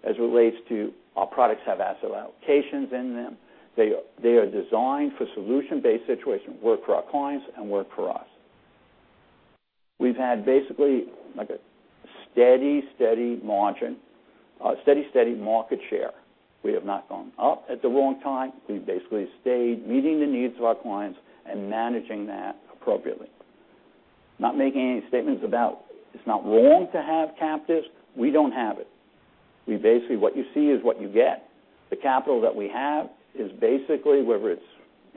S10: as it relates to our products have asset allocations in them. They are designed for solution-based situations, work for our clients and work for us. We've had basically like a steady margin, steady market share. We have not gone up at the wrong time. We've basically stayed meeting the needs of our clients and managing that appropriately. Not making any statements about it's not wrong to have captives. We don't have it. Basically, what you see is what you get. The capital that we have is basically whether it's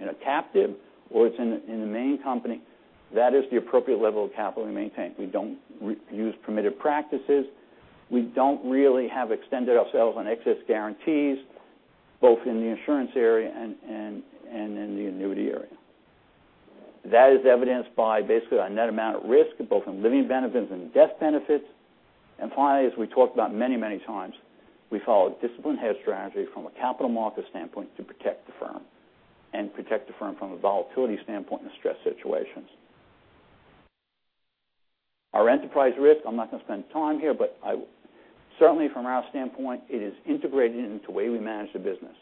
S10: in a captive or it's in the main company, that is the appropriate level of capital we maintain. We don't use permitted practices. We don't really have extended ourselves on excess guarantees, both in the insurance area and in the annuity area. That is evidenced by basically our net amount at risk, both in living benefits and death benefits. Finally, as we talked about many times, we follow a disciplined hedge strategy from a capital market standpoint to protect the firm and protect the firm from a volatility standpoint in stress situations. Our enterprise risk, I'm not going to spend time here, but certainly from our standpoint, it is integrated into the way we manage the business.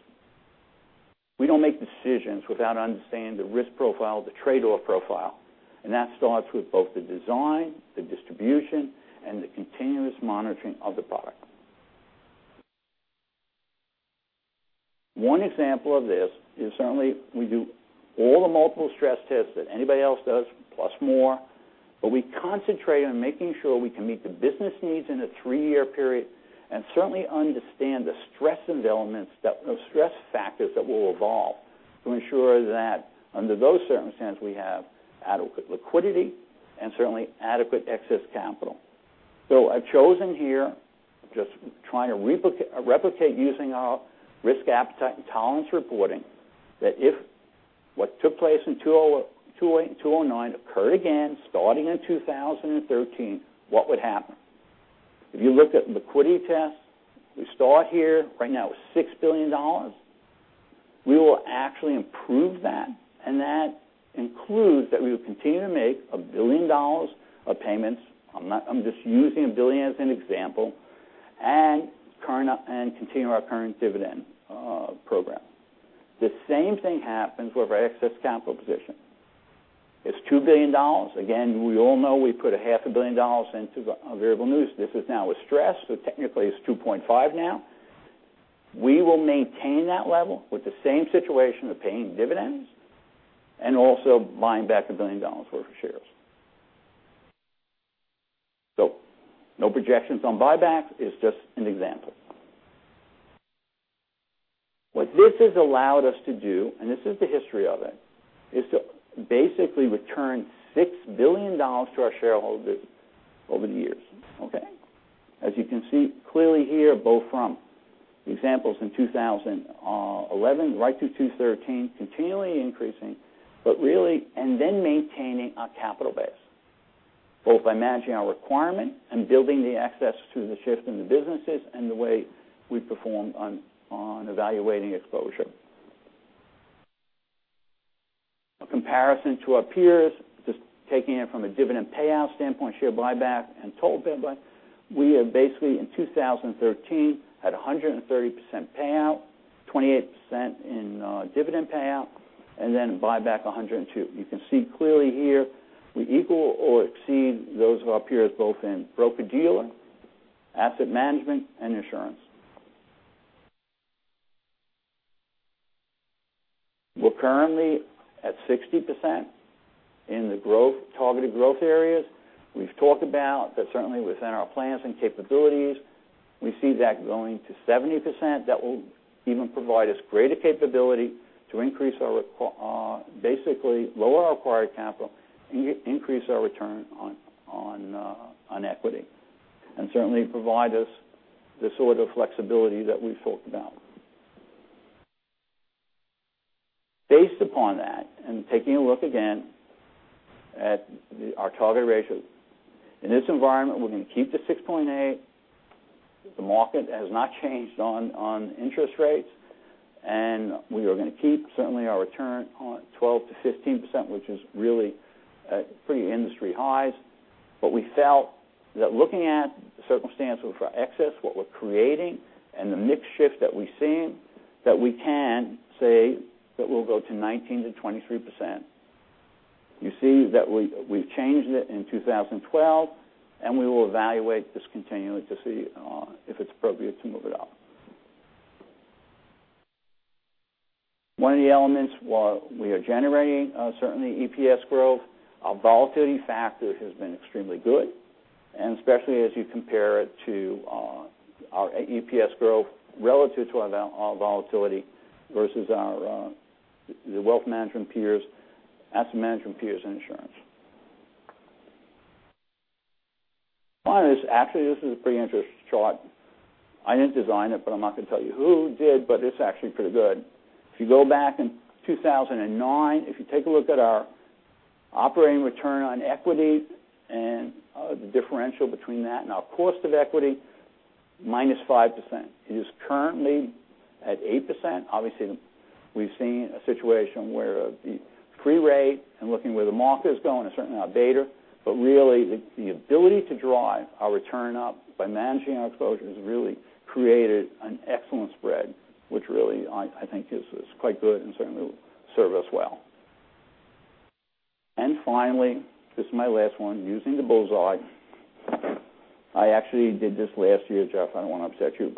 S10: We don't make decisions without understanding the risk profile, the trade-off profile, and that starts with both the design, the distribution, and the continuous monitoring of the product. One example of this is certainly we do all the multiple stress tests that anybody else does, plus more, but we concentrate on making sure we can meet the business needs in a three-year period and certainly understand the stress developments, those stress factors that will evolve to ensure that under those circumstances, we have adequate liquidity and certainly adequate excess capital. I've chosen here, just trying to replicate using our risk appetite and tolerance reporting, that if what took place in 2008 and 2009 occurred again, starting in 2013, what would happen? If you looked at liquidity tests, we start here right now with $6 billion. We will actually improve that, and that includes that we will continue to make a billion dollars of payments. I'm just using a billion as an example, and continue our current dividend program. The same thing happens with our excess capital position. It's $2 billion. Again, we all know we put a half a billion dollars into our variable universal life. This is now a stress, so technically it's $2.5 now. We will maintain that level with the same situation of paying dividends and also buying back a billion dollars worth of shares. No projections on buybacks. It's just an example. What this has allowed us to do, and this is the history of it, is to basically return $6 billion to our shareholders over the years. Okay. As you can see clearly here, both from the examples in 2011 right to 2013, continually increasing, but really, maintaining our capital base, both by managing our requirement and building the excess through the shift in the businesses and the way we've performed on evaluating exposure. A comparison to our peers, just taking it from a dividend payout standpoint, share buyback, and total dividend buyback. We are basically, in 2013, had 130% payout, 28% in dividend payout, and then buyback 102%. You can see clearly here we equal or exceed those of our peers, both in broker-dealer, asset management, and insurance. We're currently at 60% in the targeted growth areas. We've talked about that certainly within our plans and capabilities, we see that going to 70%. That will even provide us greater capability to basically lower our acquired capital and increase our return on equity, and certainly provide us the sort of flexibility that we've talked about. Based upon that, and taking a look again at our target ratios. In this environment, we're going to keep the 6.8%. The market has not changed on interest rates, and we are going to keep certainly our return on 12%-15%, which is really pretty industry highs. We felt that looking at the circumstance with our excess, what we're creating and the mix shift that we've seen, that we can say that we'll go to 19%-23%. You see that we've changed it in 2012, and we will evaluate this continually to see if it's appropriate to move it up. One of the elements while we are generating, certainly EPS growth, our volatility factor has been extremely good, especially as you compare it to our EPS growth relative to our volatility versus the wealth management peers, asset management peers, and insurance. Actually, this is a pretty interesting chart. I didn't design it, but I'm not going to tell you who did, but it's actually pretty good. If you go back in 2009, if you take a look at our operating return on equity and the differential between that and our cost of equity, -5%. It is currently at 8%. Obviously, we've seen a situation where the free rate and looking where the market is going is certainly now better. Really, the ability to drive our return up by managing our exposure has really created an excellent spread, which really I think is quite good and certainly will serve us well. Finally, this is my last one, using the bullseye. I actually did this last year, Jeff, I don't want to upset you,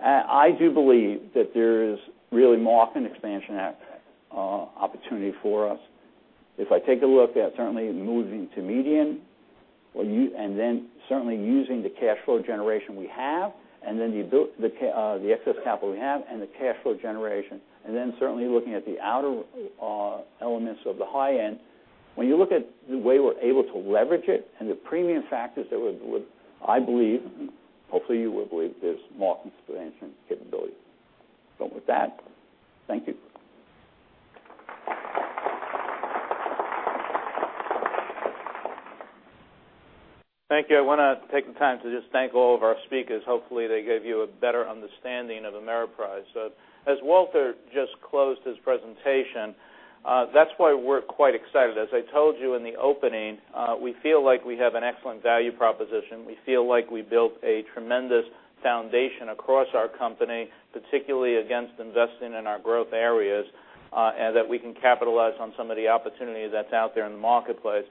S10: but I do believe that there is really margin expansion opportunity for us. If I take a look at certainly moving to median, then certainly using the cash flow generation we have, then the excess capital we have and the cash flow generation, then certainly looking at the outer elements of the high end. When you look at the way we're able to leverage it and the premium factors that would, I believe, and hopefully you will believe, there's margin expansion capability. With that, thank you.
S2: Thank you. I want to take the time to just thank all of our speakers. Hopefully, they gave you a better understanding of Ameriprise. As Walter just closed his presentation, that's why we're quite excited. As I told you in the opening, we feel like we have an excellent value proposition. We feel like we built a tremendous foundation across our company, particularly against investing in our growth areas, and that we can capitalize on some of the opportunity that's out there in the marketplace.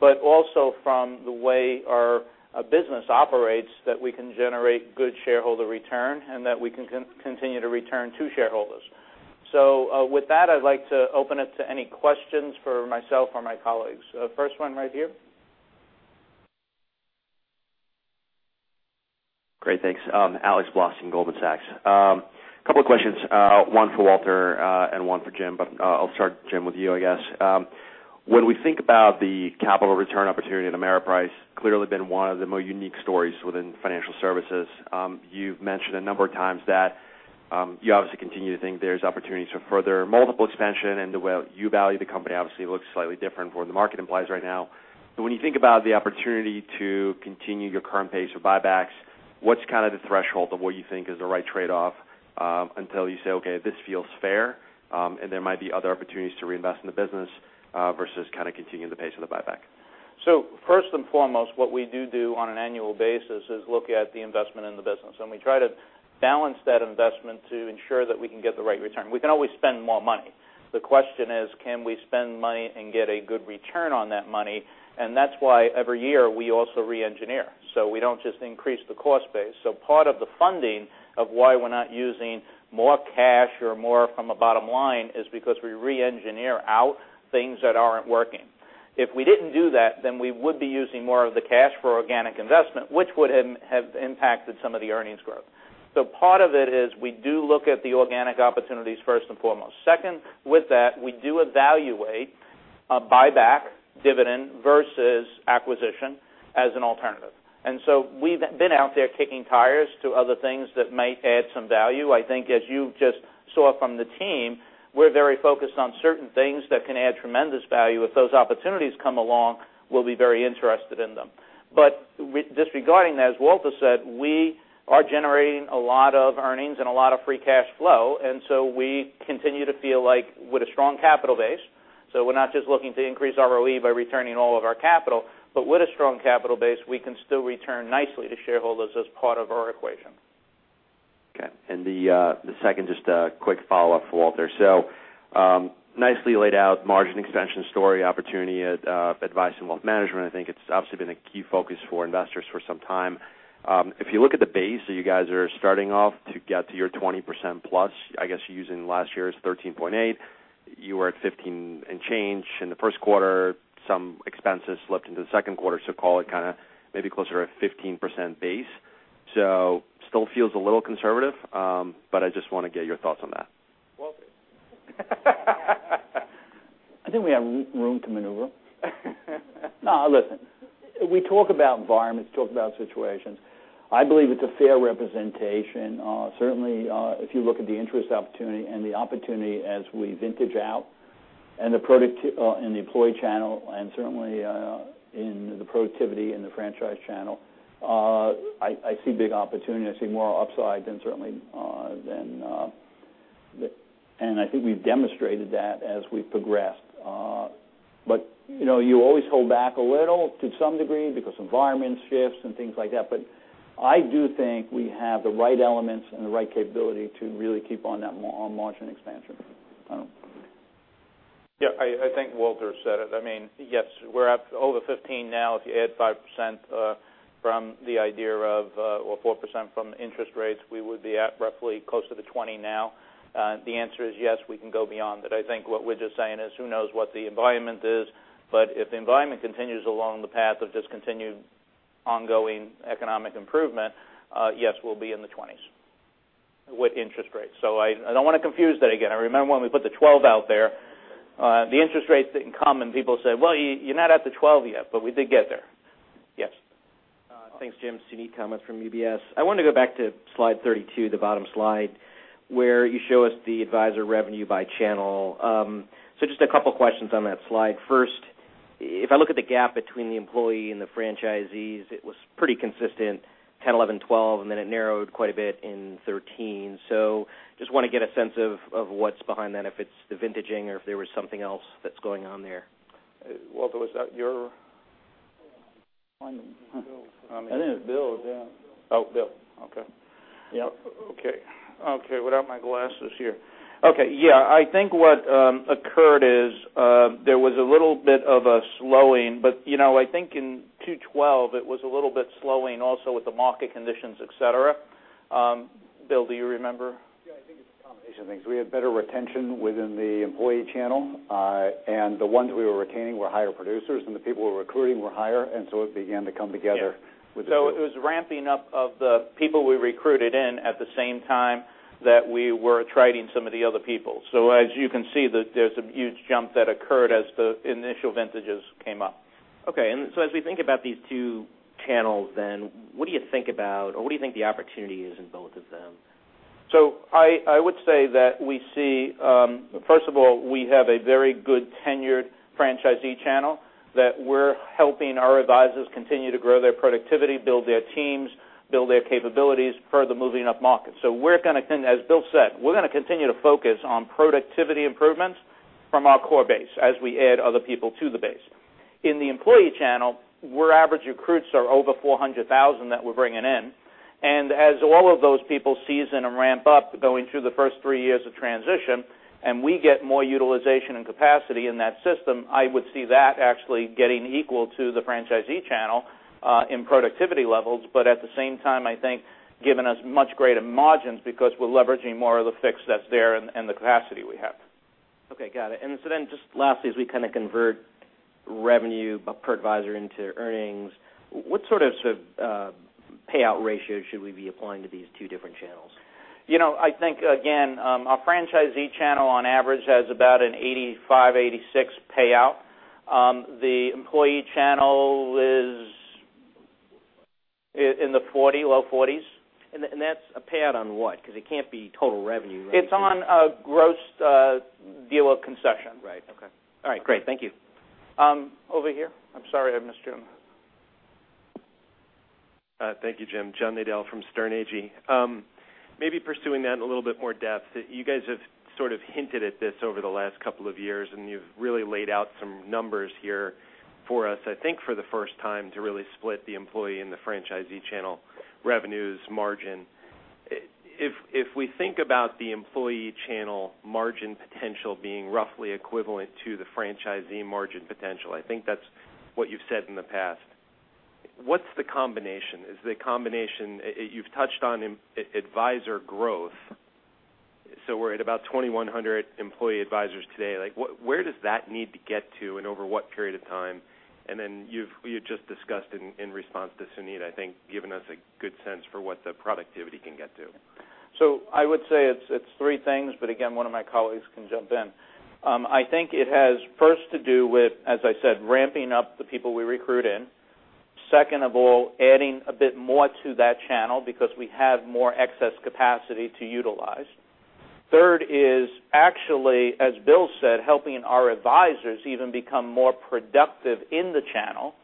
S2: Also from the way our business operates, that we can generate good shareholder return and that we can continue to return to shareholders. With that, I'd like to open it to any questions for myself or my colleagues. First one right here.
S11: Great. Thanks. Alex Blostein, Goldman Sachs. Couple of questions, one for Walter and one for Jim, I'll start, Jim, with you, I guess. When we think about the capital return opportunity at Ameriprise, clearly been one of the more unique stories within financial services. You've mentioned a number of times that you obviously continue to think there's opportunities for further multiple expansion and the way you value the company obviously looks slightly different for the market implies right now. When you think about the opportunity to continue your current pace for buybacks, what's kind of the threshold of what you think is the right trade-off until you say, okay, this feels fair, and there might be other opportunities to reinvest in the business versus kind of continuing the pace of the buyback?
S2: First and foremost, what we do do on an annual basis is look at the investment in the business, we try to balance that investment to ensure that we can get the right return. We can always spend more money. The question is, can we spend money and get a good return on that money? That's why every year we also re-engineer, we don't just increase the cost base. Part of the funding of why we're not using more cash or more from a bottom line is because we re-engineer out things that aren't working. If we didn't do that, we would be using more of the cash for organic investment, which would have impacted some of the earnings growth. Part of it is we do look at the organic opportunities first and foremost. Second, with that, we do evaluate a buyback dividend versus acquisition as an alternative. We've been out there kicking tires to other things that might add some value. I think as you just saw from the team, we're very focused on certain things that can add tremendous value. If those opportunities come along, we'll be very interested in them. Disregarding that, as Walter said, we are generating a lot of earnings and a lot of free cash flow, we continue to feel like with a strong capital base, we're not just looking to increase our ROE by returning all of our capital, with a strong capital base, we can still return nicely to shareholders as part of our equation.
S11: Okay. The second, just a quick follow-up for Walter. Nicely laid out margin expansion story opportunity at Advice and Wealth Management. I think it's obviously been a key focus for investors for some time. If you look at the base that you guys are starting off to get to your 20%+, I guess using last year's 13.8, you were at 15 and change in the first quarter. Some expenses slipped into the second quarter, call it kind of maybe closer to 15% base. Still feels a little conservative, I just want to get your thoughts on that.
S2: Walter?
S10: I think we have room to maneuver. Listen. We talk about environments, talk about situations. I believe it's a fair representation. Certainly, if you look at the interest opportunity and the opportunity as we vintage out in the employee channel and certainly in the productivity in the franchise channel, I see big opportunity. I see more upside than certainly. I think we've demonstrated that as we've progressed. You always hold back a little to some degree because environments shifts and things like that. I do think we have the right elements and the right capability to really keep on that margin expansion. I don't know.
S2: Yeah, I think Walter said it. I mean, yes, we're up over 15 now. If you add 5% from the idea of, or 4% from interest rates, we would be at roughly close to the 20 now. The answer is yes, we can go beyond that. I think what we're just saying is who knows what the environment is. If the environment continues along the path of just continued ongoing economic improvement, yes, we'll be in the 20s with interest rates. I don't want to confuse that again. I remember when we put the 12 out there, the interest rates didn't come, and people said, "Well, you're not at the 12 yet," we did get there. Yes.
S12: Thanks, Jim. Suneet Kamath from UBS. I want to go back to slide 32, the bottom slide, where you show us the advisor revenue by channel. Just a couple of questions on that slide. First, if I look at the gap between the employee and the franchisees, it was pretty consistent, 2010, 2011, 2012, and then it narrowed quite a bit in 2013. Just want to get a sense of what's behind that, if it's the vintaging or if there was something else that's going on there.
S2: Walter, was that your
S10: I think it's Bill. Yeah.
S2: Oh, Bill. Okay.
S10: Yep.
S2: Okay. Without my glasses here. Okay. Yeah, I think what occurred is there was a little bit of a slowing, but I think in 2012, it was a little bit slowing also with the market conditions, et cetera. Bill, do you remember?
S5: Yeah, I think it's a combination of things. We had better retention within the employee channel. The ones we were retaining were higher producers, the people we were recruiting were higher, it began to come together with the group.
S2: It was ramping up of the people we recruited in at the same time that we were attriting some of the other people. As you can see, there's a huge jump that occurred as the initial vintages came up.
S12: Okay. As we think about these two channels then, what do you think about, or what do you think the opportunity is in both of them?
S2: I would say that we see first of all, we have a very good tenured franchisee channel that we're helping our advisors continue to grow their productivity, build their teams, build their capabilities for the moving up market. We're going to, as Bill said, we're going to continue to focus on productivity improvements from our core base as we add other people to the base. In the employee channel, where average recruits are over $400,000 that we're bringing in. As all of those people season and ramp up going through the first three years of transition, and we get more utilization and capacity in that system, I would see that actually getting equal to the franchisee channel, in productivity levels. At the same time, I think giving us much greater margins because we're leveraging more of the fix that's there and the capacity we have.
S12: Okay, got it. Just lastly, as we kind of convert revenue per advisor into earnings, what sort of payout ratio should we be applying to these two different channels?
S2: I think again, our franchisee channel on average has about an 85%, 86% payout. The employee channel is in the low 40s.
S12: That's a payout on what? Because it can't be total revenue.
S2: It's on a gross deal of concession.
S12: Right. Okay. All right, great. Thank you.
S2: Over here. I'm sorry, I missed you.
S13: Thank you, Jim. John Nadel from Sterne Agee. Pursuing that in a little bit more depth. You guys have sort of hinted at this over the last couple of years, and you've really laid out some numbers here for us. I think for the first time to really split the employee and the franchisee channel revenues margin. If we think about the employee channel margin potential being roughly equivalent to the franchisee margin potential, I think that's what you've said in the past. What's the combination? You've touched on advisor growth. We're at about 2,100 employee advisors today. Where does that need to get to and over what period of time? Then you've just discussed in response to Suneet, I think, given us a good sense for what the productivity can get to.
S2: I would say it's three things, but again, one of my colleagues can jump in. I think it has first to do with, as I said, ramping up the people we recruit in. Second of all, adding a bit more to that channel because we have more excess capacity to utilize. Third is actually, as Bill said, helping our advisors even become more productive in the channel,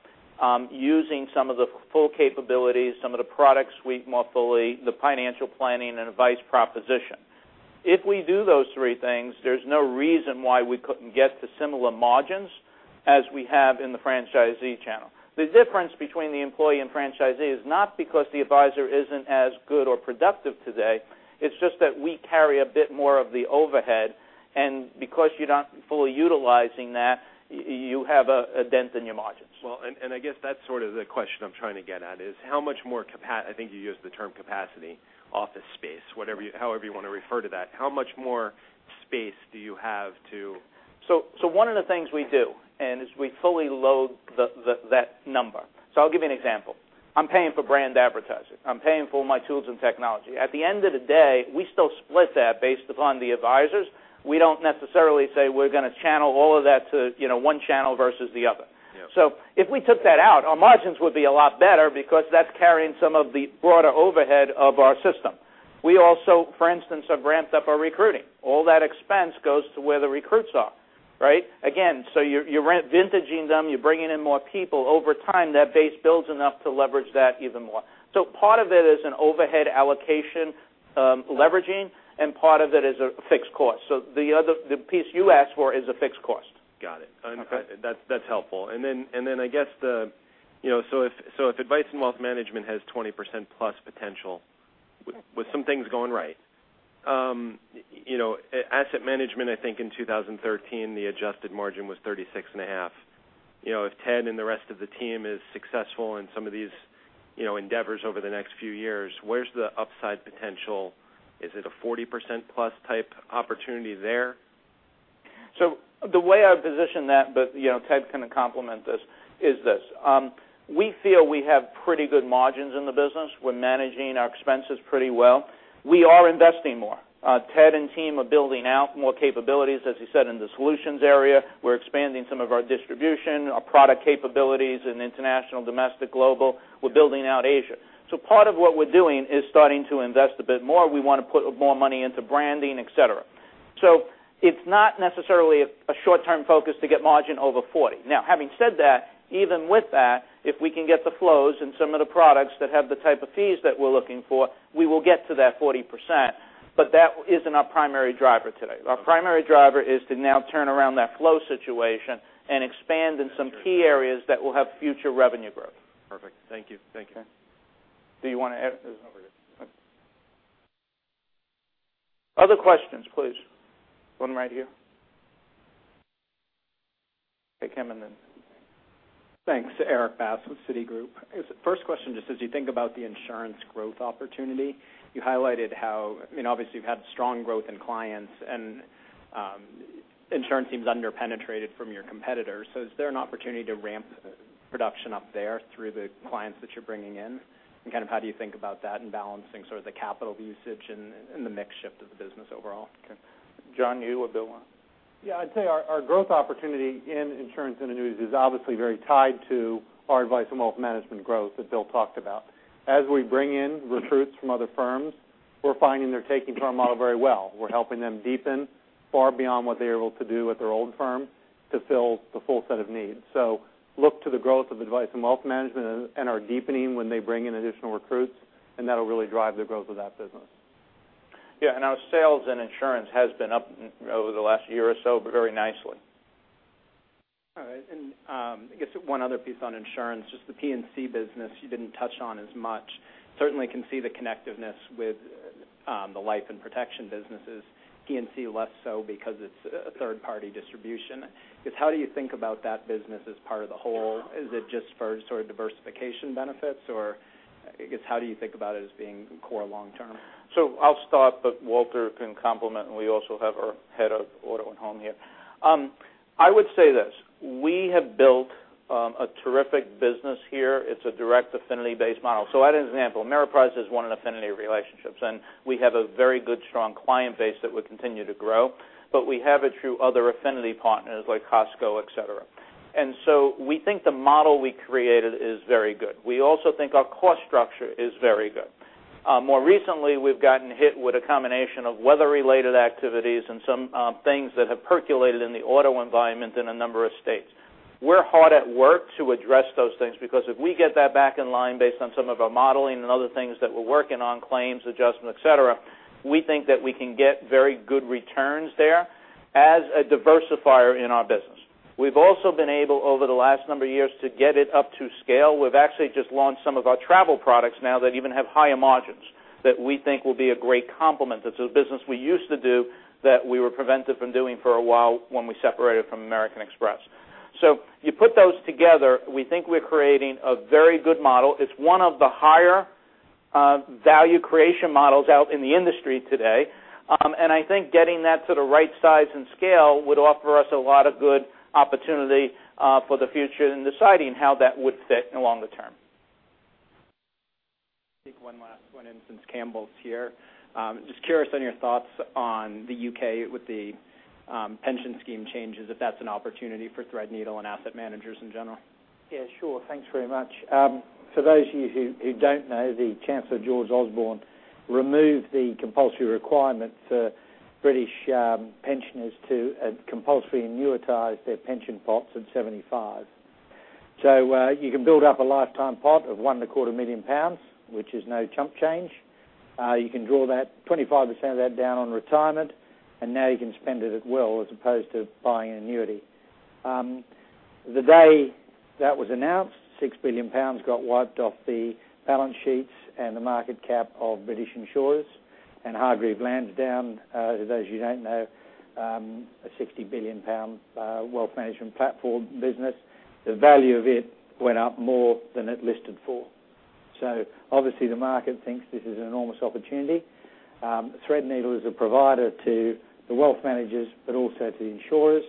S2: using some of the full capabilities, some of the product suite more fully, the financial planning, and advice proposition. If we do those three things, there's no reason why we couldn't get to similar margins as we have in the franchisee channel. The difference between the employee and franchisee is not because the advisor isn't as good or productive today. It's just that we carry a bit more of the overhead, and because you're not fully utilizing that, you have a dent in your margins.
S13: I guess that's sort of the question I'm trying to get at is how much more capacity, office space, however you want to refer to that. How much more space do you have to?
S2: One of the things we do as we fully load that number. I'll give you an example. I'm paying for brand advertising. I'm paying for my tools and technology. At the end of the day, we still split that based upon the advisors. We don't necessarily say we're going to channel all of that to one channel versus the other.
S13: Yeah.
S2: If we took that out, our margins would be a lot better because that's carrying some of the broader overhead of our system. We also, for instance, have ramped up our recruiting. All that expense goes to where the recruits are, right? Again, you're vintaging them, you're bringing in more people. Over time, that base builds enough to leverage that even more. Part of it is an overhead allocation leveraging, and part of it is a fixed cost. The piece you asked for is a fixed cost.
S13: Got it.
S2: Okay.
S13: That's helpful. I guess if Advice and Wealth Management has 20% plus potential with some things going right. Asset management, I think in 2013, the adjusted margin was 36.5%. If Ted and the rest of the team is successful in some of these endeavors over the next few years, where's the upside potential? Is it a 40% plus type opportunity there?
S2: The way I position that, but Ted can compliment this, is this. We feel we have pretty good margins in the business. We're managing our expenses pretty well. We are investing more. Ted and team are building out more capabilities, as you said, in the solutions area. We're expanding some of our distribution, our product capabilities in international, domestic, global. We're building out Asia. Part of what we're doing is starting to invest a bit more. We want to put more money into branding, et cetera. It's not necessarily a short-term focus to get margin over 40%. Now, having said that, even with that, if we can get the flows in some of the products that have the type of fees that we're looking for, we will get to that 40%, but that isn't our primary driver today. Our primary driver is to now turn around that flow situation and expand in some key areas that will have future revenue growth.
S13: Perfect. Thank you.
S2: Okay. Do you want to add?
S6: No, we're good.
S2: Other questions, please. One right here. Take him and then-
S14: Thanks. Erik Bass with Citigroup. First question, just as you think about the insurance growth opportunity, you highlighted how, I mean, obviously, you've had strong growth in clients, and insurance seems under-penetrated from your competitors. Is there an opportunity to ramp production up there through the clients that you're bringing in? How do you think about that and balancing sort of the capital usage and the mix shift of the business overall?
S2: Okay. John, you or Bill?
S6: Yeah, I'd say our growth opportunity in insurance and annuities is obviously very tied to our advice and wealth management growth that Bill talked about. As we bring in recruits from other firms, we're finding they're taking to our model very well. We're helping them deepen far beyond what they're able to do at their old firm to fill the full set of needs. Look to the growth of advice and wealth management and our deepening when they bring in additional recruits, that'll really drive the growth of that business.
S2: Yeah, our sales and insurance has been up over the last year or so very nicely.
S14: All right. I guess one other piece on insurance, just the P&C business you didn't touch on as much. Certainly can see the connectiveness with the life and protection businesses, P&C less so because it's a third-party distribution. Just how do you think about that business as part of the whole? Is it just for sort of diversification benefits, I guess, how do you think about it as being core long term?
S2: I'll start, but Walter can complement, and we also have our head of auto and home here. I would say this, we have built a terrific business here. It's a direct affinity-based model. I'll add an example. Ameriprise is one of the affinity relationships, and we have a very good, strong client base that we continue to grow. We have it through other affinity partners like Costco, et cetera. We think the model we created is very good. We also think our cost structure is very good. More recently, we've gotten hit with a combination of weather-related activities and some things that have percolated in the auto environment in a number of states. We're hard at work to address those things because if we get that back in line based on some of our modeling and other things that we're working on, claims adjustment, et cetera, we think that we can get very good returns there as a diversifier in our business. We've also been able, over the last number of years, to get it up to scale. We've actually just launched some of our travel products now that even have higher margins that we think will be a great complement. That's a business we used to do that we were prevented from doing for a while when we separated from American Express. You put those together, we think we're creating a very good model. It's one of the higher value creation models out in the industry today. I think getting that to the right size and scale would offer us a lot of good opportunity for the future in deciding how that would fit in longer term.
S14: Take one last one in since Campbell's here. Just curious on your thoughts on the U.K. with the pension scheme changes, if that's an opportunity for Threadneedle and asset managers in general.
S8: Yeah, sure. Thanks very much. For those of you who don't know, the Chancellor George Osborne removed the compulsory requirement for British pensioners to compulsorily annuitize their pension pots at 75. You can build up a lifetime pot of one and a quarter million pounds, which is no chump change. You can draw 25% of that down on retirement, now you can spend it at will as opposed to buying an annuity. The day that was announced, 6 billion pounds got wiped off the balance sheets and the market cap of British Insurers and Hargreaves Lansdown, for those of you who don't know, a 60 billion pound wealth management platform business. The value of it went up more than it listed for. Obviously the market thinks this is an enormous opportunity. Threadneedle is a provider to the wealth managers, but also to the insurers.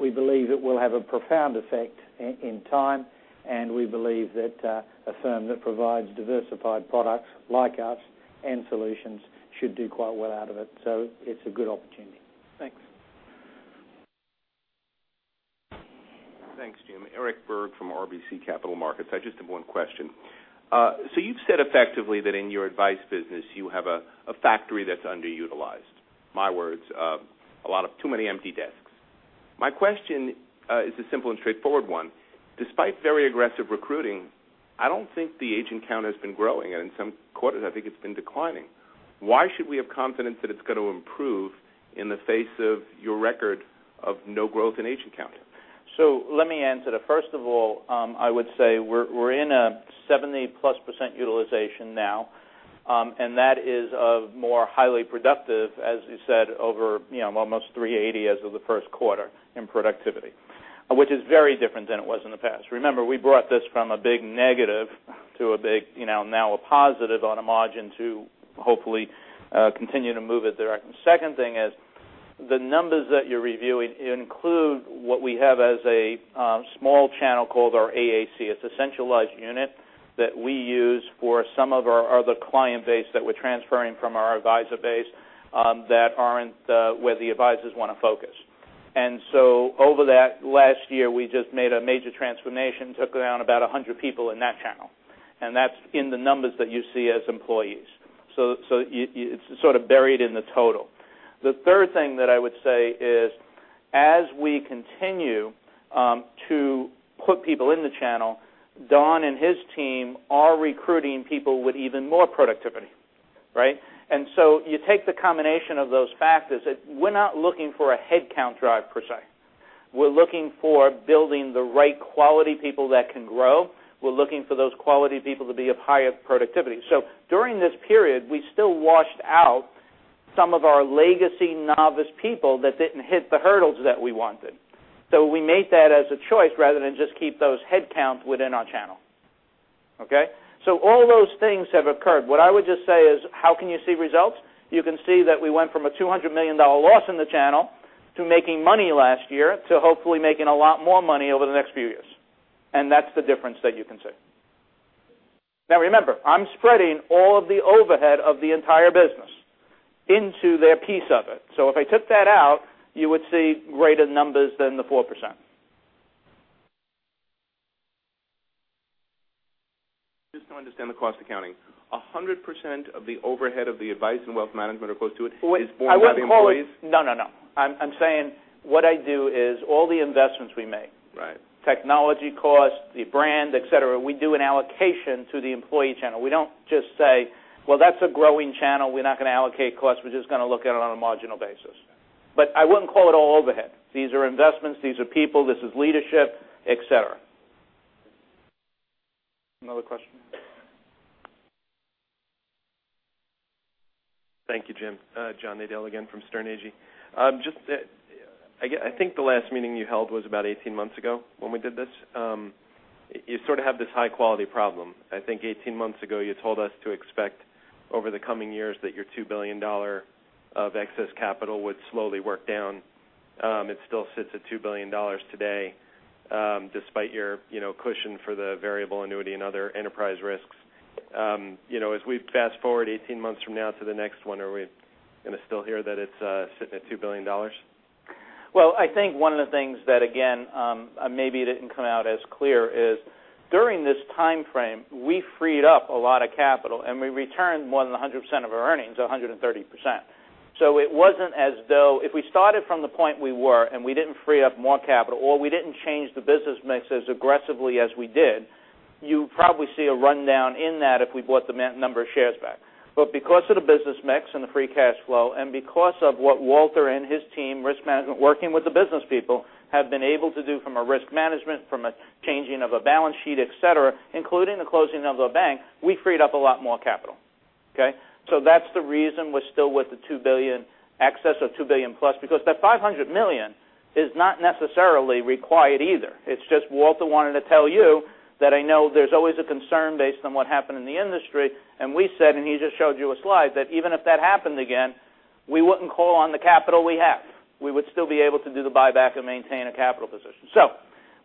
S8: We believe it will have a profound effect in time, we believe that a firm that provides diversified products like us and solutions should do quite well out of it. It's a good opportunity.
S14: Thanks.
S15: Thanks, Jim. Eric Berg from RBC Capital Markets. I just have one question. You've said effectively that in your advice business, you have a factory that's underutilized. My words, too many empty desks. My question is a simple and straightforward one. Despite very aggressive recruiting, I don't think the agent count has been growing, in some quarters, I think it's been declining. Why should we have confidence that it's going to improve in the face of your record of no growth in agent count?
S2: Let me answer that. First of all, I would say we're in a 70-plus % utilization now, that is more highly productive, as you said, over almost 380 as of the first quarter in productivity, which is very different than it was in the past. Remember, we brought this from a big negative to now a positive on a margin to hopefully continue to move it there. Second thing is, the numbers that you're reviewing include what we have as a small channel called our AAC. It's a centralized unit that we use for some of our other client base that we're transferring from our advisor base that aren't where the advisors want to focus. Over that last year, we just made a major transformation, took around about 100 people in that channel, that's in the numbers that you see as employees. It's sort of buried in the total. The third thing that I would say is, as we continue to put people in the channel, John and his team are recruiting people with even more productivity, right? You take the combination of those factors, we're not looking for a headcount drive per se. We're looking for building the right quality people that can grow. We're looking for those quality people to be of higher productivity. During this period, we still washed out some of our legacy novice people that didn't hit the hurdles that we wanted. We made that as a choice rather than just keep those headcounts within our channel. Okay? All those things have occurred. What I would just say is, how can you see results? You can see that we went from a $200 million loss in the channel to making money last year, to hopefully making a lot more money over the next few years. That's the difference that you can see. Now remember, I'm spreading all of the overhead of the entire business into their piece of it. If I took that out, you would see greater numbers than the 4%.
S15: Just to understand the cost accounting, 100% of the overhead of the Advice and Wealth Management imposed to it is born by the employees?
S2: No. I'm saying what I do is all the investments we make.
S15: Right.
S2: Technology cost, the brand, et cetera, we do an allocation to the employee channel. We don't just say, well, that's a growing channel. We're not going to allocate costs. We're just going to look at it on a marginal basis. I wouldn't call it all overhead. These are investments, these are people, this is leadership, et cetera. Another question?
S13: Thank you, Jim. John Nadel again from Sterne Agee. I think the last meeting you held was about 18 months ago when we did this. You sort of have this high-quality problem. I think 18 months ago, you told us to expect over the coming years that your $2 billion of excess capital would slowly work down. It still sits at $2 billion today, despite your cushion for the variable annuity and other enterprise risks. As we fast-forward 18 months from now to the next one, are we going to still hear that it's sitting at $2 billion?
S2: Well, I think one of the things that, again, maybe it didn't come out as clear is during this time frame, we freed up a lot of capital. We returned more than 100% of our earnings, 130%. It wasn't as though if we started from the point we were and we didn't free up more capital or we didn't change the business mix as aggressively as we did, you probably see a rundown in that if we bought the number of shares back. Because of the business mix and the free cash flow, and because of what Walter and his team, risk management, working with the business people have been able to do from a risk management, from a changing of a balance sheet, et cetera, including the closing of a bank, we freed up a lot more capital, okay? That's the reason we're still with the excess of $2 billion plus, because that $500 million is not necessarily required either. It's just Walter wanted to tell you that I know there's always a concern based on what happened in the industry, and we said, and he just showed you a slide, that even if that happened again, we wouldn't call on the capital we have. We would still be able to do the buyback and maintain a capital position.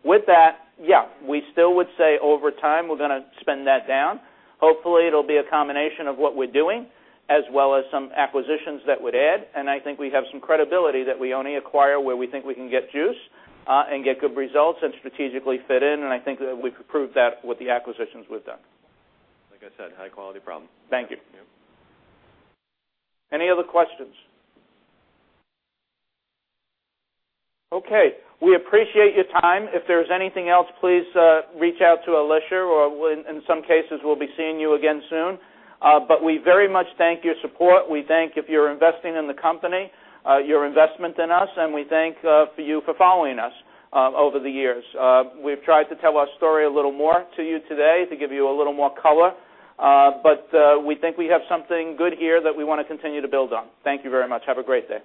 S2: With that, yeah, we still would say over time, we're going to spend that down. Hopefully, it'll be a combination of what we're doing as well as some acquisitions that would add, and I think we have some credibility that we only acquire where we think we can get juice and get good results and strategically fit in. I think that we've proved that with the acquisitions we've done.
S13: Like I said, high-quality problem.
S14: Thank you. Yep.
S2: Any other questions? Okay, we appreciate your time. If there's anything else, please reach out to Alicia, or in some cases, we'll be seeing you again soon. We very much thank your support. We thank if you're investing in the company, your investment in us, and we thank you for following us over the years. We've tried to tell our story a little more to you today to give you a little more color. We think we have something good here that we want to continue to build on. Thank you very much. Have a great day.